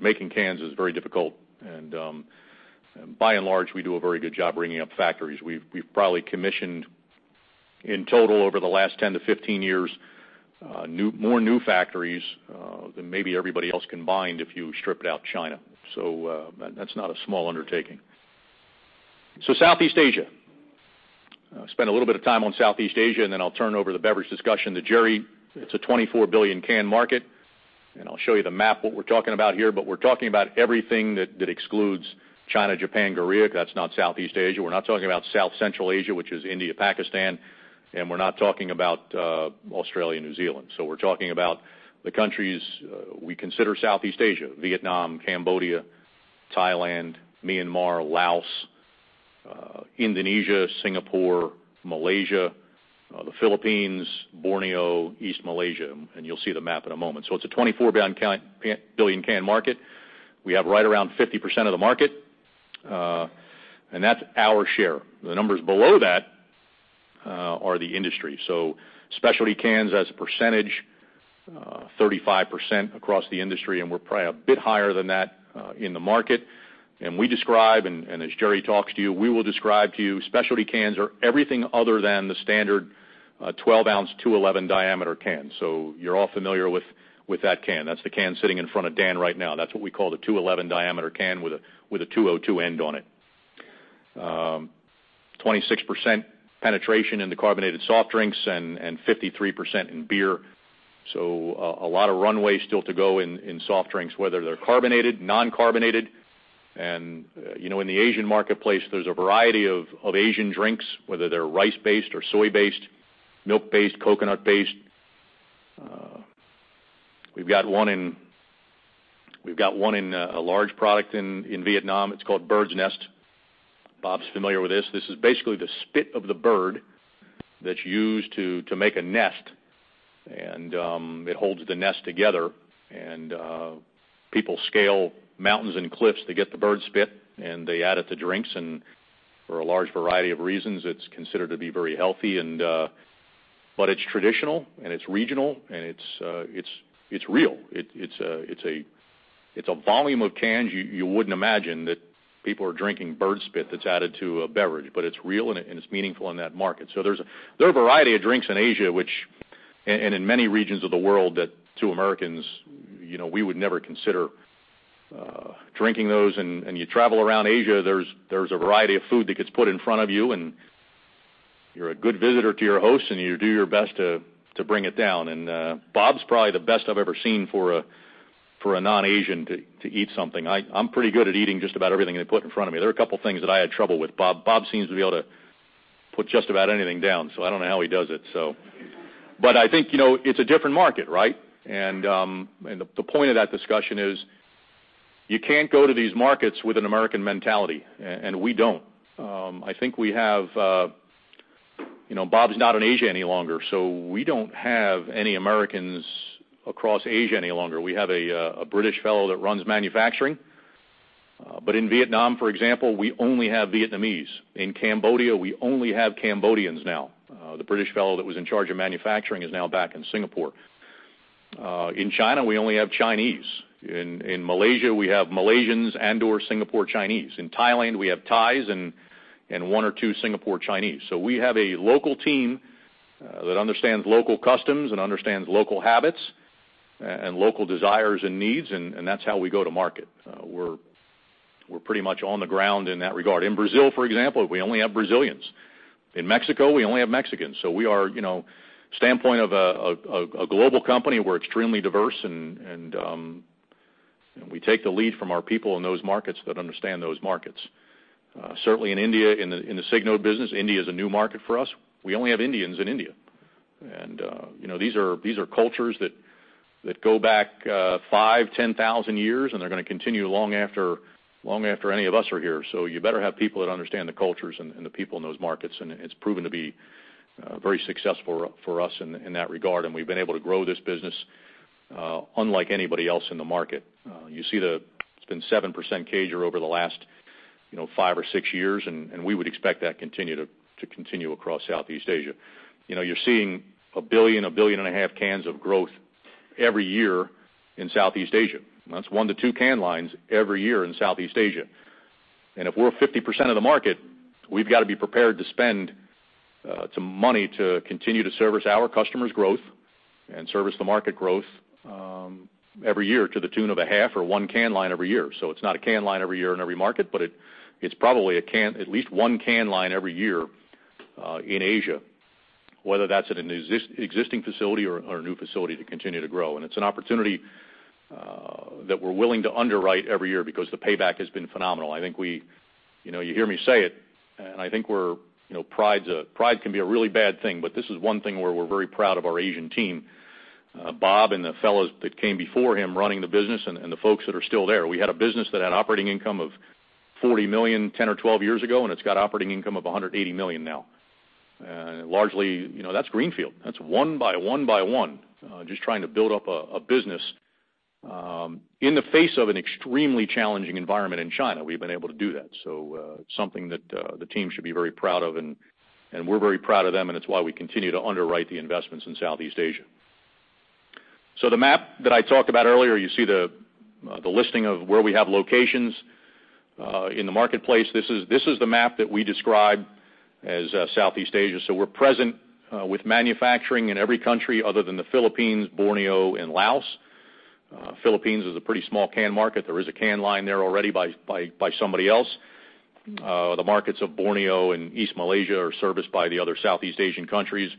Making cans is very difficult, and by and large, we do a very good job bringing up factories. We've probably commissioned, in total over the last 10 to 15 years, more new factories than maybe everybody else combined if you stripped out China. That's not a small undertaking. Southeast Asia. Spend a little bit of time on Southeast Asia, and then I'll turn over the beverage discussion to Gerry. It's a 24-billion can market, I'll show you the map, what we're talking about here, we're talking about everything that excludes China, Japan, Korea. That's not Southeast Asia. We're not talking about South Central Asia, which is India, Pakistan, we're not talking about Australia, New Zealand. We're talking about the countries we consider Southeast Asia, Vietnam, Cambodia, Thailand, Myanmar, Laos, Indonesia, Singapore, Malaysia, the Philippines, Borneo, East Malaysia, you'll see the map in a moment. It's a 24-billion can market. We have right around 50% of the market, that's our share. The numbers below that are the industry. Specialty cans as a percentage, 35% across the industry, we're probably a bit higher than that in the market. We describe, and as Gerry talks to you, we will describe to you, specialty cans are everything other than the standard 12-ounce, 211 diameter can. You're all familiar with that can. That's the can sitting in front of Dan right now. That's what we call the 211 diameter can with a 202 end on it. 26% penetration in the carbonated soft drinks and 53% in beer. A lot of runway still to go in soft drinks, whether they're carbonated, non-carbonated. In the Asian marketplace, there's a variety of Asian drinks, whether they're rice-based or soy-based, milk-based, coconut-based. We've got one in a large product in Vietnam. It's called bird's nest. Bob's familiar with this. This is basically the spit of the bird that's used to make a nest, and it holds the nest together. People scale mountains and cliffs to get the bird spit, and they add it to drinks. For a large variety of reasons, it's considered to be very healthy. It's traditional, and it's regional, and it's real. It's a volume of cans you wouldn't imagine that people are drinking bird spit that's added to a beverage, but it's real, and it's meaningful in that market. There are a variety of drinks in Asia, and in many regions of the world that to Americans, we would never consider drinking those. You travel around Asia, there's a variety of food that gets put in front of you, and you're a good visitor to your host, and you do your best to bring it down. Bob's probably the best I've ever seen for a non-Asian to eat something. I'm pretty good at eating just about everything they put in front of me. There are a couple of things that I had trouble with. Bob seems to be able to put just about anything down, so I don't know how he does it. I think it's a different market, right? The point of that discussion is you can't go to these markets with an American mentality, and we don't. Bob's not in Asia any longer, so we don't have any Americans across Asia any longer. We have a British fellow that runs manufacturing. In Vietnam, for example, we only have Vietnamese. In Cambodia, we only have Cambodians now. The British fellow that was in charge of manufacturing is now back in Singapore. In China, we only have Chinese. In Malaysia, we have Malaysians and/or Singapore Chinese. In Thailand, we have Thais and one or two Singapore Chinese. We have a local team that understands local customs and understands local habits and local desires and needs, and that's how we go to market. We're pretty much on the ground in that regard. In Brazil, for example, we only have Brazilians. In Mexico, we only have Mexicans. We are, standpoint of a global company, we're extremely diverse and we take the lead from our people in those markets that understand those markets. Certainly in India, in the Signode business, India is a new market for us. We only have Indians in India. These are cultures that go back 5,000, 10,000 years, and they're going to continue long after any of us are here. You better have people that understand the cultures and the people in those markets, and it's proven to be very successful for us in that regard, and we've been able to grow this business unlike anybody else in the market. You see it's been 7% CAGR over the last five or six years, and we would expect that to continue across Southeast Asia. You're seeing 1 billion, 1.5 billion cans of growth every year in Southeast Asia. That's one to two can lines every year in Southeast Asia. If we're 50% of the market, we've got to be prepared to spend some money to continue to service our customers' growth and service the market growth every year to the tune of a half or one can line every year. It's not a can line every year in every market, but it's probably at least one can line every year in Asia, whether that's at an existing facility or a new facility to continue to grow. It's an opportunity that we're willing to underwrite every year because the payback has been phenomenal. You hear me say it, and pride can be a really bad thing, but this is one thing where we're very proud of our Asian team. Bob and the fellows that came before him running the business and the folks that are still there. We had a business that had operating income of $40 million 10 or 12 years ago, and it's got operating income of $180 million now. Largely, that's greenfield. That's one by one by one, just trying to build up a business in the face of an extremely challenging environment in China, we've been able to do that. It's something that the team should be very proud of and we're very proud of them and it's why we continue to underwrite the investments in Southeast Asia. The map that I talked about earlier, you see the listing of where we have locations in the marketplace. This is the map that we describe as Southeast Asia. We're present with manufacturing in every country other than the Philippines, Borneo, and Laos. Philippines is a pretty small can market. There is a can line there already by somebody else. The markets of Borneo and East Malaysia are serviced by the other Southeast Asian countries.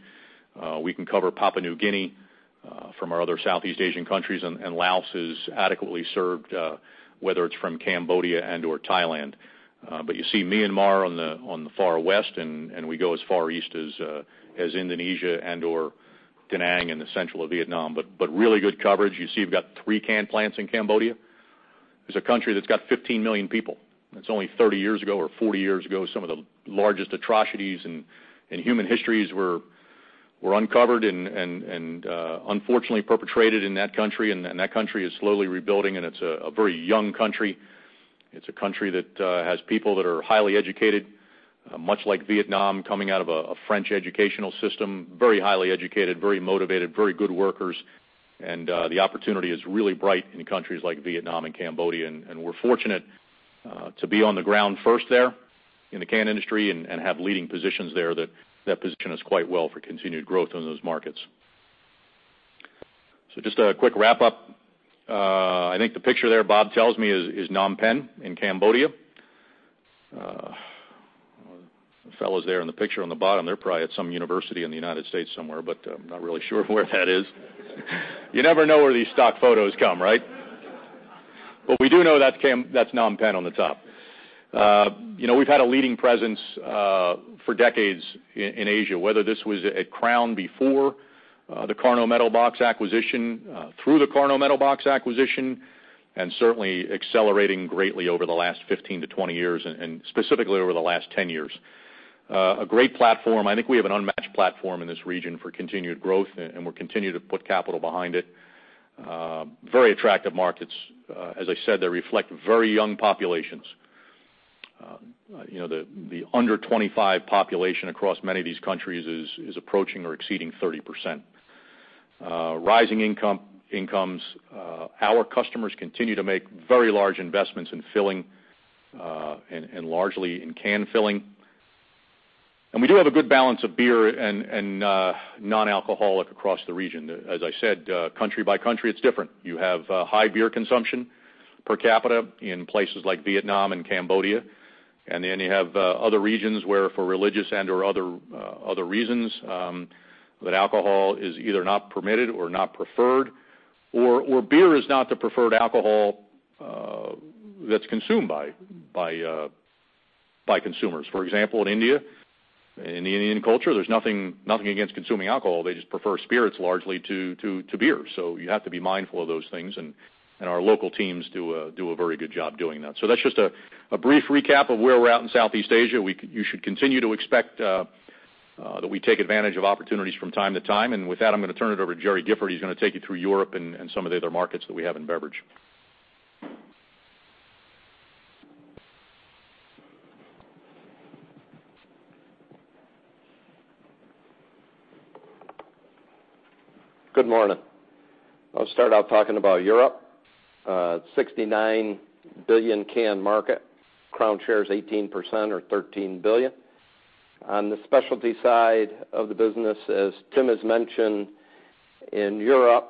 We can cover Papua New Guinea from our other Southeast Asian countries, and Laos is adequately served whether it's from Cambodia and/or Thailand. You see Myanmar on the far west, and we go as far east as Indonesia and/or Da Nang in the central of Vietnam. Really good coverage. You see we've got three can plants in Cambodia. It's a country that's got 15 million people, and it's only 30 years ago or 40 years ago, some of the largest atrocities in human histories were uncovered and unfortunately perpetrated in that country. That country is slowly rebuilding and it's a very young country. It's a country that has people that are highly educated, much like Vietnam, coming out of a French educational system, very highly educated, very motivated, very good workers. The opportunity is really bright in countries like Vietnam and Cambodia, and we're fortunate to be on the ground first there in the can industry and have leading positions there that position us quite well for continued growth in those markets. Just a quick wrap-up. I think the picture there, Bob tells me, is Phnom Penh in Cambodia. The fellows there in the picture on the bottom, they're probably at some university in the U.S. somewhere, but I'm not really sure where that is. You never know where these stock photos come, right? We do know that's Phnom Penh on the top. We've had a leading presence for decades in Asia, whether this was at Crown before the CarnaudMetalbox acquisition, through the CarnaudMetalbox acquisition, and certainly accelerating greatly over the last 15-20 years, and specifically over the last 10 years. A great platform. I think we have an unmatched platform in this region for continued growth, and we'll continue to put capital behind it. Very attractive markets. As I said, they reflect very young populations. The under-25 population across many of these countries is approaching or exceeding 30%. Rising incomes. Our customers continue to make very large investments in filling, and largely in can filling. We do have a good balance of beer and non-alcoholic across the region. As I said, country by country, it's different. You have high beer consumption per capita in places like Vietnam and Cambodia. Then you have other regions where for religious and/or other reasons, that alcohol is either not permitted or not preferred, or beer is not the preferred alcohol that's consumed by consumers. For example, in India, in the Indian culture, there's nothing against consuming alcohol. They just prefer spirits largely to beer. You have to be mindful of those things, and our local teams do a very good job doing that. That's just a brief recap of where we're at in Southeast Asia. You should continue to expect that we take advantage of opportunities from time to time. With that, I'm going to turn it over to Gerry Gifford. He's going to take you through Europe and some of the other markets that we have in beverage. Good morning. I'll start out talking about Europe. $69 billion can market. Crown shares 18% or $13 billion. On the specialty side of the business, as Tim has mentioned, Europe's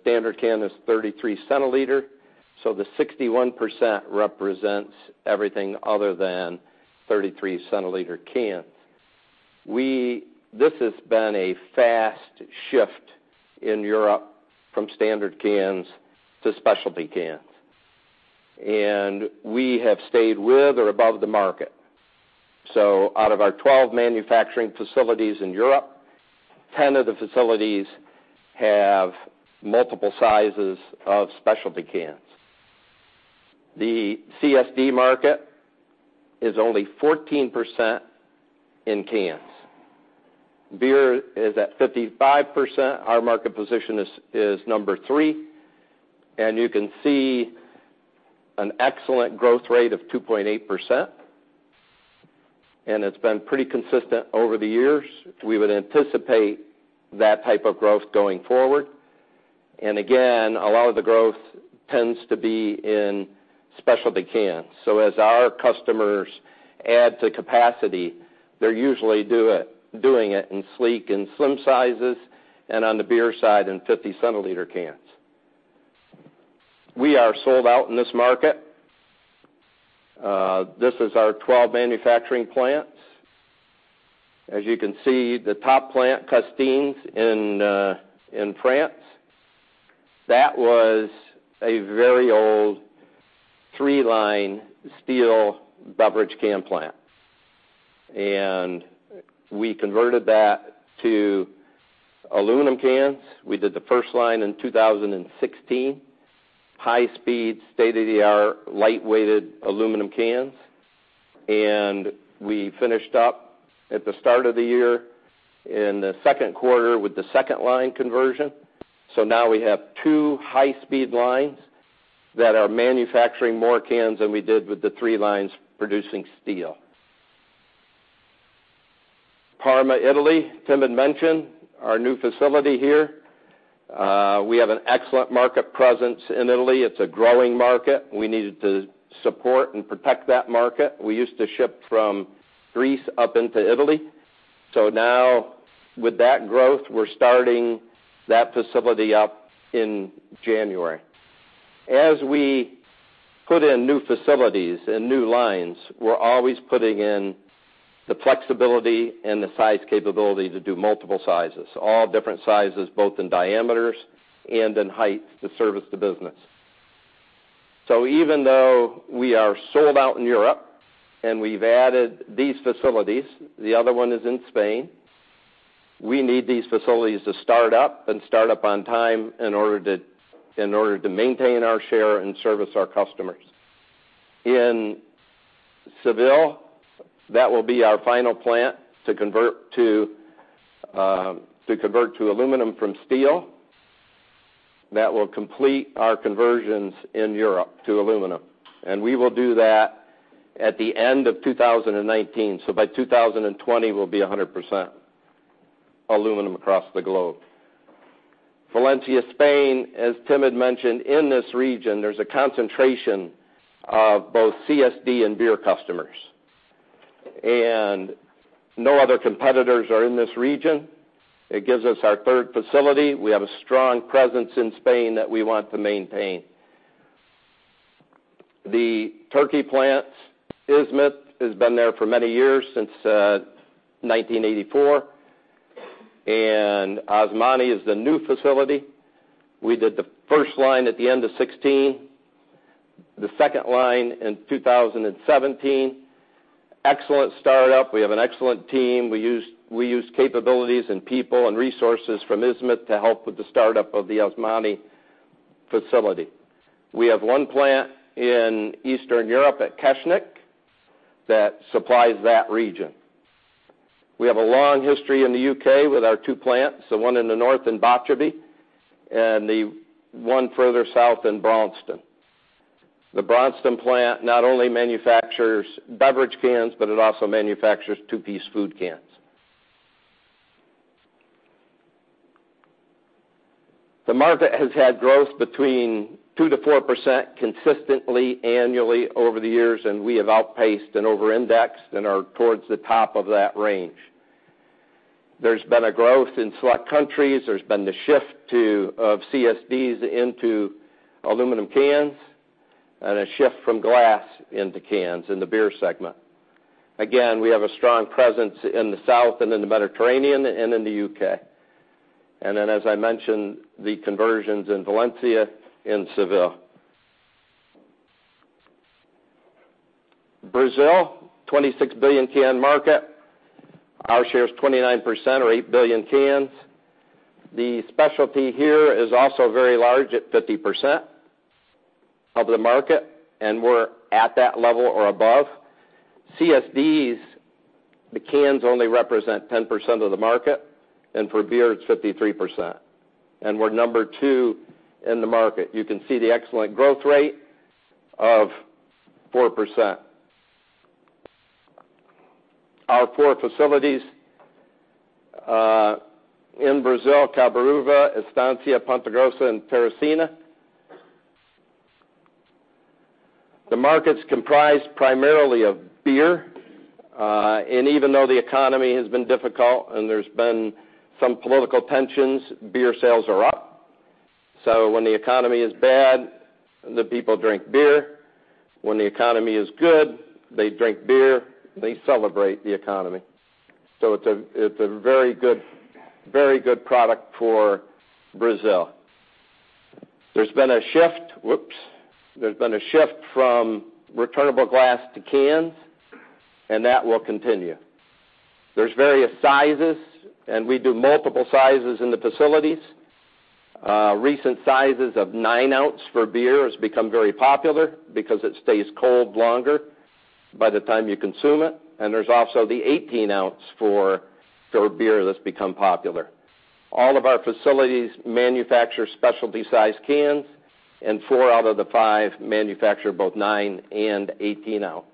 standard can is 33-centiliter, so the 61% represents everything other than 33-centiliter cans. This has been a fast shift in Europe from standard cans to specialty cans, and we have stayed with or above the market. Out of our 12 manufacturing facilities in Europe, 10 of the facilities have multiple sizes of specialty cans. The CSD market is only 14% in cans. Beer is at 55%. Our market position is number 3, and you can see an excellent growth rate of 2.8%, and it's been pretty consistent over the years. We would anticipate that type of growth going forward. Again, a lot of the growth tends to be in specialty cans. As our customers add to capacity, they're usually doing it in sleek and slim sizes, and on the beer side, in 50-centiliter cans. We are sold out in this market. This is our 12 manufacturing plants. As you can see, the top plant, Custines in France, that was a very old 3-line steel beverage can plant. We converted that to aluminum cans. We did the first line in 2016. High speed, state-of-the-art, light-weighted aluminum cans. We finished up at the start of the year in the second quarter with the second line conversion. Now we have 2 high-speed lines that are manufacturing more cans than we did with the 3 lines producing steel. Parma, Italy, Tim had mentioned our new facility here. We have an excellent market presence in Italy. It's a growing market. We needed to support and protect that market. We used to ship from Greece up into Italy. Now with that growth, we're starting that facility up in January. As we put in new facilities and new lines, we're always putting in the flexibility and the size capability to do multiple sizes. All different sizes, both in diameters and in height to service the business. Even though we are sold out in Europe and we've added these facilities, the other one is in Spain. We need these facilities to start up and start up on time in order to maintain our share and service our customers. In Seville, that will be our final plant to convert to aluminum from steel. That will complete our conversions in Europe to aluminum. We will do that at the end of 2019. By 2020, we'll be 100% aluminum across the globe. Valencia, Spain, as Tim had mentioned, in this region, there's a concentration of both CSD and beer customers. No other competitors are in this region. It gives us our third facility. We have a strong presence in Spain that we want to maintain. The Turkey plants, Izmit, has been there for many years, since 1984. Osmaniye is the new facility. We did the first line at the end of 2016, the second line in 2017. Excellent startup. We have an excellent team. We used capabilities and people and resources from Izmit to help with the startup of the Osmaniye facility. We have 1 plant in Eastern Europe at Kechnec that supplies that region. We have a long history in the U.K. with our 2 plants, the one in the north in Botcherby, and the one further south in Braunstone. The Braunstone plant not only manufactures beverage cans, but it also manufactures 2-piece food cans. The market has had growth between 2%-4% consistently annually over the years, we have outpaced and over-indexed and are towards the top of that range. There's been a growth in select countries. There's been the shift of CSDs into aluminum cans and a shift from glass into cans in the beer segment. Again, we have a strong presence in the South and in the Mediterranean and in the U.K. As I mentioned, the conversions in Valencia and Seville. Brazil, 26 billion can market. Our share is 29%, or 8 billion cans. The specialty here is also very large at 50% of the market, and we're at that level or above. CSDs, the cans only represent 10% of the market, and for beer, it's 53%. We're number 2 in the market. You can see the excellent growth rate of 4%. Our four facilities, in Brazil, Cabreúva, Estância, Ponta Grossa, and Teresina. The market's comprised primarily of beer. Even though the economy has been difficult and there's been some political tensions, beer sales are up. When the economy is bad, the people drink beer. When the economy is good, they drink beer, they celebrate the economy. It's a very good product for Brazil. There's been a shift from returnable glass to cans, that will continue. There's various sizes, and we do multiple sizes in the facilities. Recent sizes of 9 ounce for beer has become very popular because it stays cold longer by the time you consume it. There's also the 18 ounce for beer that's become popular. All of our facilities manufacture specialty size cans, and four out of the five manufacture both 9 and 18 ounce.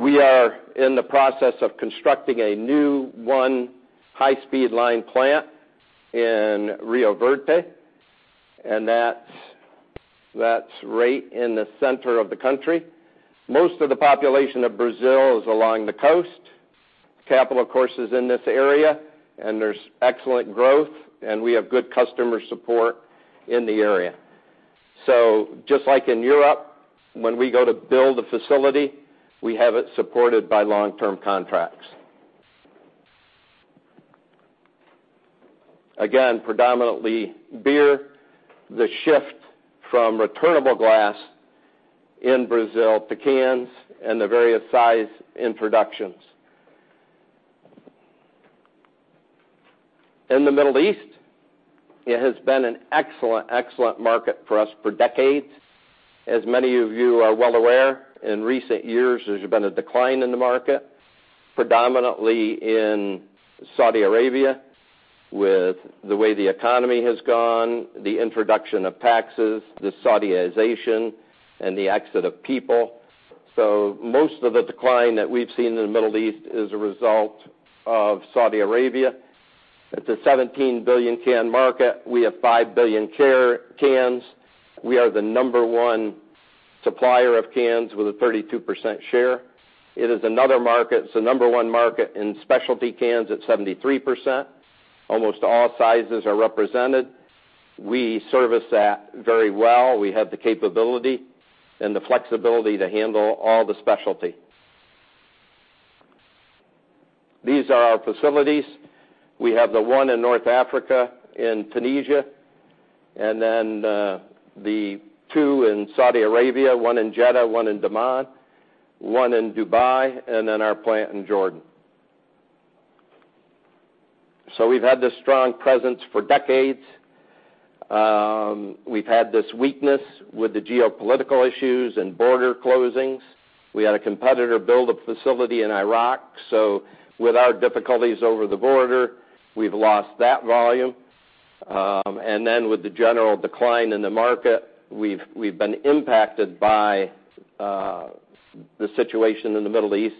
We are in the process of constructing a new one high-speed line plant in Rio Verde, that's right in the center of the country. Most of the population of Brazil is along the coast. Capital, of course, is in this area, there's excellent growth, and we have good customer support in the area. Just like in Europe, when we go to build a facility, we have it supported by long-term contracts. Predominantly beer, the shift from returnable glass in Brazil to cans, and the various size introductions. In the Middle East, it has been an excellent market for us for decades. As many of you are well aware, in recent years, there's been a decline in the market, predominantly in Saudi Arabia with the way the economy has gone, the introduction of taxes, the Saudization, the exit of people. Most of the decline that we've seen in the Middle East is a result of Saudi Arabia. It's a $17 billion can market. We have $5 billion cans. We are the number 1 supplier of cans with a 32% share. It is another market. It's the number 1 market in specialty cans at 73%. Almost all sizes are represented. We service that very well. We have the capability and the flexibility to handle all the specialty. These are our facilities. We have the one in North Africa in Tunisia, the two in Saudi Arabia, one in Jeddah, one in Dammam, one in Dubai, our plant in Jordan. We've had this strong presence for decades. We've had this weakness with the geopolitical issues and border closings. We had a competitor build a facility in Iraq, with our difficulties over the border, we've lost that volume. With the general decline in the market, we've been impacted by the situation in the Middle East,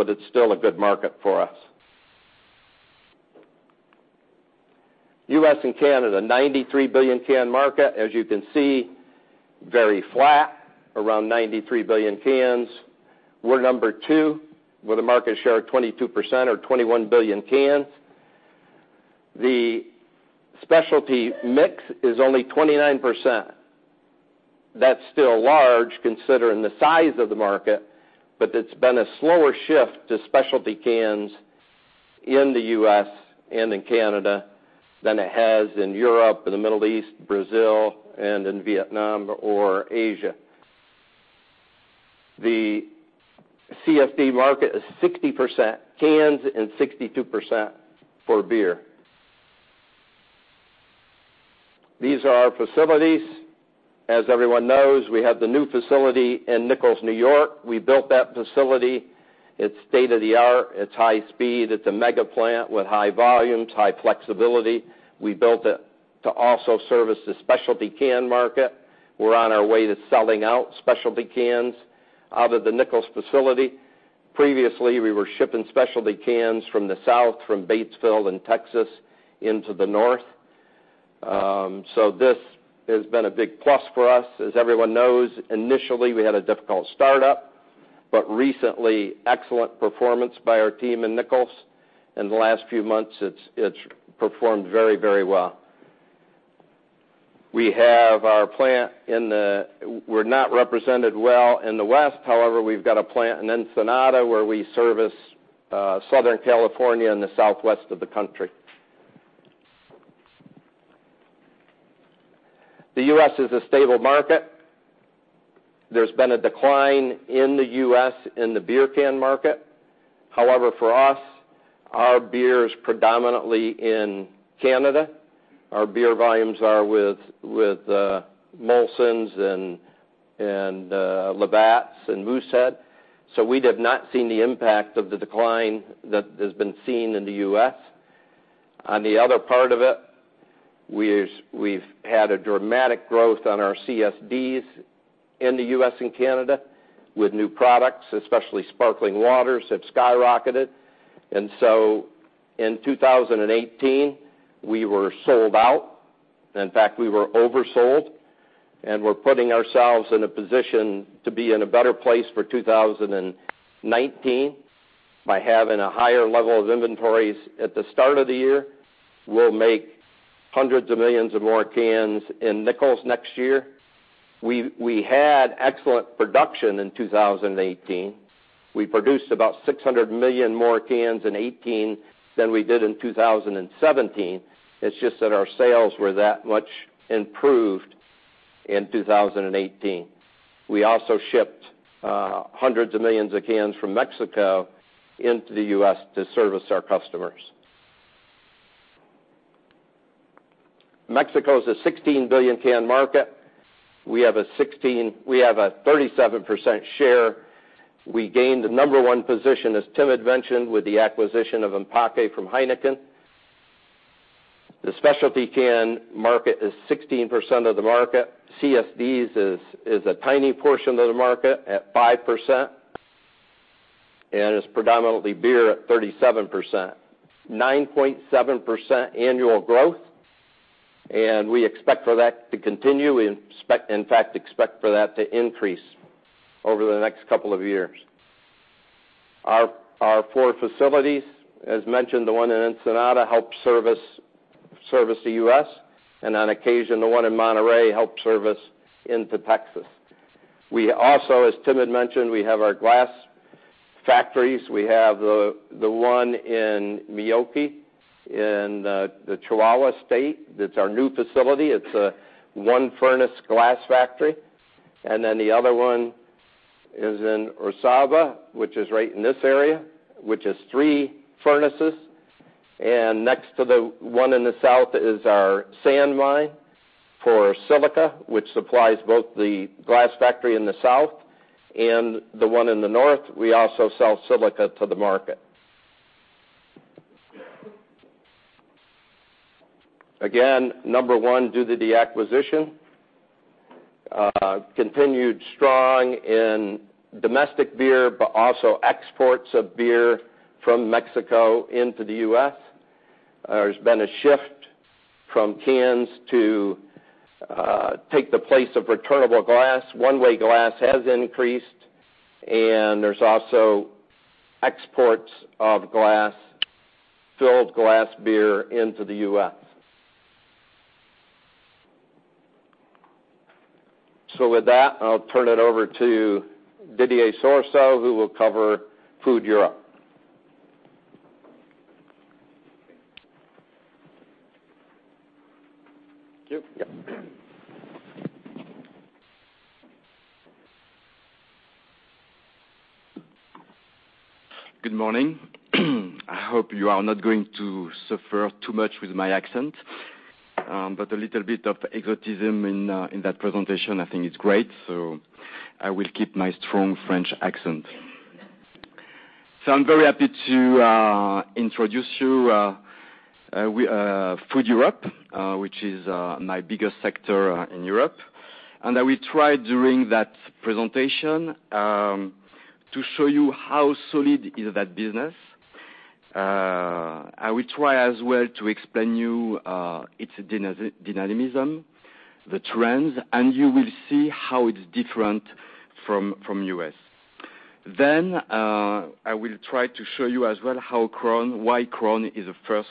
it's still a good market for us. U.S. and Canada, $93 billion can market. As you can see, very flat, around $93 billion cans. We're number 2 with a market share of 22% or $21 billion cans. The specialty mix is only 29%. That's still large considering the size of the market, but it's been a slower shift to specialty cans in the U.S. and in Canada than it has in Europe or the Middle East, Brazil, and in Vietnam or Asia. The CSD market is 60% cans and 62% for beer. These are our facilities. As everyone knows, we have the new facility in Nichols, N.Y. We built that facility. It's state-of-the-art. It's high speed. It's a mega plant with high volumes, high flexibility. We built it to also service the specialty can market. We're on our way to selling out specialty cans out of the Nichols facility. Previously, we were shipping specialty cans from the South, from Batesville in Texas into the North. This has been a big plus for us. As everyone knows, initially, we had a difficult startup, but recently, excellent performance by our team in Nichols. In the last few months, it's performed very well. We're not represented well in the West. However, we've got a plant in Ensenada where we service Southern California and the Southwest of the country. The U.S. is a stable market. There's been a decline in the U.S. in the beer can market. However, for us, our beer is predominantly in Canada. Our beer volumes are with Molson and Labatt and Moosehead. We have not seen the impact of the decline that has been seen in the U.S. On the other part of it, we've had a dramatic growth on our CSDs in the U.S. and Canada with new products, especially sparkling waters have skyrocketed. In 2018, we were sold out. In fact, we were oversold. We're putting ourselves in a position to be in a better place for 2019 by having a higher level of inventories at the start of the year. We'll make hundreds of millions of more cans in Nichols next year. We had excellent production in 2018. We produced about 600 million more cans in 2018 than we did in 2017. It's just that our sales were that much improved in 2018. We also shipped hundreds of millions of cans from Mexico into the U.S. to service our customers. Mexico is a 16 billion can market. We have a 37% share. We gained the number one position, as Tim had mentioned, with the acquisition of Empaque from Heineken. The specialty can market is 16% of the market. CSDs is a tiny portion of the market at 5%, and is predominantly beer at 37%. 9.7% annual growth, and we expect for that to continue. We in fact expect for that to increase over the next couple of years. Our four facilities, as mentioned, the one in Ensenada helps service the U.S., and on occasion, the one in Monterrey helps service into Texas. We also, as Tim had mentioned, we have our glass factories. We have the one in Meoqui in the Chihuahua state. That's our new facility. It's a one-furnace glass factory. The other one is in Orizaba, which is right in this area, which is three furnaces. Next to the one in the south is our sand mine for silica, which supplies both the glass factory in the south and the one in the north. We also sell silica to the market. Again, number one due to the acquisition. Continued strong in domestic beer, but also exports of beer from Mexico into the U.S. There's been a shift from cans to take the place of returnable glass. One-way glass has increased, and there's also exports of filled glass beer into the U.S. With that, I'll turn it over to Didier Sourisseau, who will cover Food Europe. Thank you. Good morning. I hope you are not going to suffer too much with my accent. A little bit of exoticism in that presentation I think is great, I will keep my strong French accent. I'm very happy to introduce you Food Europe, which is my biggest sector in Europe. I will try during that presentation to show you how solid is that business. I will try as well to explain you its dynamism, the trends, You will see how it's different from U.S. I will try to show you as well why Crown is a first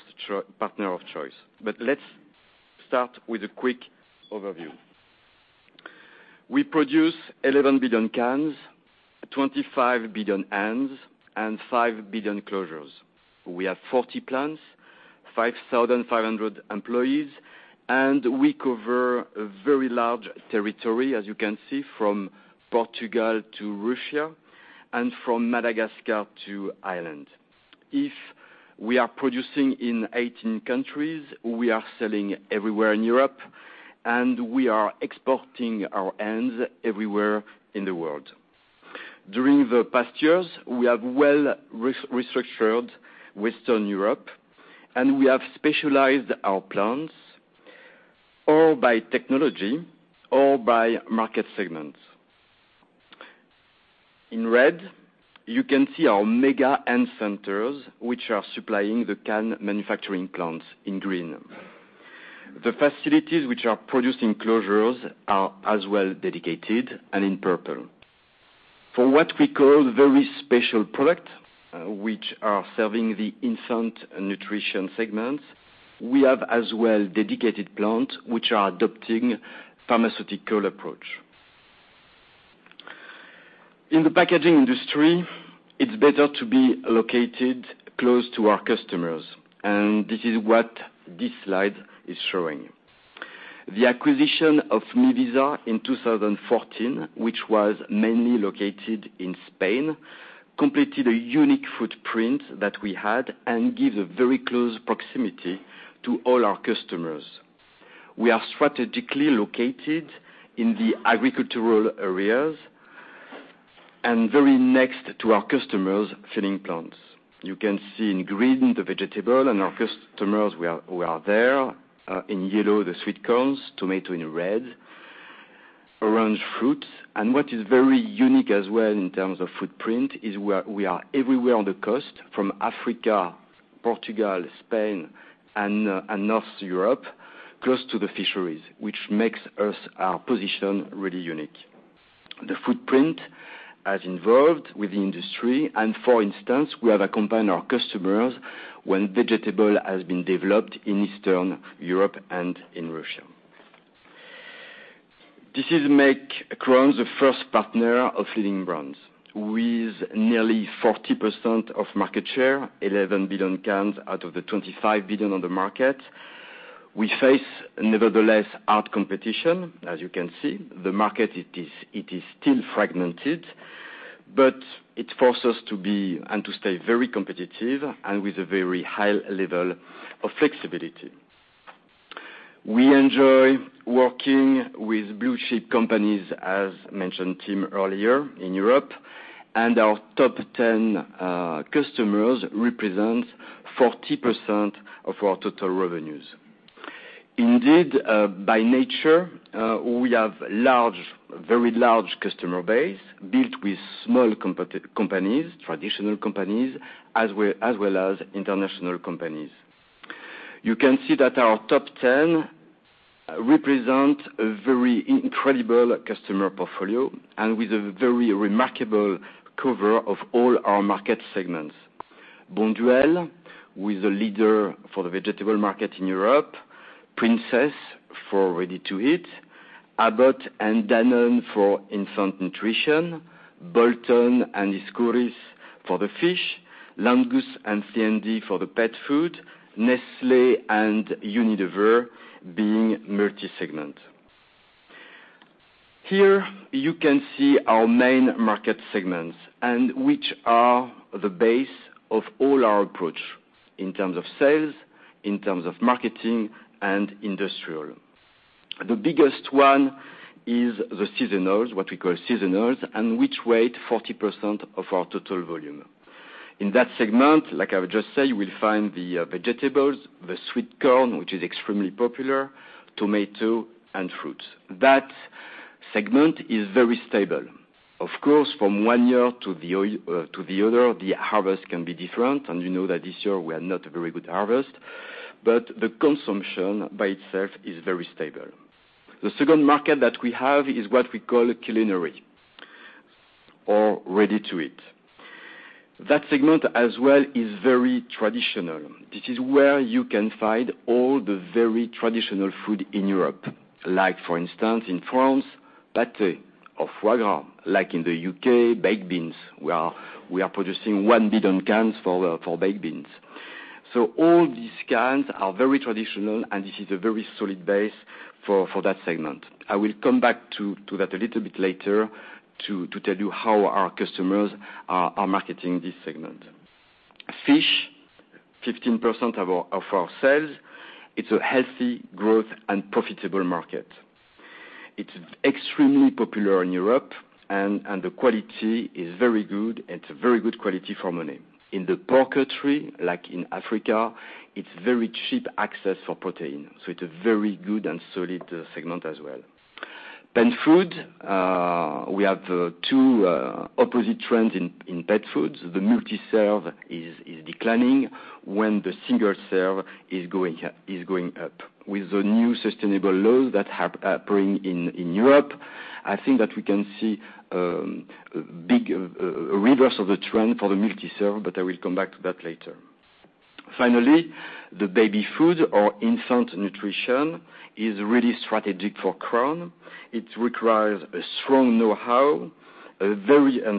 partner of choice. Let's start with a quick overview. We produce 11 billion cans, 25 billion ends, and 5 billion closures. We have 40 plants, 5,500 employees, and we cover a very large territory, as you can see, from Portugal to Russia and from Madagascar to Ireland. If we are producing in 18 countries, we are selling everywhere in Europe, and we are exporting our ends everywhere in the world. During the past years, we have well restructured Western Europe, and we have specialized our plants all by technology, all by market segments. In red, you can see our mega end centers, which are supplying the can manufacturing plants in green. The facilities which are producing closures are as well dedicated and in purple. For what we call very special product, which are serving the infant nutrition segments, we have as well dedicated plant, which are adopting pharmaceutical approach. In the packaging industry, it's better to be located close to our customers, and this is what this slide is showing. The acquisition of Mivisa in 2014, which was mainly located in Spain, completed a unique footprint that we had and gives a very close proximity to all our customers. We are strategically located in the agricultural areas and very next to our customers' filling plants. You can see in green the vegetable and our customers who are there. In yellow, the sweet corns, tomato in red, around fruit. What is very unique as well in terms of footprint is we are everywhere on the coast, from Africa, Portugal, Spain, and North Europe, close to the fisheries, which makes our position really unique. The footprint has evolved with the industry, For instance, we have accompanied our customers when vegetable has been developed in Eastern Europe and in Russia. This makes Crown the first partner of leading brands. With nearly 40% of market share, 11 billion cans out of the 25 billion on the market, we face, nevertheless, odd competition, as you can see. The market, it is still fragmented, but it forces us to be and to stay very competitive and with a very high level of flexibility. We enjoy working with blue-chip companies, as mentioned, Tim, earlier, in Europe, and our top 10 customers represent 40% of our total revenues. Indeed, by nature, we have very large customer base built with small companies, traditional companies, as well as international companies. You can see that our top 10 represent a very incredible customer portfolio and with a very remarkable cover of all our market segments. Bonduelle who is a leader for the vegetable market in Europe, Princes for ready-to-eat, Abbott and Danone for infant nutrition, Bolton and Escurís for the fish, Landguth and C&D for the pet food, Nestlé and Unilever being multi-segment. Here, you can see our main market segments, which are the base of all our approach in terms of sales, in terms of marketing and industrial. The biggest one is the seasonals, what we call seasonals, which weight 40% of our total volume. In that segment, like I would just say, you will find the vegetables, the sweet corn, which is extremely popular, tomato, and fruits. That segment is very stable. Of course, from one year to the other, the harvest can be different, and you know that this year we are not a very good harvest. The consumption by itself is very stable. The second market that we have is what we call culinary or ready-to-eat. That segment as well is very traditional. This is where you can find all the very traditional food in Europe. Like for instance, in France, pate or foie gras. Like in the U.K., baked beans. We are producing 1 billion cans for baked beans. All these cans are very traditional, and this is a very solid base for that segment. I will come back to that a little bit later to tell you how our customers are marketing this segment. Fish, 15% of our sales. It's a healthy growth and profitable market. It's extremely popular in Europe and the quality is very good, and it's a very good quality for money. In the poultry, like in Africa, it's very cheap access for protein, it's a very good and solid segment as well. Pet food. We have two opposite trends in pet foods. The multi-serve is declining when the single-serve is going up. With the new sustainable laws that have bring in Europe, I think that we can see big reverse of the trend for the multi-serve, I will come back to that later. Finally, the baby food or infant nutrition is really strategic for Crown. It requires a strong know-how, and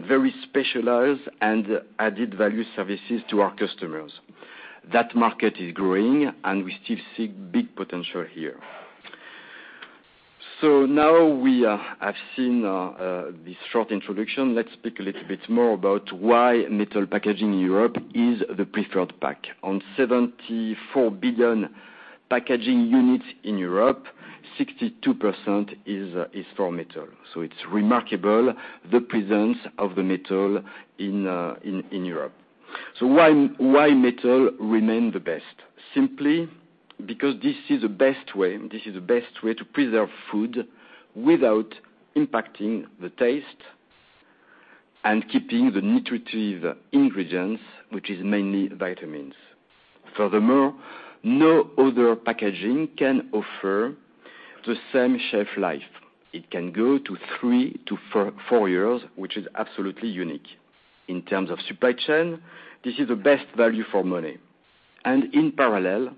very specialized and added value services to our customers. That market is growing, and we still see big potential here. Now we have seen this short introduction. Let's speak a little bit more about why metal packaging in Europe is the preferred pack. On 74 billion packaging units in Europe, 62% is for metal. It's remarkable the presence of the metal in Europe. Why metal remain the best? Simply because this is the best way to preserve food without impacting the taste and keeping the nutritive ingredients, which is mainly vitamins. Furthermore, no other packaging can offer the same shelf life. It can go to 3 to 4 years, which is absolutely unique. In terms of supply chain, this is the best value for money. In parallel,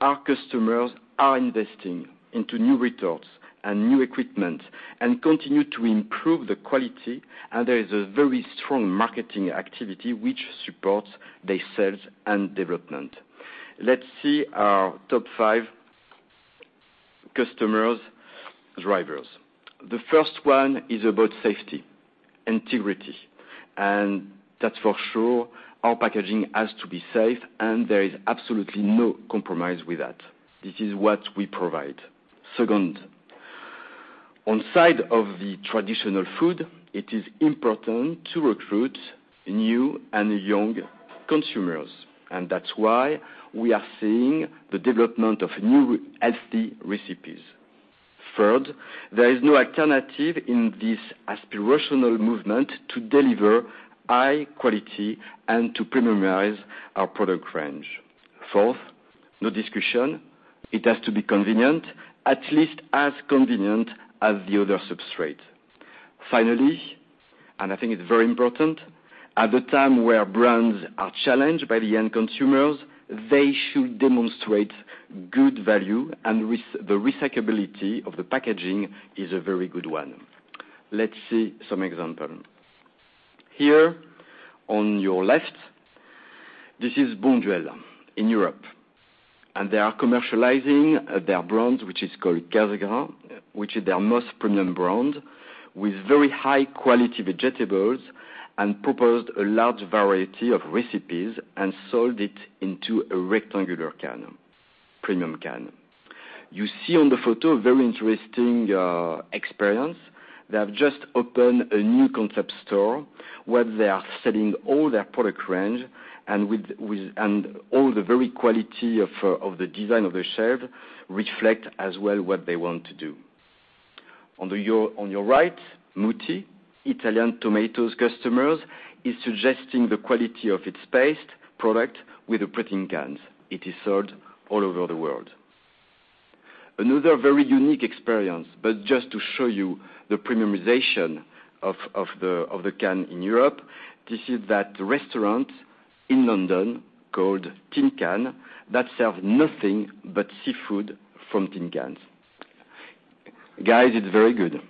our customers are investing into new retailers and new equipment and continue to improve the quality. There is a very strong marketing activity, which supports their sales and development. Let's see our top 5 customers' drivers. The first one is about safety, integrity. That's for sure, our packaging has to be safe, and there is absolutely no compromise with that. This is what we provide. Second, on side of the traditional food, it is important to recruit new and young consumers. That's why we are seeing the development of new healthy recipes. Third, there is no alternative in this aspirational movement to deliver high quality and to premiumize our product range. Fourth, no discussion, it has to be convenient, at least as convenient as the other substrate. Finally, I think it's very important, at the time where brands are challenged by the end consumers, they should demonstrate good value and the recyclability of the packaging is a very good one. Let's see some example. Here, on your left, this is Bonduelle in Europe. They are commercializing their brands, which is called Cassegrain, which is their most premium brand, with very high quality vegetables and proposed a large variety of recipes and sold it into a rectangular can, premium can. You see on the photo, a very interesting experience. They have just opened a new concept store where they are selling all their product range and all the very quality of the design of the shelf reflect as well what they want to do. On your right, Mutti, Italian tomatoes customers, is suggesting the quality of its paste product with the printed cans. It is sold all over the world. Another very unique experience, just to show you the premiumization of the can in Europe. This is that restaurant in London called Tincan that serves nothing but seafood from tin cans. Guys, it's very good.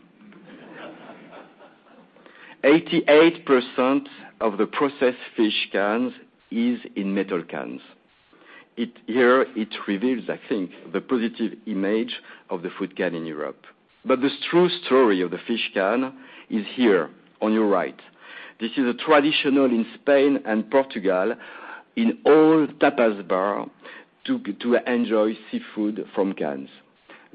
88% of the processed fish cans is in metal cans. Here it reveals, I think, the positive image of the food can in Europe. This true story of the fish can is here on your right. This is a tradition in Spain and Portugal, in all tapas bar, to enjoy seafood from cans.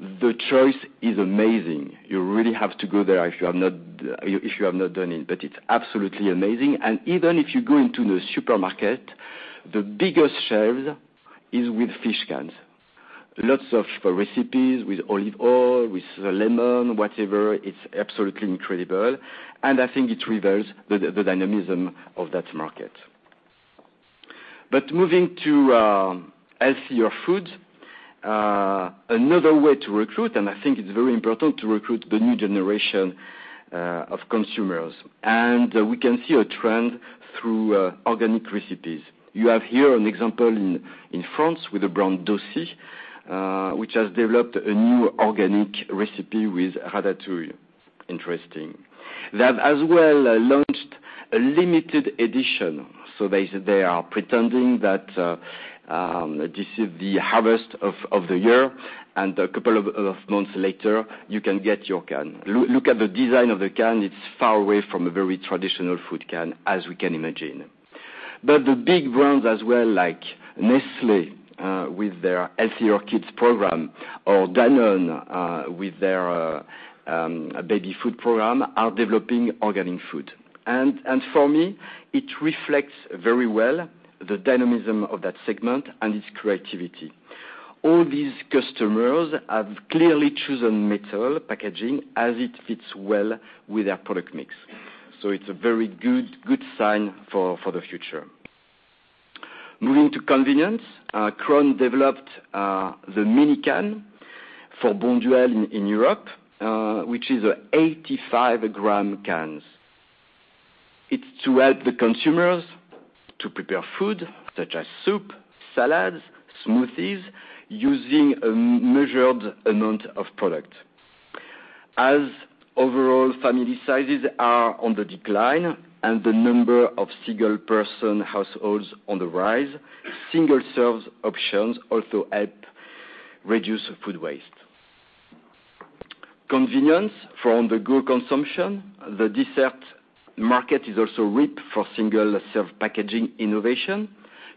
The choice is amazing. You really have to go there if you have not done it's absolutely amazing. Even if you go into the supermarket, the biggest shelves is with fish cans. Lots of recipes with olive oil, with lemon, whatever, it's absolutely incredible. I think it reveals the dynamism of that market. Moving to healthier food. Another way to recruit, I think it's very important to recruit the new generation of consumers. We can see a trend through organic recipes. You have here an example in France with the brand, d'aucy, which has developed a new organic recipe with ratatouille. Interesting. They have as well launched a limited edition. They are pretending that this is the harvest of the year, and a couple of months later, you can get your can. Look at the design of the can. It's far away from a very traditional food can, as we can imagine. But the big brands as well, like Nestlé, with their Healthier Kids program, or Danone, with their baby food program, are developing organic food. For me, it reflects very well the dynamism of that segment and its creativity. All these customers have clearly chosen metal packaging as it fits well with their product mix. It's a very good sign for the future. Moving to convenience. Crown developed the mini can for Bonduelle in Europe, which is a 85 gram cans. It's to help the consumers to prepare food such as soup, salads, smoothies, using a measured amount of product. As overall family sizes are on the decline and the number of single-person households on the rise, single-serve options also help reduce food waste. Convenience for on-the-go consumption. The dessert market is also ripe for single-serve packaging innovation.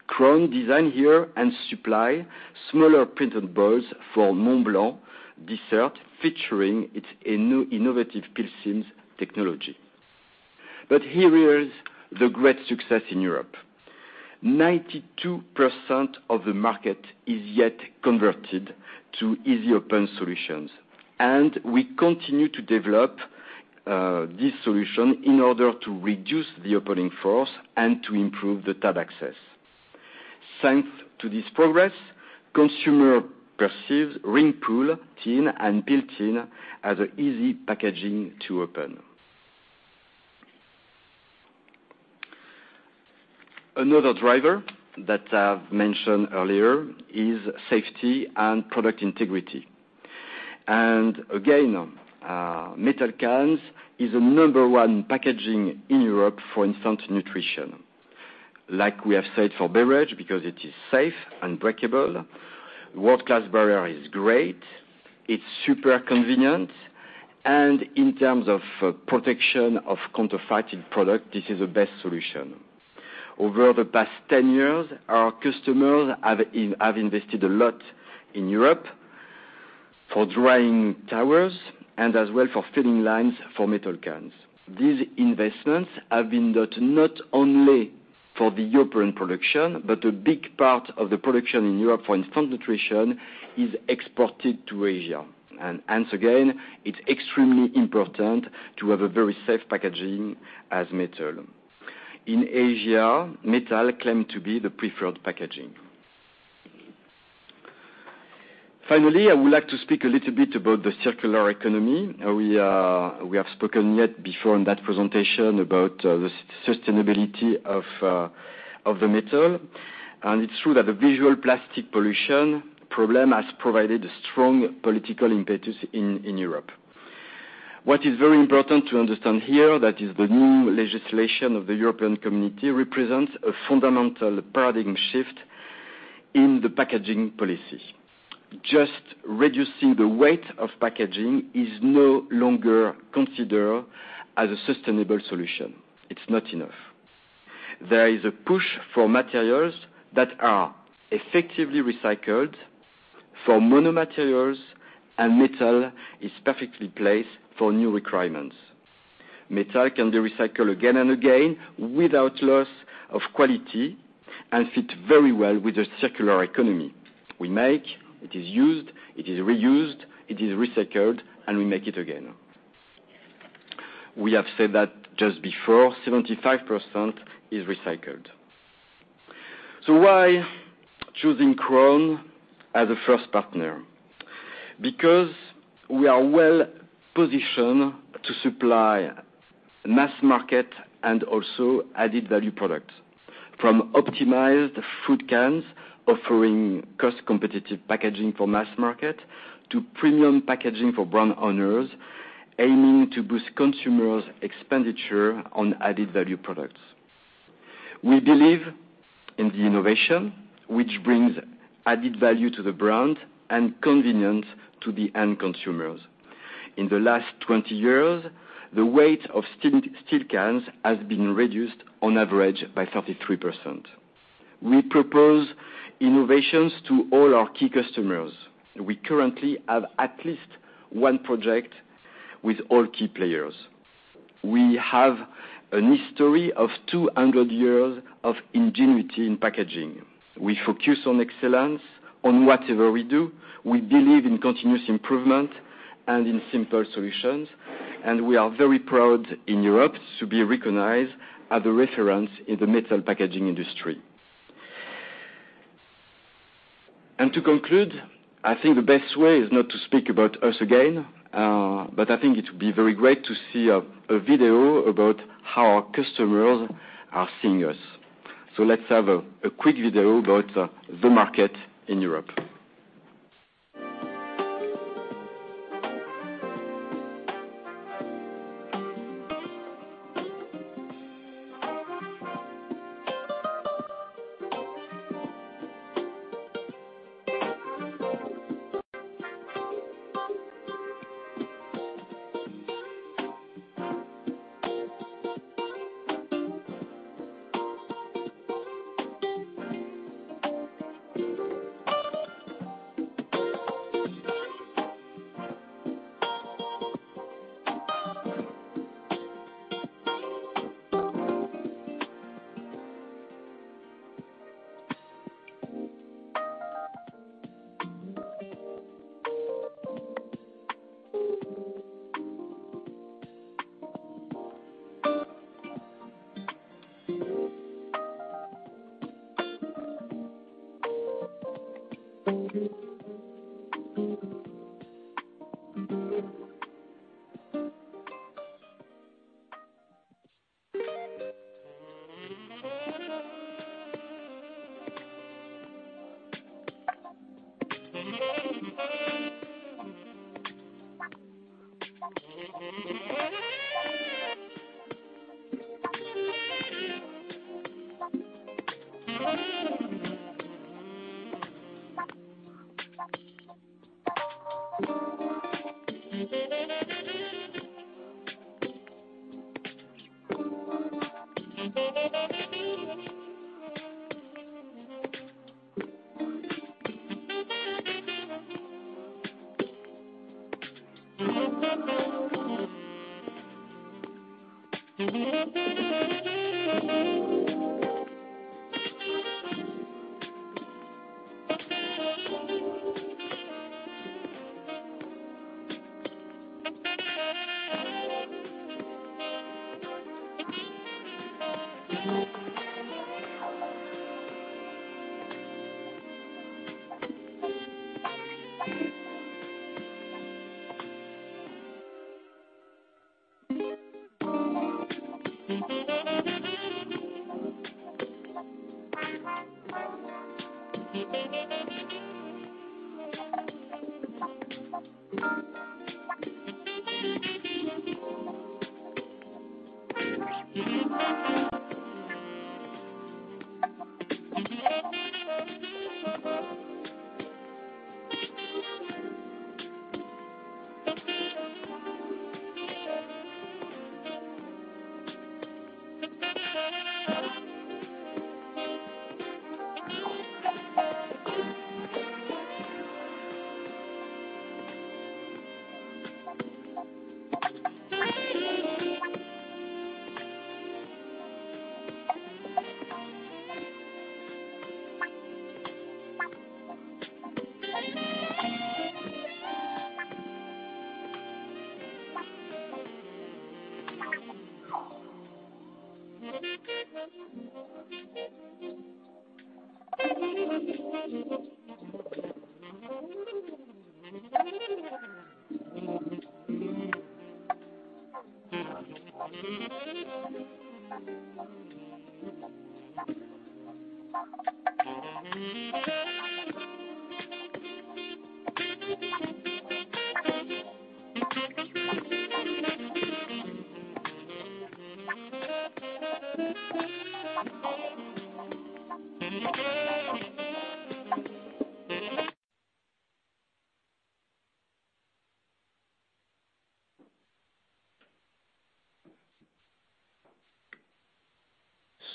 Crown designed here and supply smaller printed boards for Mont Blanc dessert featuring its innovative PeelSeam technology. Here is the great success in Europe. 92% of the market is yet converted to easy open solutions. We continue to develop this solution in order to reduce the opening force and to improve the tab access. Thanks to this progress, consumer perceives ring pull tin and built-in as a easy packaging to open. Another driver that I've mentioned earlier is safety and product integrity. Again, metal cans is a number 1 packaging in Europe for instant nutrition. Like we have said for beverage, because it is safe, unbreakable, world-class barrier is great, it's super convenient, and in terms of protection of counterfeiting product, this is the best solution. Over the past 10 years, our customers have invested a lot in Europe. For drying towers and as well for filling lines for metal cans. These investments have been done not only for the European production, but a big part of the production in Europe for infant nutrition is exported to Asia. Once again, it's extremely important to have a very safe packaging as metal. In Asia, metal claims to be the preferred packaging. Finally, I would like to speak a little bit about the circular economy. We have spoken yet before in that presentation about the sustainability of the metal, and it's true that the visual plastic pollution problem has provided a strong political impetus in Europe. What is very important to understand here, that is the new legislation of the European Community, represents a fundamental paradigm shift in the packaging policy. Just reducing the weight of packaging is no longer considered as a sustainable solution. It's not enough. There is a push for materials that are effectively recycled for mono materials, Metal is perfectly placed for new requirements. Metal can be recycled again and again without loss of quality and fits very well with the circular economy. We make, it is used, it is reused, it is recycled, We make it again. We have said that just before, 75% is recycled. Why choose Crown as a first partner? Because we are well positioned to supply mass market and also added-value products. From optimized food cans offering cost-competitive packaging for mass market, to premium packaging for brand owners aiming to boost consumers' expenditure on added-value products. We believe in innovation, which brings added value to the brand and convenience to the end consumers. In the last 20 years, the weight of steel cans has been reduced on average by 33%. We propose innovations to all our key customers. We currently have at least one project with all key players. We have a history of 200 years of ingenuity in packaging. We focus on excellence on whatever we do. We believe in continuous improvement and in simple solutions, and we are very proud in Europe to be recognized as a reference in the metal packaging industry. To conclude, I think the best way is not to speak about us again, but I think it would be very great to see a video about how our customers are seeing us. Let's have a quick video about the market in Europe.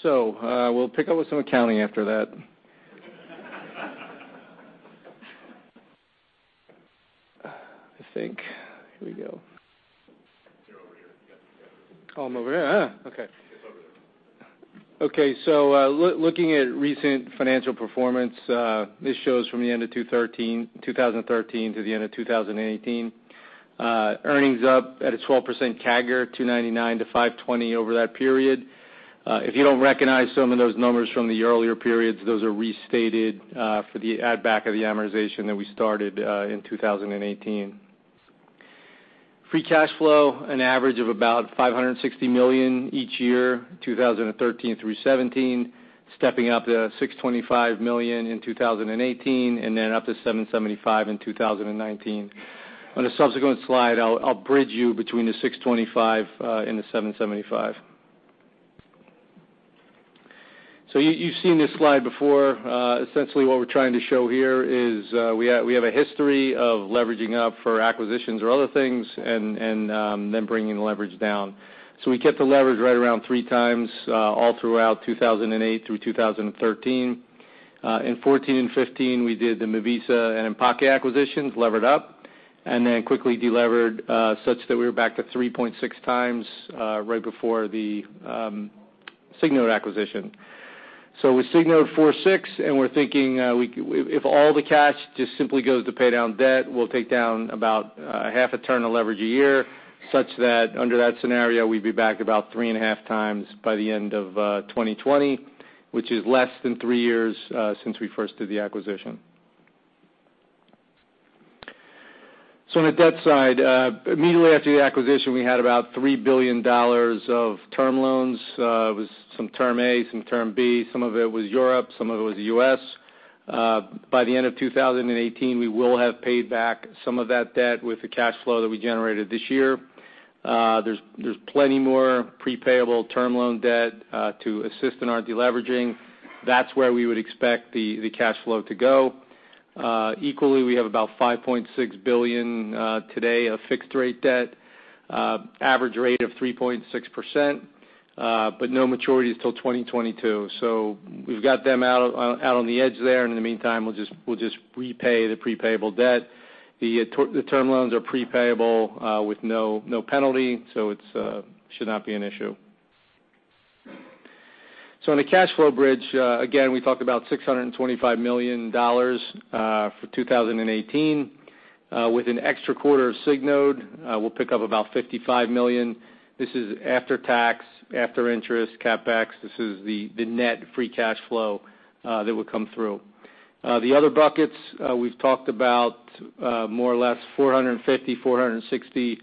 We'll pick up with some accounting after that. I think, here we go. They're over here. You got the column. Column over here. Okay. It's over there. Okay. Looking at recent financial performance, this shows from the end of 2013 to the end of 2018. Earnings up at a 12% CAGR, 299 to 520 over that period. If you don't recognize some of those numbers from the earlier periods, those are restated for the add back of the amortization that we started in 2018. Free cash flow, an average of about $560 million each year, 2013 through 2017, stepping up to $625 million in 2018, and then up to $775 million in 2019. On a subsequent slide, I'll bridge you between the $625 million and the $775 million. You've seen this slide before. Essentially, what we're trying to show here is we have a history of leveraging up for acquisitions or other things, and then bringing the leverage down. We kept the leverage right around three times all throughout 2008 through 2013. In 2014 and 2015, we did the Mivisa and Empaque acquisitions, levered up, and then quickly de-levered, such that we were back to 3.6 times right before the Signode acquisition. With Signode 4.6, and we're thinking if all the cash just simply goes to pay down debt, we'll take down about a half a turn of leverage a year, such that under that scenario, we'd be back about three and a half times by the end of 2020, which is less than three years since we first did the acquisition. On the debt side, immediately after the acquisition, we had about $3 billion of term loans. It was some term A, some term B. Some of it was Europe, some of it was U.S. By the end of 2018, we will have paid back some of that debt with the cash flow that we generated this year. There's plenty more pre-payable term loan debt to assist in our de-leveraging. That's where we would expect the cash flow to go. Equally, we have about $5.6 billion today of fixed-rate debt, average rate of 3.6%, but no maturity till 2022. We've got them out on the edge there, and in the meantime, we'll just repay the pre-payable debt. The term loans are pre-payable with no penalty, it should not be an issue. On the cash flow bridge, again, we talked about $625 million for 2018. With an extra quarter of Signode, we'll pick up about $55 million. This is after-tax, after-interest CapEx. This is the net free cash flow that would come through. The other buckets we've talked about, more or less $450 million-$460 million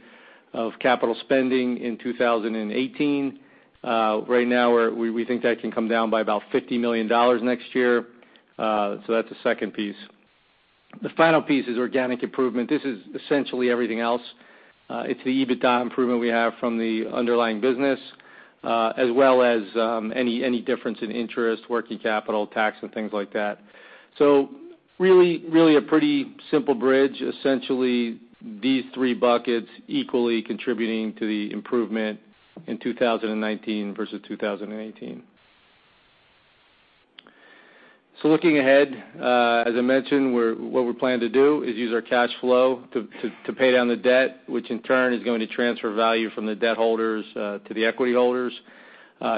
of capital spending in 2018. Right now, we think that can come down by about $50 million next year. That's the second piece. The final piece is organic improvement. This is essentially everything else. It's the EBITDA improvement we have from the underlying business, as well as any difference in interest, working capital, tax, and things like that. Really a pretty simple bridge. Essentially these three buckets equally contributing to the improvement in 2019 versus 2018. Looking ahead, as I mentioned, what we plan to do is use our cash flow to pay down the debt, which in turn is going to transfer value from the debt holders to the equity holders.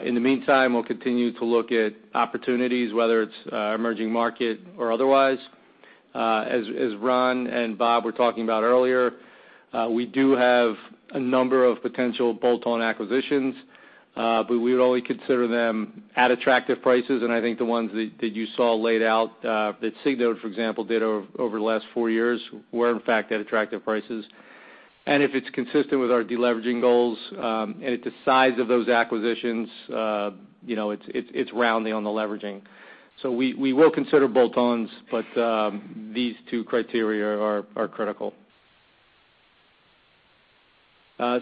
In the meantime, we'll continue to look at opportunities, whether it's emerging market or otherwise. As Ron and Bob were talking about earlier, we do have a number of potential bolt-on acquisitions, but we would only consider them at attractive prices, and I think the ones that you saw laid out, that Signode, for example, did over the last four years, were in fact at attractive prices. If it's consistent with our de-leveraging goals, and if the size of those acquisitions, it's round on the leveraging. We will consider bolt-ons, but these two criteria are critical.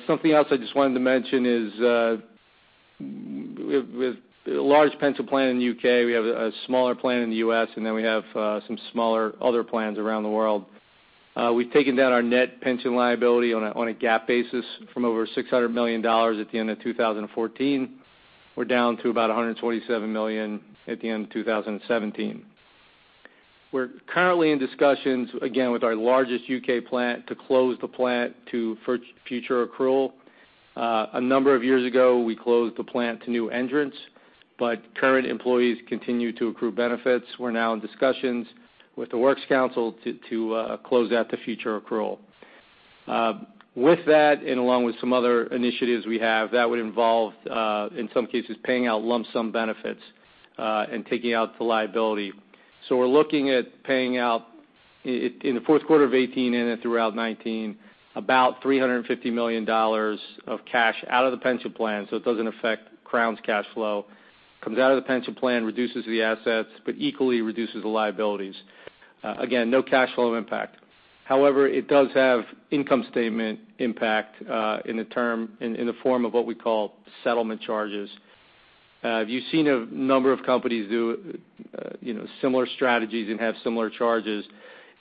Something else I just wanted to mention is with a large pension plant in the U.K., we have a smaller plant in the U.S., and then we have some smaller other plants around the world. We've taken down our net pension liability on a GAAP basis from over $600 million at the end of 2014. We're down to about $127 million at the end of 2017. We're currently in discussions, again, with our largest U.K. plant to close the plant for future accrual. A number of years ago, we closed the plant to new entrants, but current employees continue to accrue benefits. We're now in discussions with the works council to close out the future accrual. With that, and along with some other initiatives we have, that would involve, in some cases, paying out lump sum benefits, and taking out the liability. We're looking at paying out, in the fourth quarter of 2018 and throughout 2019, about $350 million of cash out of the pension plan so it doesn't affect Crown's cash flow. Comes out of the pension plan, reduces the assets, but equally reduces the liabilities. Again, no cash flow impact. However, it does have income statement impact in the form of what we call settlement charges. You've seen a number of companies do similar strategies and have similar charges.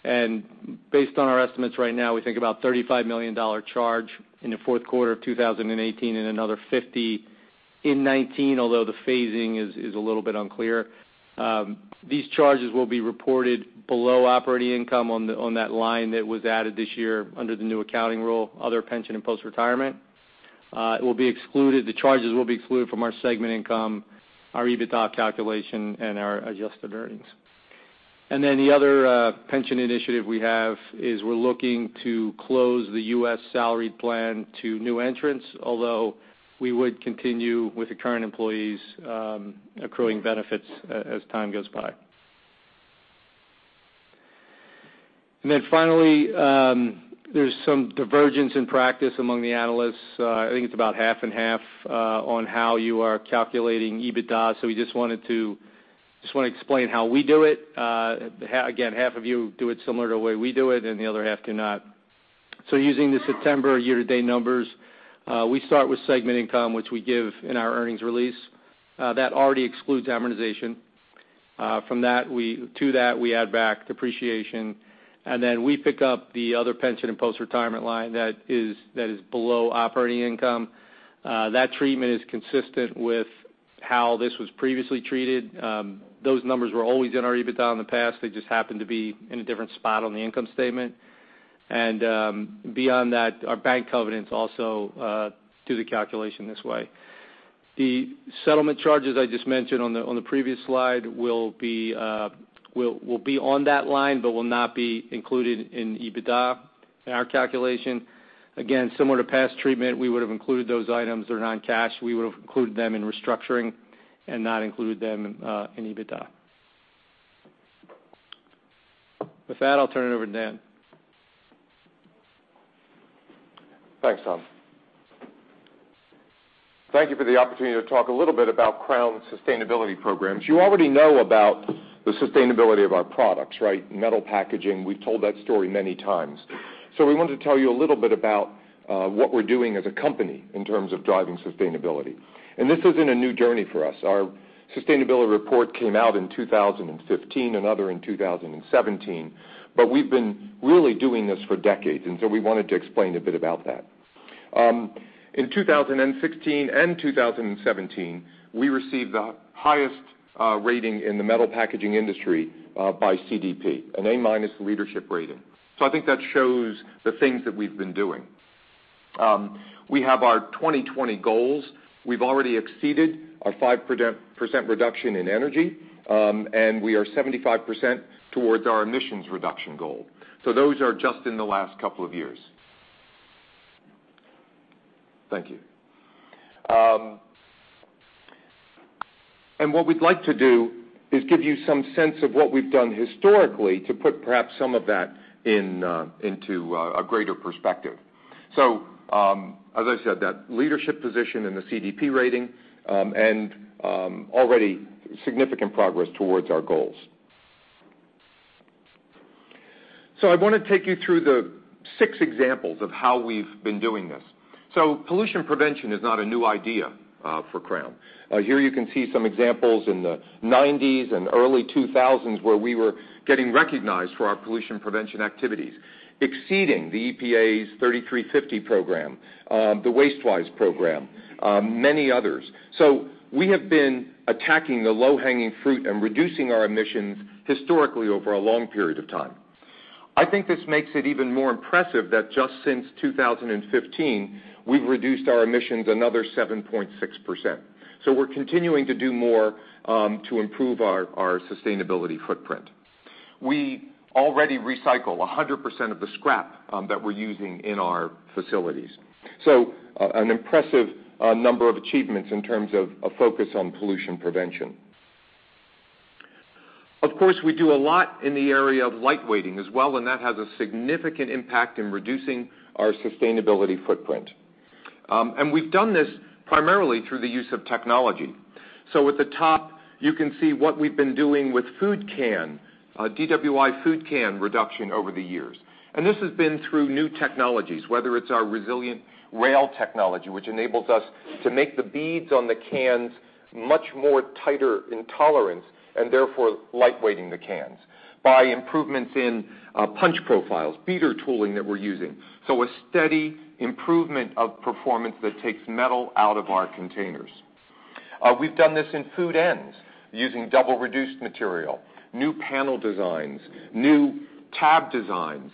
Based on our estimates right now, we think about a $35 million charge in the fourth quarter of 2018 and another $50 million in 2019, although the phasing is a little bit unclear. These charges will be reported below operating income on that line that was added this year under the new accounting rule, other pension and post-retirement. The charges will be excluded from our segment income, our EBITDA calculation, and our adjusted earnings. The other pension initiative we have is we're looking to close the U.S. salaried plan to new entrants, although we would continue with the current employees accruing benefits as time goes by. Finally, there's some divergence in practice among the analysts. I think it's about half and half on how you are calculating EBITDA, we just want to explain how we do it. Half of you do it similar to the way we do it, and the other half do not. Using the September year-to-date numbers, we start with segment income, which we give in our earnings release. That already excludes amortization. To that, we add back depreciation, and we pick up the other pension and post-retirement line that is below operating income. That treatment is consistent with how this was previously treated. Those numbers were always in our EBITDA in the past. They just happened to be in a different spot on the income statement. Beyond that, our bank covenants also do the calculation this way. The settlement charges I just mentioned on the previous slide will be on that line, but will not be included in EBITDA in our calculation. Similar to past treatment, we would have included those items that are non-cash. We would have included them in restructuring and not included them in EBITDA. With that, I'll turn it over to Dan. Thanks, Tom. Thank you for the opportunity to talk a little bit about Crown's sustainability programs. You already know about the sustainability of our products, right? Metal packaging, we've told that story many times. We wanted to tell you a little bit about what we're doing as a company in terms of driving sustainability. This isn't a new journey for us. Our sustainability report came out in 2015, another in 2017, but we've been really doing this for decades, we wanted to explain a bit about that. In 2016 and 2017, we received the highest rating in the metal packaging industry by CDP, an A- leadership rating. I think that shows the things that we've been doing. We have our 2020 goals. We've already exceeded our 5% reduction in energy, and we are 75% towards our emissions reduction goal. Those are just in the last couple of years. Thank you. What we'd like to do is give you some sense of what we've done historically to put perhaps some of that into a greater perspective. As I said, that leadership position in the CDP rating, already significant progress towards our goals. I want to take you through the six examples of how we've been doing this. Pollution prevention is not a new idea for Crown. Here you can see some examples in the 1990s and early 2000s where we were getting recognized for our pollution prevention activities, exceeding the EPA's 33/50 Program, the WasteWise Program, many others. We have been attacking the low-hanging fruit and reducing our emissions historically over a long period of time. I think this makes it even more impressive that just since 2015, we've reduced our emissions another 7.6%. We're continuing to do more to improve our sustainability footprint. We already recycle 100% of the scrap that we're using in our facilities. An impressive number of achievements in terms of a focus on pollution prevention. Of course, we do a lot in the area of lightweighting as well, and that has a significant impact in reducing our sustainability footprint. We've done this primarily through the use of technology. At the top, you can see what we've been doing with food can, DWI food can reduction over the years. This has been through new technologies, whether it's our resilient rail technology, which enables us to make the beads on the cans much more tighter in tolerance, and therefore lightweighting the cans. By improvements in punch profiles, beater tooling that we're using. A steady improvement of performance that takes metal out of our containers. We've done this in food ends using double reduced material, new panel designs, new tab designs,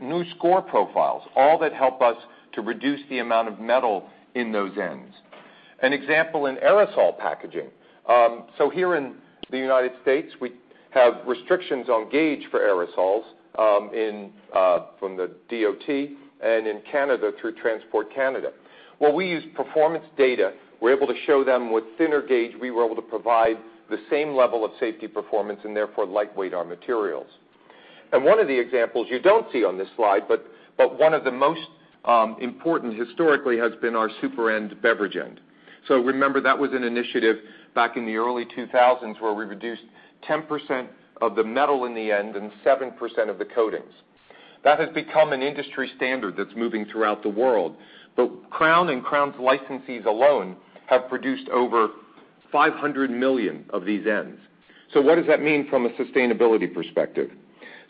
new score profiles, all that help us to reduce the amount of metal in those ends. An example in aerosol packaging. Here in the U.S., we have restrictions on gauge for aerosols from the DOT and in Canada through Transport Canada. We use performance data. We're able to show them with thinner gauge, we were able to provide the same level of safety performance and therefore lightweight our materials. One of the examples you don't see on this slide, but one of the most important historically has been our SuperEnd beverage end. Remember, that was an initiative back in the early 2000s where we reduced 10% of the metal in the end and 7% of the coatings. That has become an industry standard that's moving throughout the world. Crown and Crown's licensees alone have produced over 500 million of these ends. What does that mean from a sustainability perspective?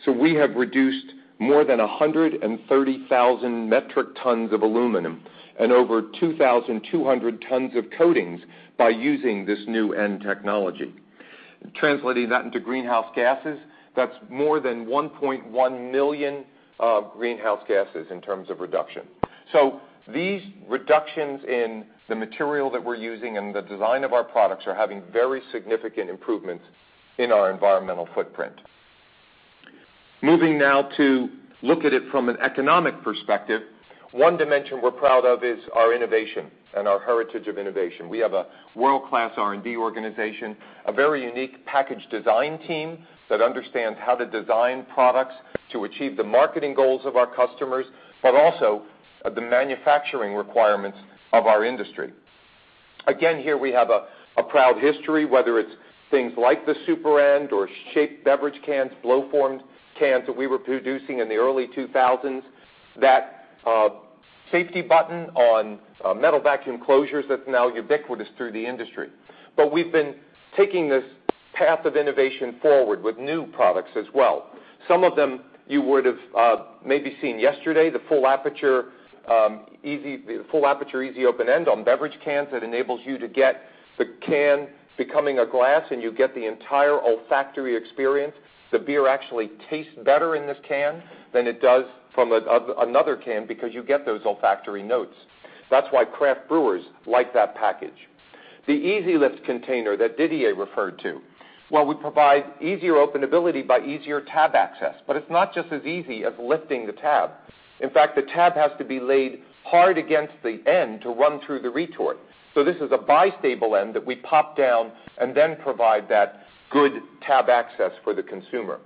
We have reduced more than 130,000 metric tons of aluminum and over 2,200 tons of coatings by using this new end technology. Translating that into greenhouse gases, that's more than 1.1 million greenhouse gases in terms of reduction. These reductions in the material that we're using and the design of our products are having very significant improvements in our environmental footprint. Moving now to look at it from an economic perspective, one dimension we're proud of is our innovation and our heritage of innovation. We have a world-class R&D organization, a very unique package design team that understands how to design products to achieve the marketing goals of our customers, but also the manufacturing requirements of our industry. Again, here we have a proud history, whether it's things like the SuperEnd or shaped beverage cans, blow-formed cans that we were producing in the early 2000s. That safety button on metal vacuum closures that's now ubiquitous through the industry. We've been taking this path of innovation forward with new products as well. Some of them you would have maybe seen yesterday, the full aperture easy open end on beverage cans that enables you to get the can becoming a glass, and you get the entire olfactory experience. The beer actually tastes better in this can than it does from another can because you get those olfactory notes. That's why craft brewers like that package. The EasyLift container that Didier referred to, where we provide easier openability by easier tab access. It's not just as easy as lifting the tab. In fact, the tab has to be laid hard against the end to run through the retort. This is a bistable end that we pop down and then provide that good tab access for the consumer.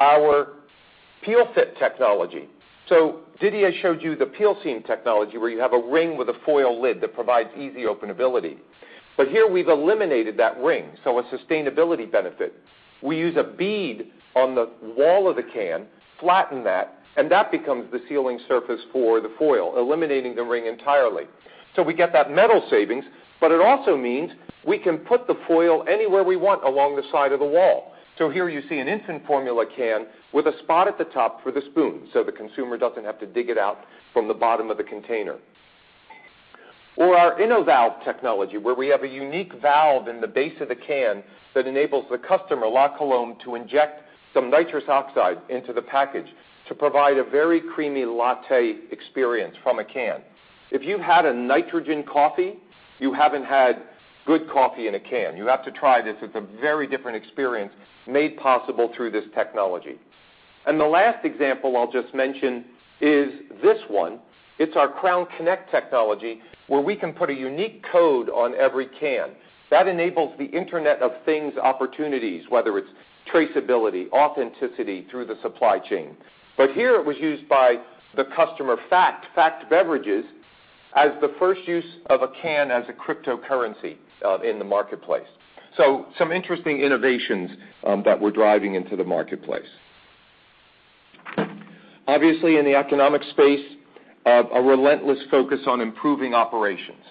Our Peelfit technology. Didier showed you the peel seam technology where you have a ring with a foil lid that provides easy openability. Here we've eliminated that ring, so a sustainability benefit. We use a bead on the wall of the can, flatten that, and that becomes the sealing surface for the foil, eliminating the ring entirely. We get that metal savings, but it also means we can put the foil anywhere we want along the side of the wall. Here you see an infant formula can with a spot at the top for the spoon, so the consumer doesn't have to dig it out from the bottom of the container. Or our InnoValve technology, where we have a unique valve in the base of the can that enables the customer, La Colombe, to inject some nitrous oxide into the package to provide a very creamy latte experience from a can. If you've had a nitrogen coffee, you haven't had good coffee in a can. You have to try this. It's a very different experience made possible through this technology. The last example I'll just mention is this one. It's our CrownConnect technology where we can put a unique code on every can. That enables the Internet of Things opportunities, whether it's traceability, authenticity through the supply chain. Here it was used by the customer, FACT Beverages, as the first use of a can as a cryptocurrency in the marketplace. Some interesting innovations that we're driving into the marketplace. Obviously, in the economic space, a relentless focus on improving operations.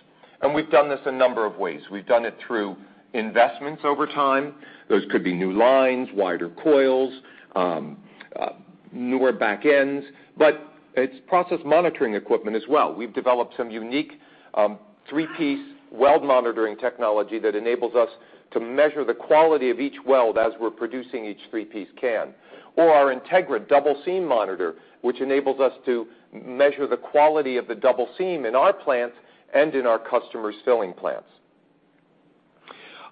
We've done this a number of ways. We've done it through investments over time. Those could be new lines, wider coils, newer back ends, but it's process monitoring equipment as well. We've developed some unique three-piece weld monitoring technology that enables us to measure the quality of each weld as we're producing each three-piece can, or our Integra Double Seam Monitor, which enables us to measure the quality of the double seam in our plants and in our customers' filling plants.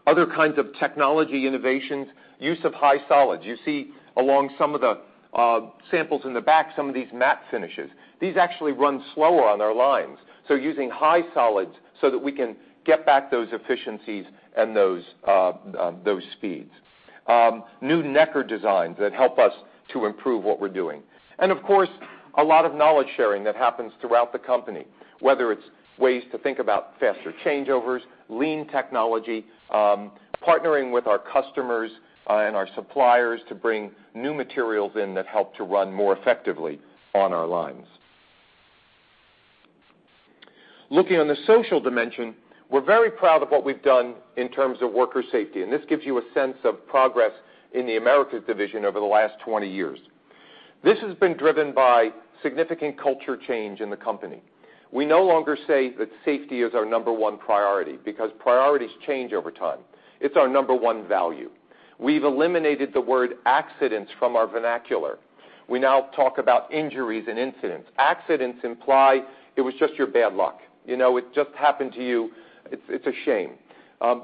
Other kinds of technology innovations, use of high solids. You see along some of the samples in the back, some of these matte finishes. These actually run slower on our lines. Using high solids so that we can get back those efficiencies and those speeds. New necker designs that help us to improve what we're doing. Of course, a lot of knowledge-sharing that happens throughout the company, whether it's ways to think about faster changeovers, lean technology, partnering with our customers and our suppliers to bring new materials in that help to run more effectively on our lines. Looking on the social dimension, we're very proud of what we've done in terms of worker safety, and this gives you a sense of progress in the Americas Division over the last 20 years. This has been driven by significant culture change in the company. We no longer say that safety is our number one priority, because priorities change over time. It's our number one value. We've eliminated the word accidents from our vernacular. We now talk about injuries and incidents. Accidents imply it was just your bad luck. It just happened to you. It's a shame.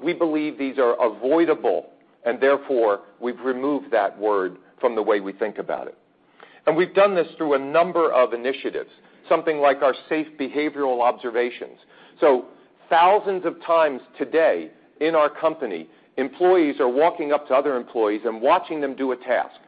We believe these are avoidable, and therefore, we've removed that word from the way we think about it. We've done this through a number of initiatives, something like our safe behavioral observations. Thousands of times today in our company, employees are walking up to other employees and watching them do a task.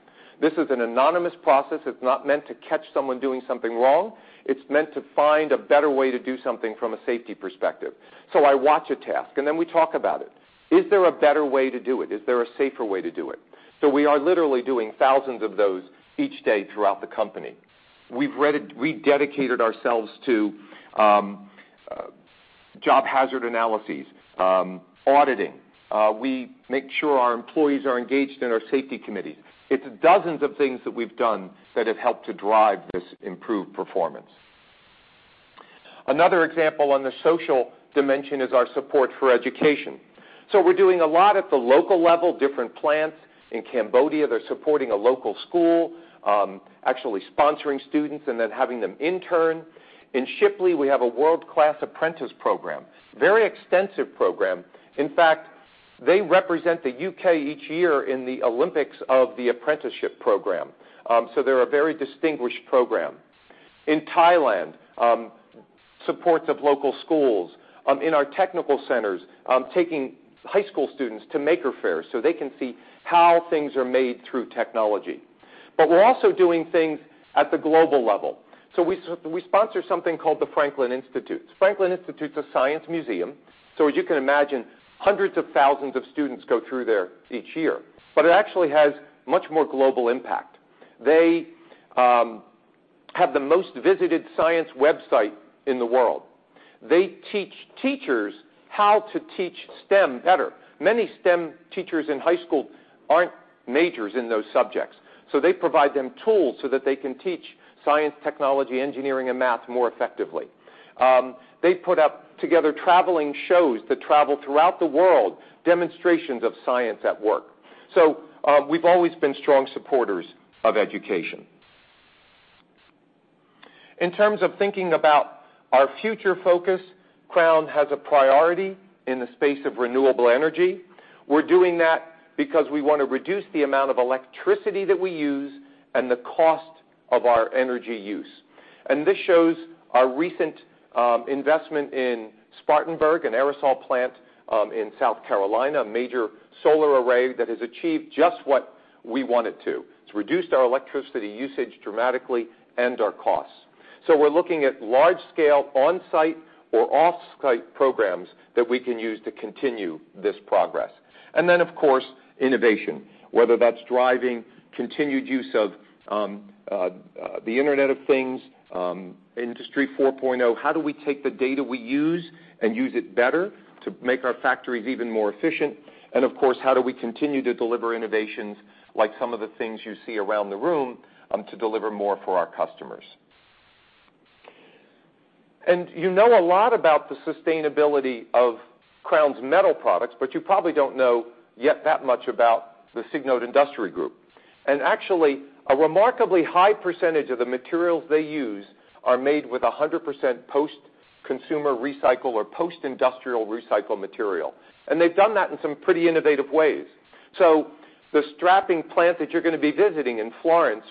This is an anonymous process. It's not meant to catch someone doing something wrong. It's meant to find a better way to do something from a safety perspective. I watch a task, and then we talk about it. Is there a better way to do it? Is there a safer way to do it? We are literally doing thousands of those each day throughout the company. We dedicated ourselves to job hazard analyses, auditing. We make sure our employees are engaged in our safety committee. It's dozens of things that we've done that have helped to drive this improved performance. Another example on the social dimension is our support for education. We're doing a lot at the local level, different plants. In Cambodia, they're supporting a local school, actually sponsoring students and then having them intern. In Shipley, we have a world-class apprentice program, very extensive program. In fact, they represent the U.K. each year in the Olympics of the Apprenticeship Program. They're a very distinguished program. In Thailand, support of local schools. In our technical centers, taking high school students to Maker Faire so they can see how things are made through technology. We're also doing things at the global level. We sponsor something called The Franklin Institute. The Franklin Institute is a science museum. As you can imagine, hundreds of thousands of students go through there each year, but it actually has much more global impact. They have the most visited science website in the world. They teach teachers how to teach STEM better. Many STEM teachers in high school aren't majors in those subjects. They provide them tools so that they can teach science, technology, engineering, and math more effectively. They put up together traveling shows that travel throughout the world, demonstrations of science at work. We've always been strong supporters of education. In terms of thinking about our future focus, Crown has a priority in the space of renewable energy. We're doing that because we want to reduce the amount of electricity that we use and the cost of our energy use. This shows our recent investment in Spartanburg, an aerosol plant in South Carolina, a major solar array that has achieved just what we want it to. It's reduced our electricity usage dramatically and our costs. We're looking at large-scale on-site or off-site programs that we can use to continue this progress. Then, of course, innovation, whether that's driving continued use of the Internet of Things, Industry 4.0. How do we take the data we use and use it better to make our factories even more efficient? Of course, how do we continue to deliver innovations like some of the things you see around the room to deliver more for our customers? You know a lot about the sustainability of Crown's metal products, but you probably don't know yet that much about the Signode Industrial Group. Actually, a remarkably high percentage of the materials they use are made with 100% post-consumer recycle or post-industrial recycle material. They've done that in some pretty innovative ways. The strapping plant that you're going to be visiting in Florence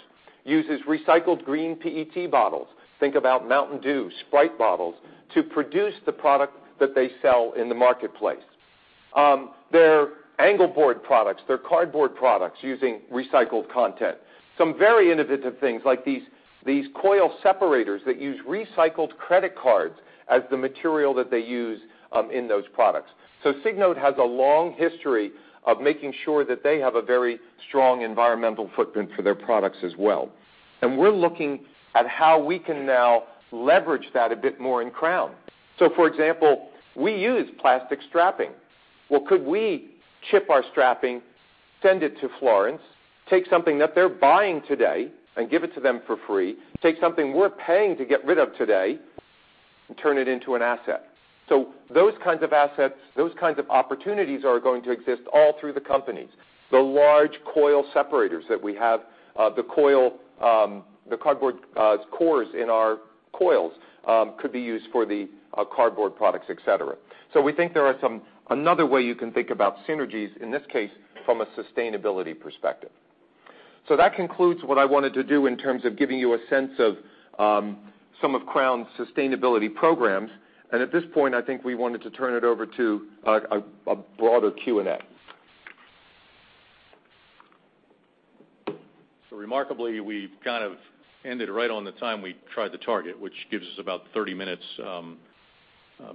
uses recycled green PET bottles. Think about Mountain Dew, Sprite bottles, to produce the product that they sell in the marketplace. Their Angleboard products, their cardboard products using recycled content. Some very innovative things like these coil separators that use recycled credit cards as the material that they use in those products. Signode has a long history of making sure that they have a very strong environmental footprint for their products as well. We're looking at how we can now leverage that a bit more in Crown. For example, we use plastic strapping. Could we chip our strapping, send it to Florence, take something that they're buying today and give it to them for free, take something we're paying to get rid of today, and turn it into an asset? Those kinds of assets, those kinds of opportunities are going to exist all through the companies. The large coil separators that we have, the cardboard cores in our coils could be used for the cardboard products, et cetera. We think there are some another way you can think about synergies, in this case, from a sustainability perspective. That concludes what I wanted to do in terms of giving you a sense of some of Crown's sustainability programs. At this point, I think we wanted to turn it over to a broader Q&A. Remarkably, we kind of ended right on the time we tried to target, which gives us about 30 minutes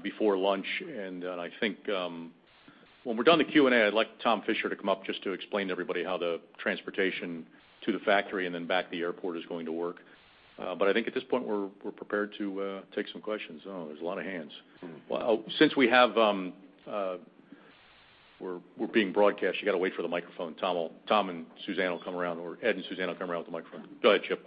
before lunch. Then I think when we're done with the Q&A, I'd like Tom Fischer to come up just to explain to everybody how the transportation to the factory and then back to the airport is going to work. I think at this point, we're prepared to take some questions. Oh, there's a lot of hands. Since we're being broadcast, you got to wait for the microphone. Tom and Suzanne will come around, or Ed and Suzanne will come around with the microphone. Go ahead, Chip.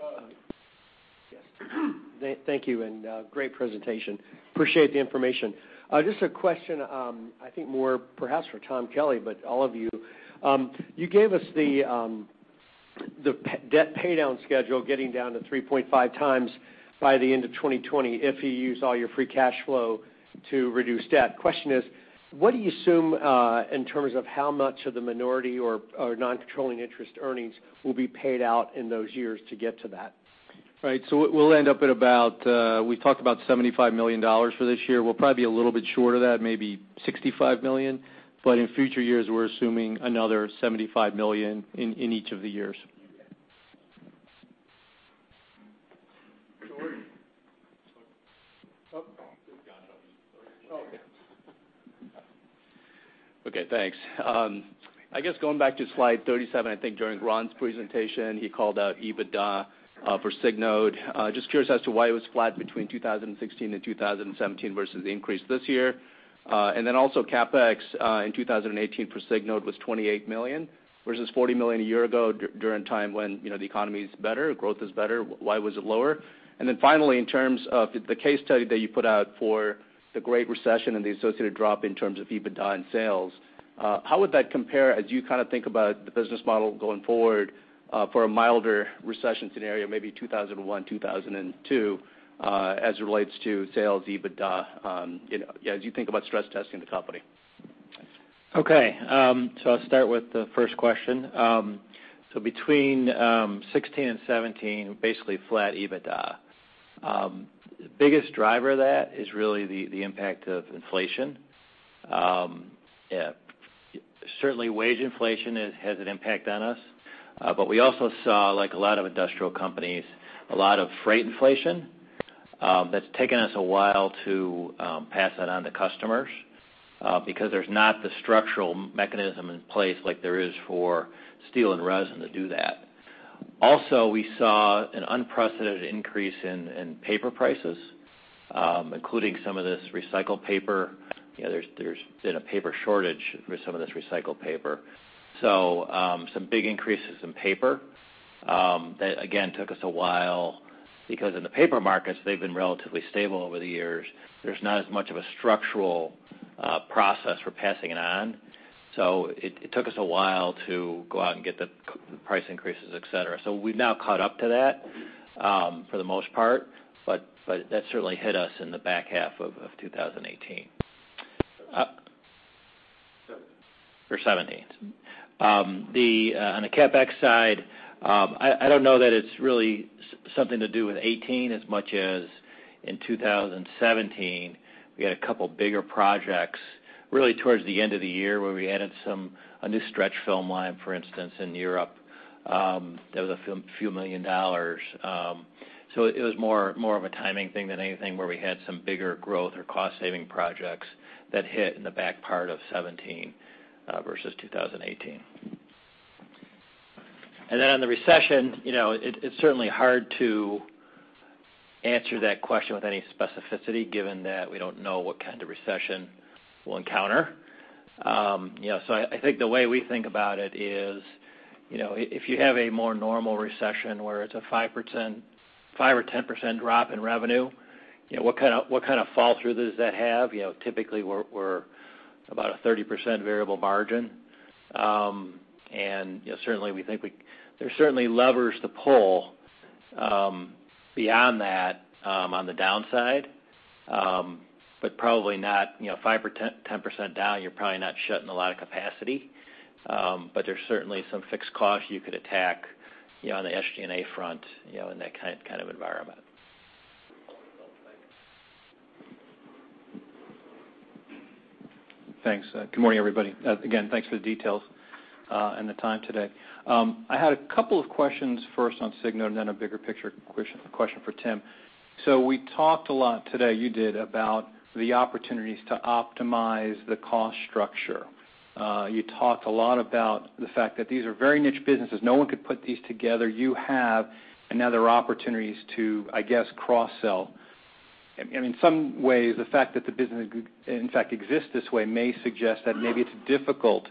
Thank you. Great presentation. Appreciate the information. A question, I think more perhaps for Tom Kelly, but all of you. You gave us the debt paydown schedule getting down to 3.5 times by the end of 2020 if you use all your free cash flow to reduce debt. What do you assume in terms of how much of the minority or non-controlling interest earnings will be paid out in those years to get to that? Right. We'll end up at about, we talked about $75 million for this year. We'll probably be a little bit short of that, maybe $65 million. In future years, we're assuming another $75 million in each of the years. Okay. George. Oh. There's John. I don't think George is here. Oh, okay. Okay, thanks. Going back to slide 37, I think during Ron's presentation, he called out EBITDA for Signode. Just curious as to why it was flat between 2016 and 2017 versus the increase this year. CapEx in 2018 for Signode was $28 million, versus $40 million a year ago during a time when the economy is better, growth is better. Why was it lower? Finally, in terms of the case study that you put out for the Great Recession and the associated drop in terms of EBITDA and sales, how would that compare as you kind of think about the business model going forward for a milder recession scenario, maybe 2001, 2002, as it relates to sales, EBITDA, as you think about stress testing the company? Okay. I'll start with the first question. Between 2016 and 2017, basically flat EBITDA. Biggest driver of that is really the impact of inflation. Certainly, wage inflation has an impact on us. We also saw, like a lot of industrial companies, a lot of freight inflation. That's taken us a while to pass that on to customers, because there's not the structural mechanism in place like there is for steel and resin to do that. We saw an unprecedented increase in paper prices, including some of this recycled paper. There's been a paper shortage for some of this recycled paper. Some big increases in paper. That again, took us a while because in the paper markets, they've been relatively stable over the years. There's not as much of a structural process for passing it on. It took us a while to go out and get the price increases, et cetera. We've now caught up to that for the most part, but that certainly hit us in the back half of 2018, or 2017. On the CapEx side, I don't know that it's really something to do with 2018 as much as in 2017, we had a couple bigger projects, really towards the end of the year, where we added a new stretch film line, for instance, in Europe. That was a few million dollars. It was more of a timing thing than anything where we had some bigger growth or cost-saving projects that hit in the back part of 2017 versus 2018. On the recession, it's certainly hard to answer that question with any specificity given that we don't know what kind of recession we'll encounter. I think the way we think about it is, if you have a more normal recession where it's a 5% or 10% drop in revenue, what kind of fall through does that have? Typically, we're about a 30% variable margin. There's certainly levers to pull beyond that on the downside. Probably not 5% or 10% down, you're probably not shutting a lot of capacity. There's certainly some fixed costs you could attack on the SG&A front in that kind of environment. Thanks. Good morning, everybody. Again, thanks for the details and the time today. I had a couple of questions first on Signode and then a bigger picture question for Tim. We talked a lot today, you did, about the opportunities to optimize the cost structure. You talked a lot about the fact that these are very niche businesses. No one could put these together. You have another opportunity to, I guess, cross-sell. In some ways, the fact that the business in fact exists this way may suggest that maybe it's difficult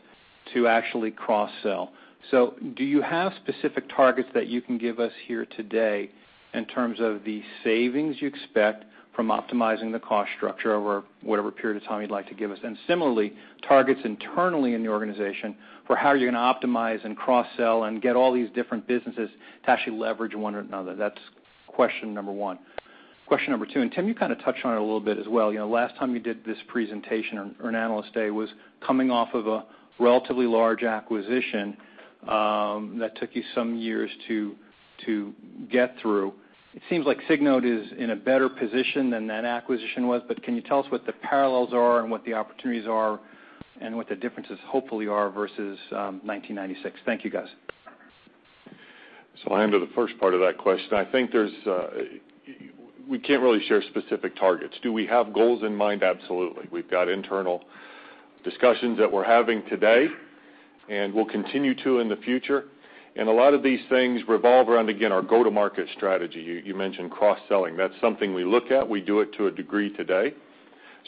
to actually cross-sell. Do you have specific targets that you can give us here today in terms of the savings you expect from optimizing the cost structure over whatever period of time you'd like to give us? Similarly, targets internally in the organization for how you're going to optimize and cross-sell and get all these different businesses to actually leverage one another. That's question number 1. Question number 2, Tim, you kind of touched on it a little bit as well. Last time you did this presentation or an Analyst Day was coming off of a relatively large acquisition that took you some years to get through. It seems like Signode is in a better position than that acquisition was, but can you tell us what the parallels are and what the opportunities are, and what the differences hopefully are versus 1996? Thank you, guys. I'll handle the first part of that question. I think we can't really share specific targets. Do we have goals in mind? Absolutely. We've got internal discussions that we're having today, and we'll continue to in the future. A lot of these things revolve around, again, our go-to-market strategy. You mentioned cross-selling. That's something we look at. We do it to a degree today.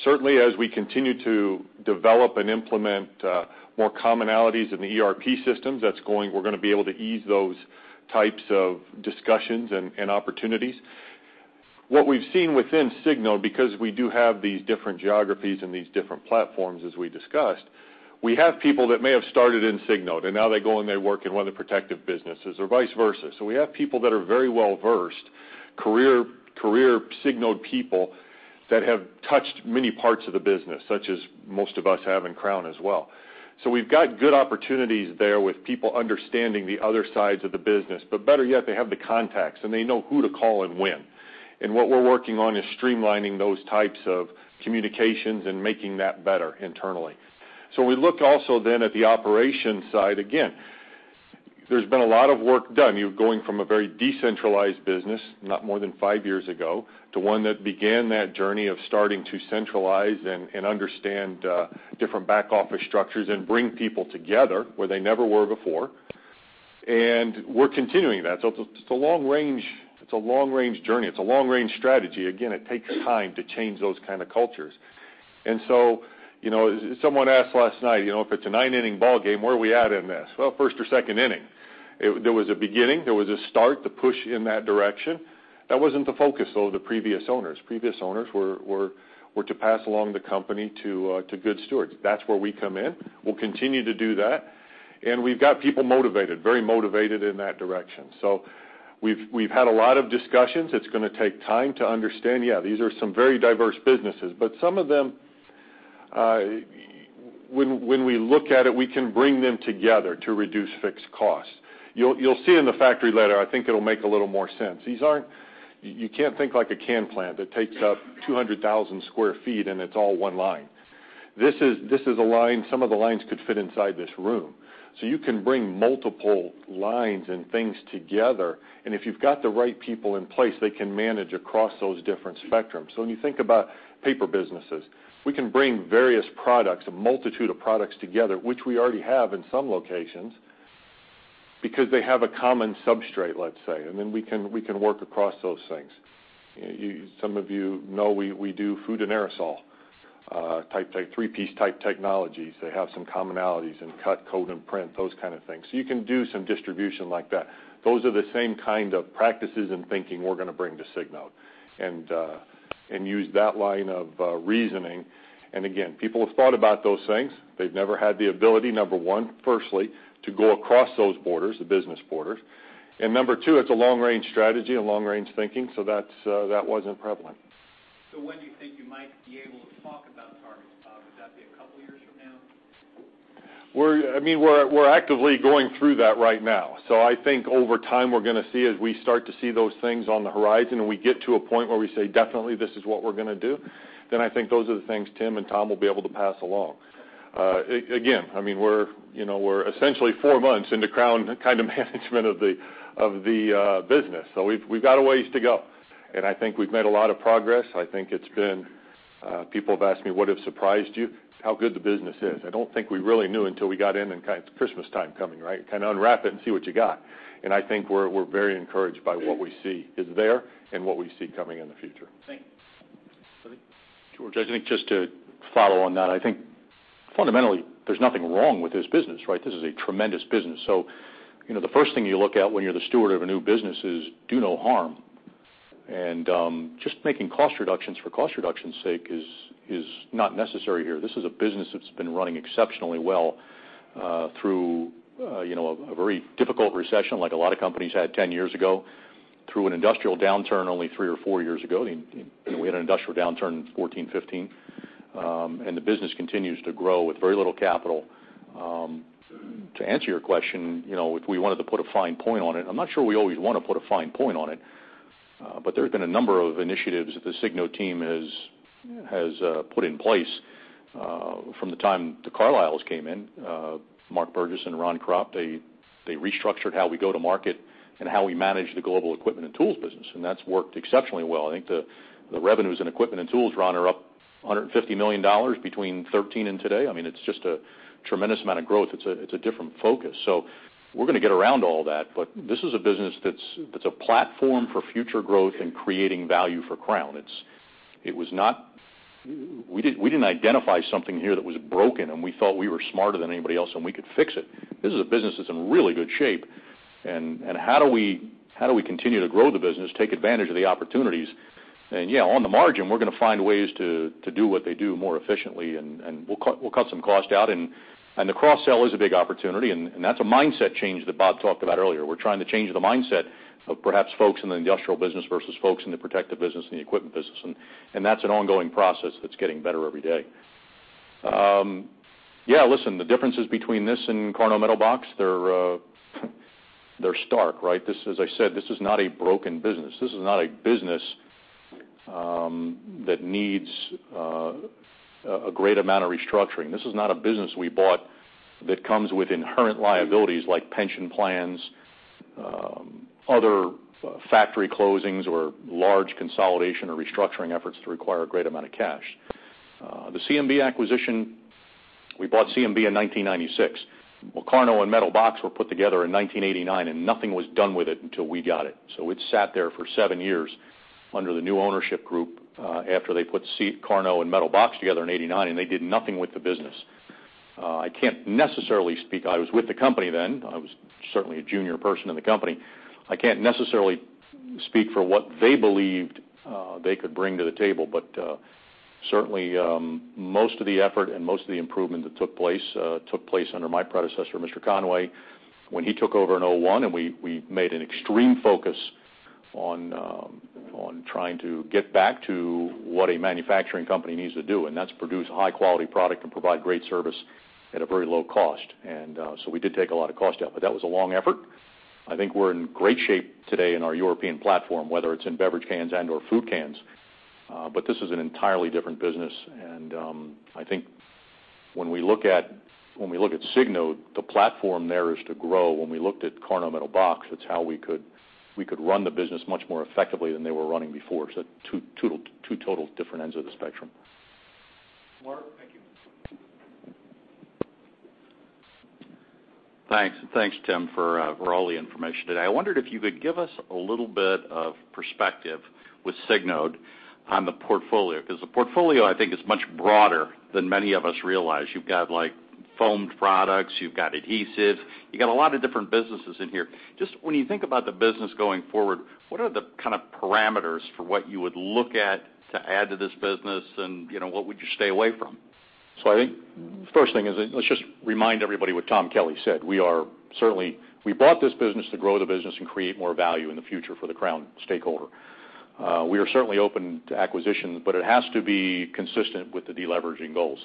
Certainly, as we continue to develop and implement more commonalities in the ERP systems, we're going to be able to ease those types of discussions and opportunities. What we've seen within Signode, because we do have these different geographies and these different platforms, as we discussed, we have people that may have started in Signode, and now they go and they work in one of the protective businesses or vice versa. We have people that are very well-versed, career Signode people that have touched many parts of the business, such as most of us have in Crown as well. We've got good opportunities there with people understanding the other sides of the business, but better yet, they have the contacts, and they know who to call and when. What we're working on is streamlining those types of communications and making that better internally. We looked also then at the operations side. Again, there's been a lot of work done. You're going from a very decentralized business, not more than five years ago, to one that began that journey of starting to centralize and understand different back-office structures and bring people together where they never were before. We're continuing that. It's a long-range journey. It's a long-range strategy. Again, it takes time to change those kind of cultures. Someone asked last night, if it's a nine-inning ballgame, where are we at in this? Well, first or second inning. There was a beginning. There was a start to push in that direction. That wasn't the focus, though, of the previous owners. Previous owners were to pass along the company to good stewards. That's where we come in. We'll continue to do that. We've got people motivated, very motivated in that direction. We've had a lot of discussions. It's going to take time to understand, yeah, these are some very diverse businesses, but some of them, when we look at it, we can bring them together to reduce fixed costs. You'll see in the factory later, I think it'll make a little more sense. You can't think like a can plant that takes up 200,000 square feet and it's all one line. This is a line, some of the lines could fit inside this room. You can bring multiple lines and things together, and if you've got the right people in place, they can manage across those different spectrums. When you think about paper businesses, we can bring various products, a multitude of products together, which we already have in some locations, because they have a common substrate, let's say, and then we can work across those things. Some of you know we do food and aerosol, three-piece type technologies. They have some commonalities in cut, code, and print, those kind of things. You can do some distribution like that. Those are the same kind of practices and thinking we're going to bring to Signode and use that line of reasoning. Again, people have thought about those things. They've never had the ability, number one, firstly, to go across those borders, the business borders. Number two, it's a long-range strategy and long-range thinking, that wasn't prevalent. When do you think you might be able to talk about targets? Would that be a couple years from now? We're actively going through that right now. I think over time, we're going to see as we start to see those things on the horizon, and we get to a point where we say, "Definitely, this is what we're going to do," then I think those are the things Tim and Tom will be able to pass along. Again, we're essentially four months into Crown kind of management of the business. We've got a ways to go, and I think we've made a lot of progress. People have asked me, "What has surprised you?" How good the business is. I don't think we really knew until we got in, and it's Christmas time coming. Kind of unwrap it and see what you got. I think we're very encouraged by what we see is there and what we see coming in the future. Thanks. George, I think just to follow on that, I think fundamentally, there's nothing wrong with this business. This is a tremendous business. The first thing you look at when you're the steward of a new business is do no harm. Just making cost reductions for cost reduction's sake is not necessary here. This is a business that's been running exceptionally well through a very difficult recession, like a lot of companies had 10 years ago, through an industrial downturn only three or four years ago. We had an industrial downturn in 2014, 2015, the business continues to grow with very little capital. To answer your question, if we wanted to put a fine point on it, I'm not sure we always want to put a fine point on it, but there have been a number of initiatives that the Signode team has put in place from the time the Carlyles came in. Mark Burgess and Ron Kropp, they restructured how we go to market and how we manage the global equipment and tools business, that's worked exceptionally well. I think the revenues in equipment and tools, Ron, are up $150 million between 2013 and today. It's just a tremendous amount of growth. It's a different focus. We're going to get around all that, but this is a business that's a platform for future growth and creating value for Crown. We didn't identify something here that was broken. We thought we were smarter than anybody else, and we could fix it. This is a business that's in really good shape. How do we continue to grow the business, take advantage of the opportunities? Yeah, on the margin, we're going to find ways to do what they do more efficiently. We'll cut some cost out. The cross-sell is a big opportunity. That's a mindset change that Bob talked about earlier. We're trying to change the mindset of perhaps folks in the industrial business versus folks in the protective business and the equipment business. That's an ongoing process that's getting better every day. Yeah. Listen, the differences between this and CarnaudMetalbox, they're stark, right? As I said, this is not a broken business. This is not a business that needs a great amount of restructuring. This is not a business we bought that comes with inherent liabilities like pension plans, other factory closings, or large consolidation or restructuring efforts that require a great amount of cash. The CMB acquisition, we bought CMB in 1996. Carnaud and Metal Box were put together in 1989. Nothing was done with it until we got it. It sat there for seven years under the new ownership group, after they put Carnaud and Metal Box together in 1989. They did nothing with the business. I was with the company then. I was certainly a junior person in the company. I can't necessarily speak for what they believed they could bring to the table. Certainly, most of the effort and most of the improvement that took place, took place under my predecessor, Mr. Conway, when he took over in 2001. We made an extreme focus on trying to get back to what a manufacturing company needs to do. That's produce a high-quality product and provide great service at a very low cost. We did take a lot of cost out. That was a long effort. I think we're in great shape today in our European platform, whether it's in beverage cans and/or food cans. This is an entirely different business. I think when we look at Signode, the platform there is to grow. When we looked at CarnaudMetalbox, it's how we could run the business much more effectively than they were running before. Two total different ends of the spectrum. Mark. Thank you. Thanks. Thanks, Tim, for all the information today. I wondered if you could give us a little bit of perspective with Signode on the portfolio, because the portfolio, I think, is much broader than many of us realize. You've got foamed products, you've got adhesive. You've got a lot of different businesses in here. Just when you think about the business going forward, what are the kind of parameters for what you would look at to add to this business and what would you stay away from? I think first thing is, let's just remind everybody what Tom Kelly said. We bought this business to grow the business and create more value in the future for the Crown stakeholder. We are certainly open to acquisition, but it has to be consistent with the deleveraging goals.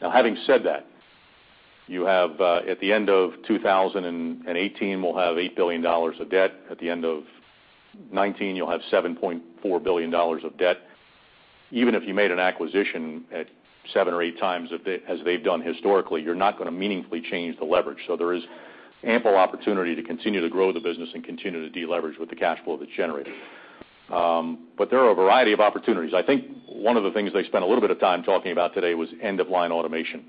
Having said that, at the end of 2018, we'll have $8 billion of debt. At the end of 2019, you'll have $7.4 billion of debt. Even if you made an acquisition at seven or eight times as they've done historically, you're not going to meaningfully change the leverage. There is ample opportunity to continue to grow the business and continue to deleverage with the cash flow that's generated. There are a variety of opportunities. I think one of the things they spent a little bit of time talking about today was end-of-line automation.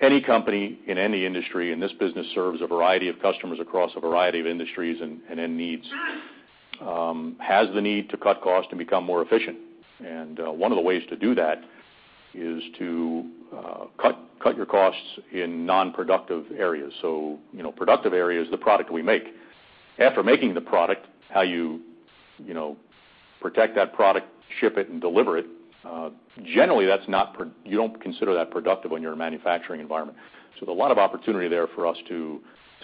Any company in any industry, and this business serves a variety of customers across a variety of industries and end needs, has the need to cut cost and become more efficient. One of the ways to do that is to cut your costs in non-productive areas. Productive areas, the product we make. After making the product, how you protect that product, ship it, and deliver it, generally, you don't consider that productive when you're a manufacturing environment. There's a lot of opportunity there for us to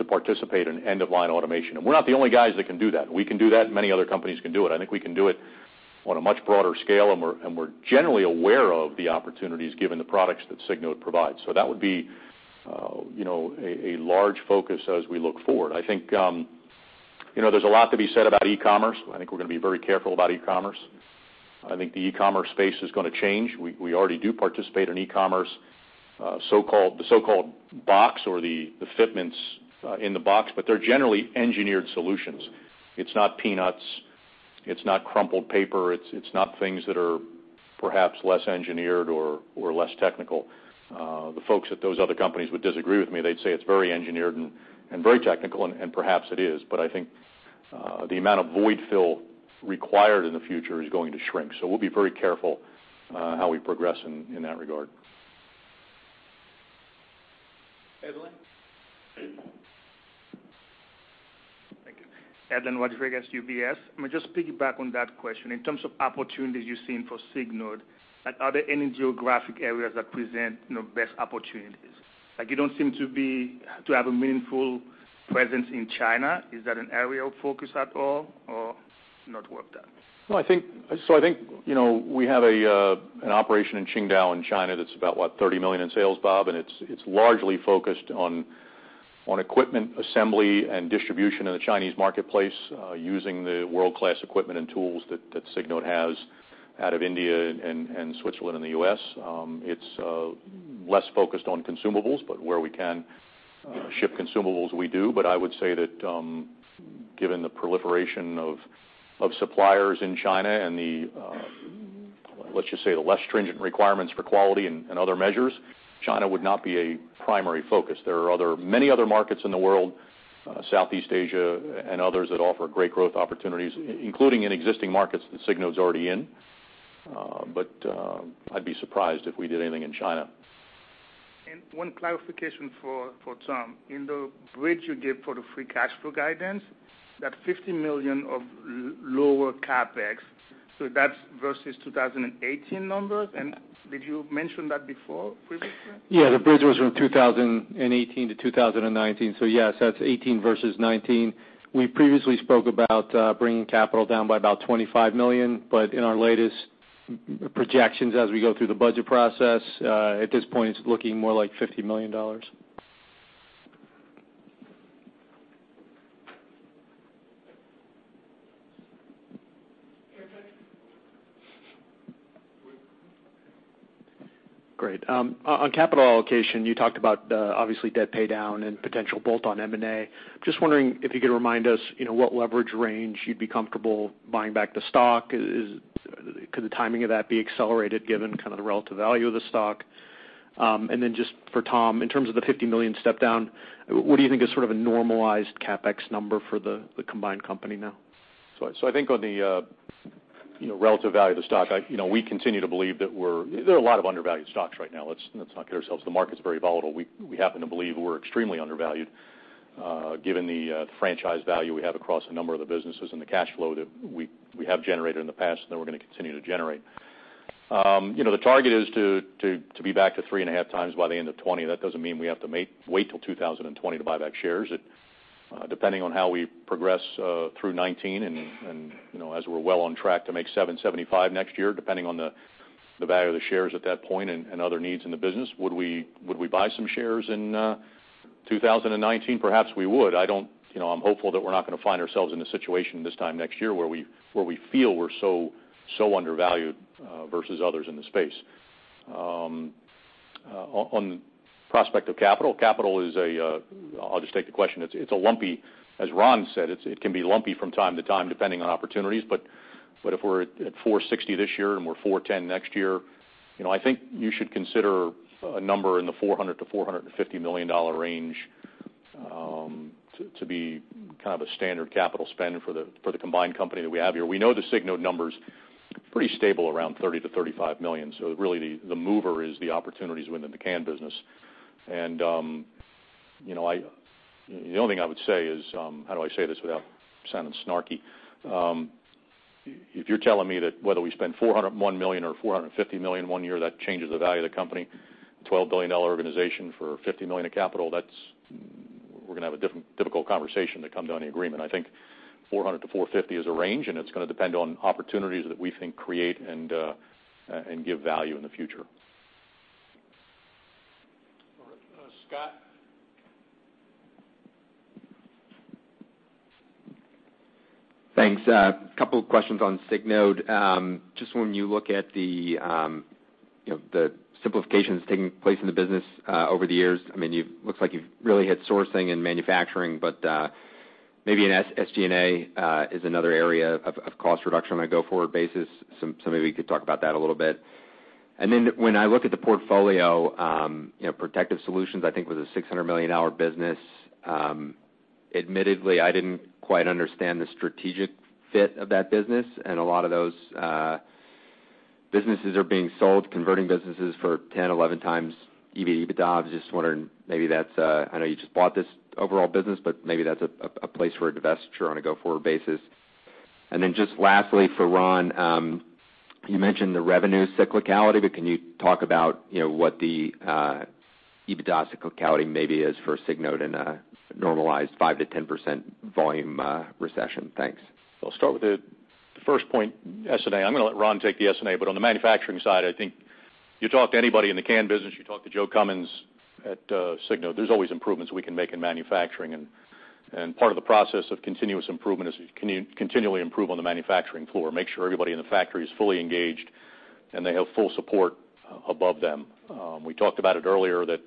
participate in end-of-line automation. We're not the only guys that can do that. We can do that, and many other companies can do it. I think we can do it on a much broader scale, and we're generally aware of the opportunities given the products that Signode provides. That would be a large focus as we look forward. I think there's a lot to be said about e-commerce. I think we're going to be very careful about e-commerce. I think the e-commerce space is going to change. We already do participate in e-commerce, the so-called box or the fitments in the box, but they're generally engineered solutions. It's not peanuts, it's not crumpled paper, it's not things that are perhaps less engineered or less technical. The folks at those other companies would disagree with me. They'd say it's very engineered and very technical, and perhaps it is. I think the amount of void fill required in the future is going to shrink. We'll be very careful how we progress in that regard. Edlain. Thank you. Edlain Rodriguez, UBS. I'm going to just piggyback on that question. In terms of opportunities you're seeing for Signode, are there any geographic areas that present best opportunities? You don't seem to have a meaningful presence in China. Is that an area of focus at all or not worth that? I think we have an operation in Qingdao in China that's about, what, $30 million in sales, Bob, and it's largely focused on equipment assembly and distribution in the Chinese marketplace using the world-class equipment and tools that Signode has out of India and Switzerland and the U.S. It's less focused on consumables, where we can ship consumables, we do. I would say that given the proliferation of suppliers in China and the, let's just say, the less stringent requirements for quality and other measures, China would not be a primary focus. There are many other markets in the world, Southeast Asia and others, that offer great growth opportunities, including in existing markets that Signode's already in. I'd be surprised if we did anything in China. One clarification for Tom. In the bridge you gave for the free cash flow guidance, that $50 million of lower CapEx, that's versus 2018 numbers? Did you mention that before previously? The bridge was from 2018 to 2019. Yes, that's '18 versus '19. We previously spoke about bringing capital down by about $25 million, in our latest projections as we go through the budget process, at this point, it's looking more like $50 million. Eric? Great. On capital allocation, you talked about obviously debt paydown and potential bolt-on M&A. Just wondering if you could remind us what leverage range you'd be comfortable buying back the stock. Could the timing of that be accelerated given the relative value of the stock? Just for Tom, in terms of the $50 million step-down, what do you think is sort of a normalized CapEx number for the combined company now? I think on the relative value of the stock, we continue to believe that there are a lot of undervalued stocks right now. Let's not kid ourselves. The market's very volatile. We happen to believe we're extremely undervalued, given the franchise value we have across a number of the businesses and the cash flow that we have generated in the past and that we're going to continue to generate. The target is to be back to 3.5 times by the end of 2020. That doesn't mean we have to wait till 2020 to buy back shares. Depending on how we progress through 2019, and as we're well on track to make $775 next year, depending on the value of the shares at that point and other needs in the business, would we buy some shares in 2019? Perhaps we would. I'm hopeful that we're not going to find ourselves in a situation this time next year where we feel we're so undervalued versus others in the space. On the prospect of capital, I'll just take the question. It's lumpy. As Ron said, it can be lumpy from time to time, depending on opportunities. If we're at $460 this year and we're $410 next year, I think you should consider a number in the $400 million-$450 million range to be kind of a standard capital spend for the combined company that we have here. We know the Signode number's pretty stable around $30 million-$35 million. Really the mover is the opportunities within the can business. The only thing I would say is, how do I say this without sounding snarky? If you're telling me that whether we spend $401 million or $450 million one year, that changes the value of the company, a $12 billion organization for $50 million of capital, we're going to have a difficult conversation to come to any agreement. I think $400 million-$450 million is a range, and it's going to depend on opportunities that we think create and give value in the future. All right. Scott? Thanks. A couple of questions on Signode. When you look at the simplifications taking place in the business over the years, it looks like you've really hit sourcing and manufacturing, but maybe SG&A is another area of cost reduction on a go-forward basis. Maybe we could talk about that a little bit. When I look at the portfolio, Protective Solutions, I think, was a $600 million business. Admittedly, I didn't quite understand the strategic fit of that business, and a lot of those businesses are being sold, converting businesses for 10, 11 times EBITDA. I was just wondering, I know you just bought this overall business, but maybe that's a place for a divestiture on a go-forward basis. Lastly, for Ron, you mentioned the revenue cyclicality, but can you talk about what the EBITDA cyclicality maybe is for Signode in a normalized 5%-10% volume recession? Thanks. I'll start with the first point, SG&A. I'm going to let Ron take the SG&A, but on the manufacturing side, I think you talk to anybody in the can business, you talk to Joe Cummons at Signode, there's always improvements we can make in manufacturing. Part of the process of continuous improvement is continually improve on the manufacturing floor, make sure everybody in the factory is fully engaged, and they have full support above them. We talked about it earlier that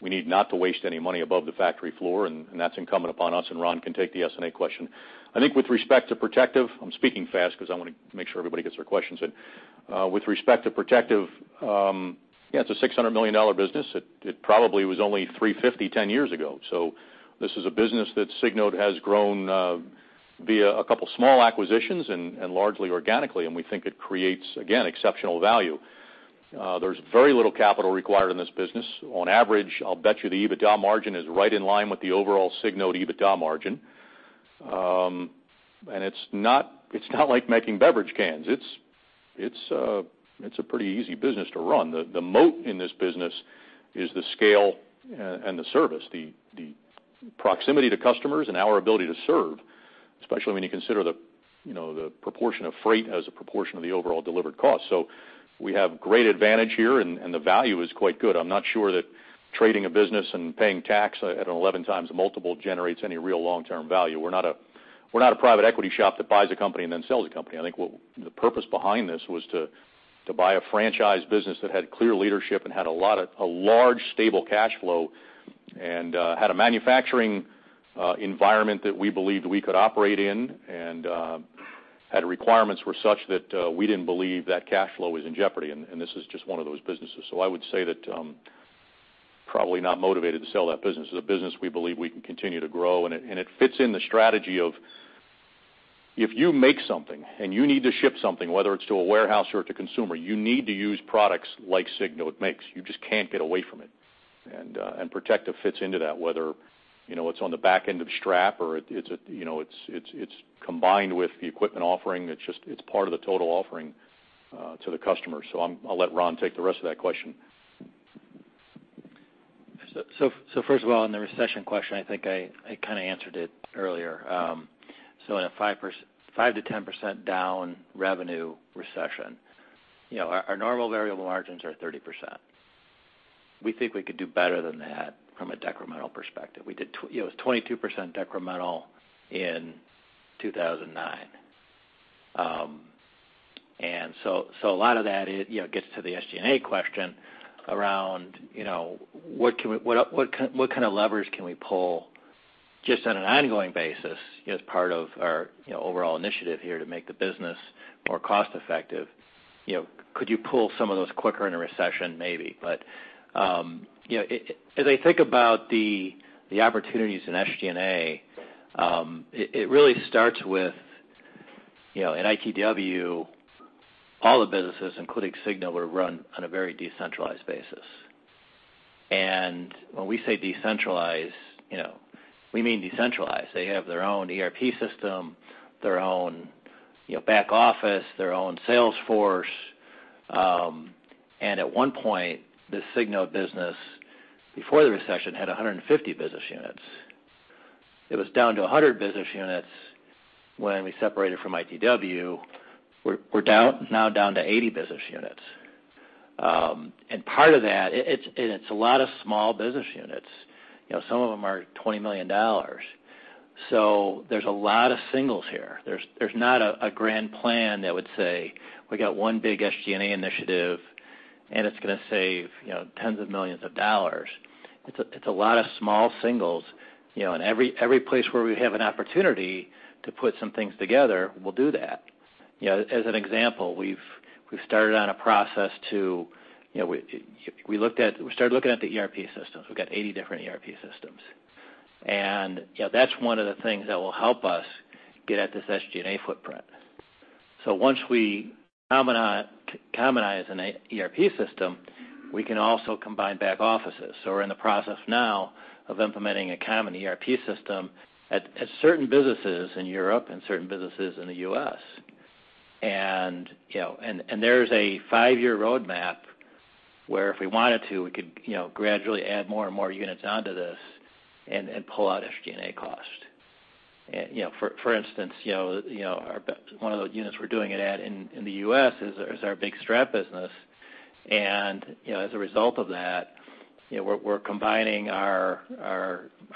we need not to waste any money above the factory floor, and that's incumbent upon us, and Ron can take the SG&A question. I think with respect to Protective, I'm speaking fast because I want to make sure everybody gets their questions in. With respect to Protective, yeah, it's a $600 million business. It probably was only $350 million 10 years ago. This is a business that Signode has grown via a couple small acquisitions and largely organically, we think it creates, again, exceptional value. There's very little capital required in this business. On average, I'll bet you the EBITDA margin is right in line with the overall Signode EBITDA margin. It's not like making beverage cans. It's a pretty easy business to run. The moat in this business is the scale and the service, the proximity to customers and our ability to serve, especially when you consider the proportion of freight as a proportion of the overall delivered cost. We have great advantage here, and the value is quite good. I'm not sure that trading a business and paying tax at an 11x multiple generates any real long-term value. We're not a private equity shop that buys a company and then sells a company. I think the purpose behind this was to buy a franchise business that had clear leadership and had a large, stable cash flow and had a manufacturing environment that we believed we could operate in and had requirements were such that we didn't believe that cash flow was in jeopardy, and this is just one of those businesses. I would say that probably not motivated to sell that business. It's a business we believe we can continue to grow, and it fits in the strategy of if you make something and you need to ship something, whether it's to a warehouse or to consumer, you need to use products like Signode makes. You just can't get away from it. Protective fits into that, whether it's on the back end of strap or it's combined with the equipment offering. It's part of the total offering to the customer. I'll let Ron take the rest of that question. First of all, on the recession question, I think I kind of answered it earlier. In a 5%-10% down revenue recession, our normal variable margins are 30%. We think we could do better than that from a decremental perspective. It was 22% decremental in 2009. A lot of that gets to the SG&A question around what kind of leverage can we pull just on an ongoing basis as part of our overall initiative here to make the business more cost-effective. Could you pull some of those quicker in a recession? Maybe. As I think about the opportunities in SG&A, it really starts with, in ITW, all the businesses, including Signode, were run on a very decentralized basis. When we say decentralized, we mean decentralized. They have their own ERP system, their own back office, their own sales force. At one point, the Signode business, before the recession, had 150 business units. It was down to 100 business units when we separated from ITW. We're now down to 80 business units. Part of that, it's a lot of small business units. Some of them are $20 million. There's a lot of singles here. There's not a grand plan that would say, we got one big SG&A initiative, and it's going to save tens of millions of dollars. It's a lot of small singles. Every place where we have an opportunity to put some things together, we'll do that. As an example, we started looking at the ERP systems. We've got 80 different ERP systems. That's one of the things that will help us get at this SG&A footprint. Once we commonize an ERP system, we can also combine back offices. We're in the process now of implementing a common ERP system at certain businesses in Europe and certain businesses in the U.S. There is a five-year roadmap where if we wanted to, we could gradually add more and more units onto this and pull out SG&A cost. For instance, one of the units we're doing it at in the U.S. is our big strap business. As a result of that, we're combining our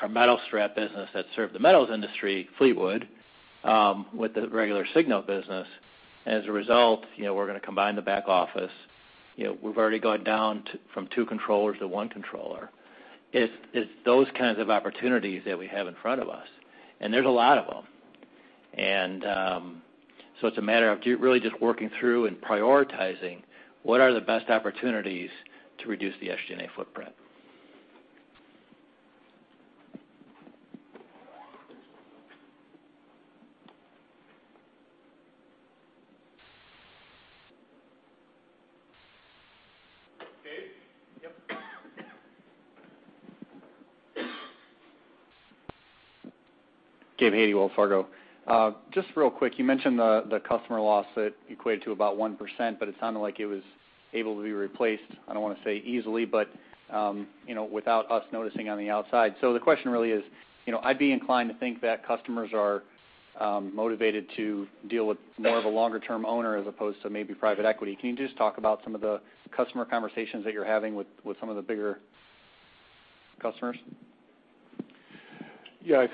metal strap business that served the metals industry, Fleetwood, with the regular Signode business. As a result, we're going to combine the back office. We've already gone down from two controllers to one controller. It's those kinds of opportunities that we have in front of us, and there's a lot of them. It's a matter of really just working through and prioritizing what are the best opportunities to reduce the SG&A footprint. Gabe? Yep. Gabe Hajde, Wells Fargo. Just real quick, you mentioned the customer loss that equated to about 1%, but it sounded like it was able to be replaced, I don't want to say easily, but without us noticing on the outside. The question really is, I'd be inclined to think that customers are motivated to deal with more of a longer-term owner as opposed to maybe private equity. Can you just talk about some of the customer conversations that you're having with some of the bigger customers? Yeah.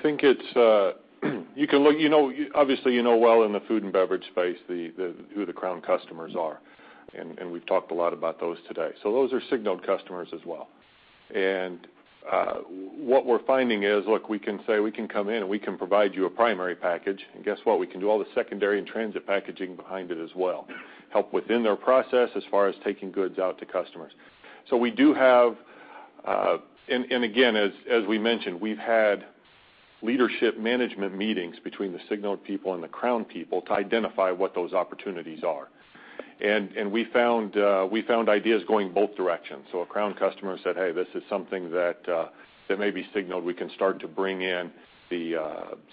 Obviously you know well in the food and beverage space who the Crown customers are, and we've talked a lot about those today. Those are Signode customers as well. What we're finding is, look, we can say, we can come in and we can provide you a primary package. Guess what? We can do all the secondary and transit packaging behind it as well, help within their process as far as taking goods out to customers. Again, as we mentioned, we've had leadership management meetings between the Signode people and the Crown people to identify what those opportunities are. We found ideas going both directions. A Crown customer said, "Hey, this is something that maybe Signode we can start to bring in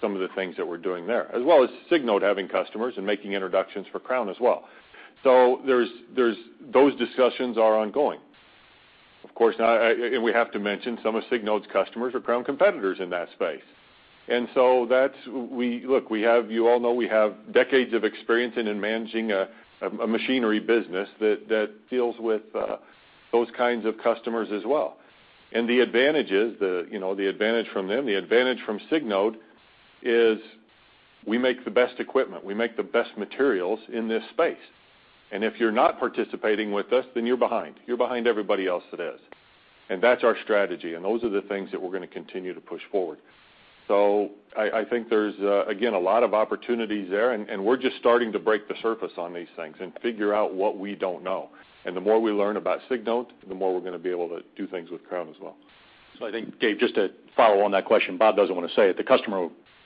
some of the things that we're doing there," as well as Signode having customers and making introductions for Crown as well. Those discussions are ongoing. Of course, we have to mention, some of Signode's customers are Crown competitors in that space. Look, you all know we have decades of experience in managing a machinery business that deals with those kinds of customers as well. The advantage from them, the advantage from Signode is we make the best equipment. We make the best materials in this space. If you're not participating with us, then you're behind. You're behind everybody else that is. That's our strategy, and those are the things that we're going to continue to push forward. I think there's, again, a lot of opportunities there, and we're just starting to break the surface on these things and figure out what we don't know. The more we learn about Signode, the more we're going to be able to do things with Crown as well. I think, Gabe, just to follow on that question, Bob doesn't want to say it.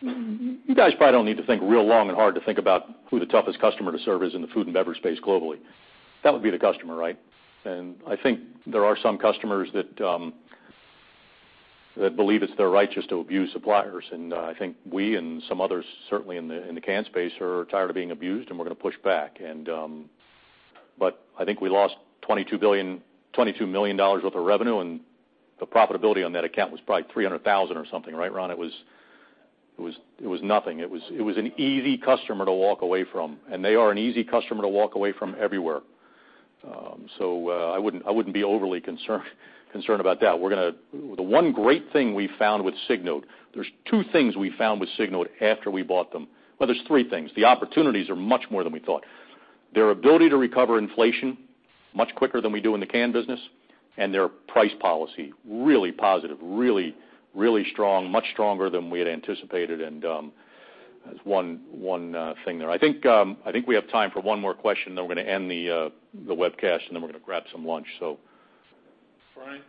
You guys probably don't need to think real long and hard to think about who the toughest customer to serve is in the food and beverage space globally. That would be the customer, right? I think there are some customers that believe it's their right just to abuse suppliers. I think we and some others, certainly in the can space, are tired of being abused, and we're going to push back. I think we lost $22 million worth of revenue, and the profitability on that account was probably $300,000 or something. Right, Ron? It was nothing. It was an easy customer to walk away from, and they are an easy customer to walk away from everywhere. I wouldn't be overly concerned about that. The one great thing we found with Signode, there's two things we found with Signode after we bought them. There's three things. The opportunities are much more than we thought. Their ability to recover inflation much quicker than we do in the can business, and their price policy, really positive, really strong, much stronger than we had anticipated, and that's one thing there. I think we have time for one more question, then we're going to end the webcast, and then we're going to grab some lunch. So Brian?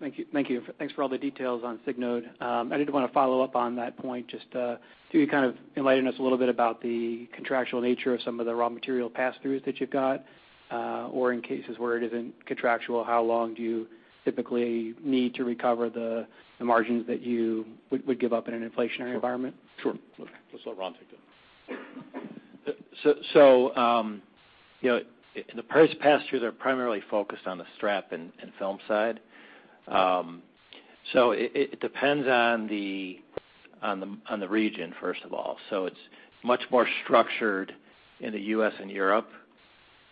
Thank you. Thanks for all the details on Signode. I did want to follow up on that point just to kind of enlighten us a little bit about the contractual nature of some of the raw material pass-throughs that you've got, or in cases where it isn't contractual, how long do you typically need to recover the margins that you would give up in an inflationary environment? Sure. Let's let Ron take that. In the price pass-through, they're primarily focused on the strap and film side. It depends on the region, first of all. It's much more structured in the U.S. and Europe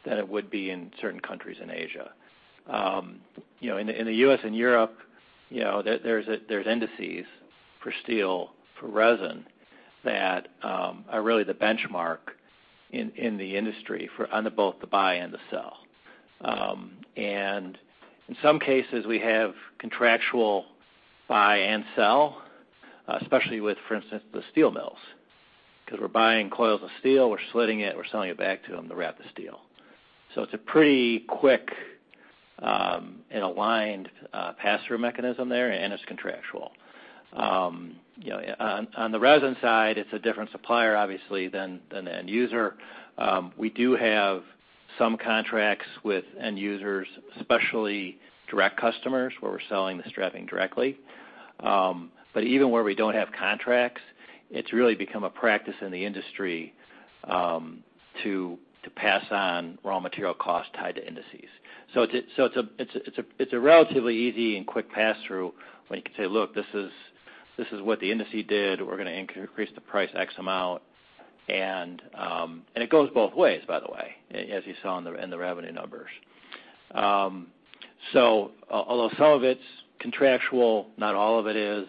than it would be in certain countries in Asia. In the U.S. and Europe, there's indices for steel, for resin, that are really the benchmark in the industry for both the buy and the sell. In some cases, we have contractual buy and sell, especially with, for instance, the steel mills, because we're buying coils of steel, we're slitting it, we're selling it back to them to wrap the steel. It's a pretty quick, and aligned pass-through mechanism there, and it's contractual. On the resin side, it's a different supplier, obviously, than the end user. We do have some contracts with end users, especially direct customers, where we're selling the strapping directly. Even where we don't have contracts, it's really become a practice in the industry to pass on raw material costs tied to indices. It's a relatively easy and quick pass-through where you can say, look, this is what the index did. We're going to increase the price X amount. It goes both ways, by the way, as you saw in the revenue numbers. Although some of it's contractual, not all of it is.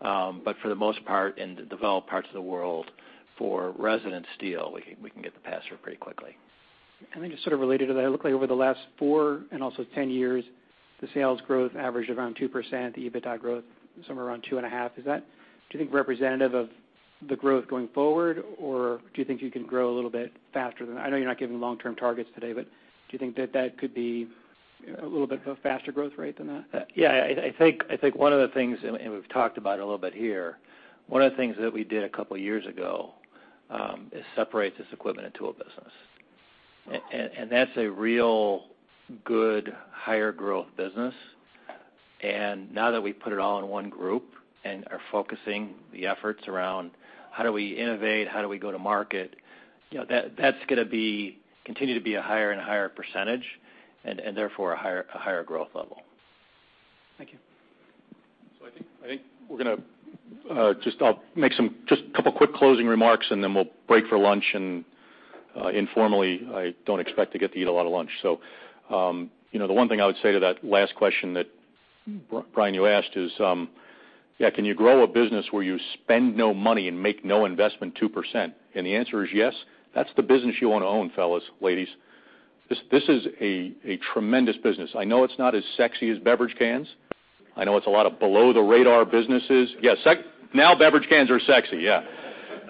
For the most part, in the developed parts of the world, for resin and steel, we can get the pass-through pretty quickly. Then just sort of related to that, it looked like over the last four and also 10 years, the sales growth averaged around 2%, the EBITDA growth somewhere around 2.5%. Is that, do you think, representative of the growth going forward, or do you think you can grow a little bit faster than-- I know you're not giving long-term targets today, but do you think that that could be a little bit of a faster growth rate than that? I think one of the things, and we've talked about it a little bit here, one of the things that we did a couple of years ago, is separate this equipment into a business. That's a real good, higher growth business. Now that we put it all in one group and are focusing the efforts around how do we innovate, how do we go to market, that's going to continue to be a higher and higher percentage, and therefore a higher growth level. Thank you. I think we're going to just make some just couple quick closing remarks, then we'll break for lunch and informally, I don't expect to get to eat a lot of lunch. The one thing I would say to that last question that, Brian, you asked is, can you grow a business where you spend no money and make no investment 2%? The answer is yes. That's the business you want to own, fellas, ladies. This is a tremendous business. I know it's not as sexy as beverage cans. I know it's a lot of below the radar businesses. Yes, now beverage cans are sexy, yeah.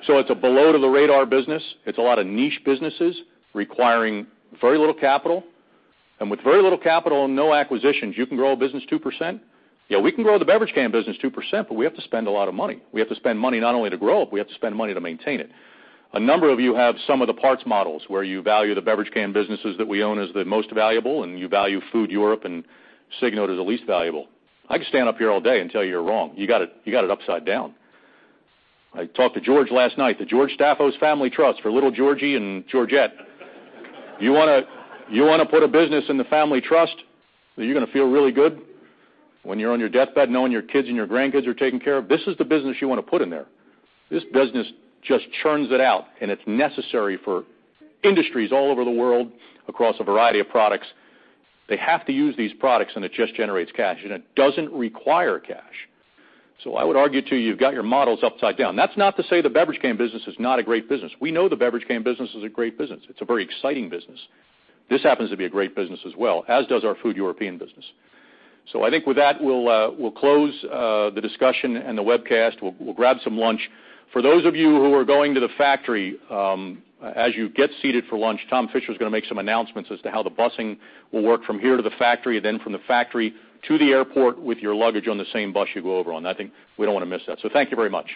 It's a below to the radar business. It's a lot of niche businesses requiring very little capital. With very little capital and no acquisitions, you can grow a business 2%. We can grow the beverage can business 2%, we have to spend a lot of money. We have to spend money not only to grow it, we have to spend money to maintain it. A number of you have some of the parts models where you value the beverage can businesses that we own as the most valuable, and you value Food Europe and Signode as the least valuable. I could stand up here all day and tell you you're wrong. You got it upside down. I talked to George last night, the George Staphos Family Trust for little Georgie and Georgette. You want to put a business in the family trust that you're going to feel really good when you're on your deathbed knowing your kids and your grandkids are taken care of? This is the business you want to put in there. This business just churns it out, and it's necessary for industries all over the world across a variety of products. They have to use these products, and it just generates cash, and it doesn't require cash. I would argue too, you've got your models upside down. That's not to say the beverage can business is not a great business. We know the beverage can business is a great business. It's a very exciting business. This happens to be a great business as well, as does our Food European business. I think with that, we'll close the discussion and the webcast. We'll grab some lunch. For those of you who are going to the factory, as you get seated for lunch, Tom Fischer's going to make some announcements as to how the busing will work from here to the factory, then from the factory to the airport with your luggage on the same bus you go over on. I think we don't want to miss that. Thank you very much.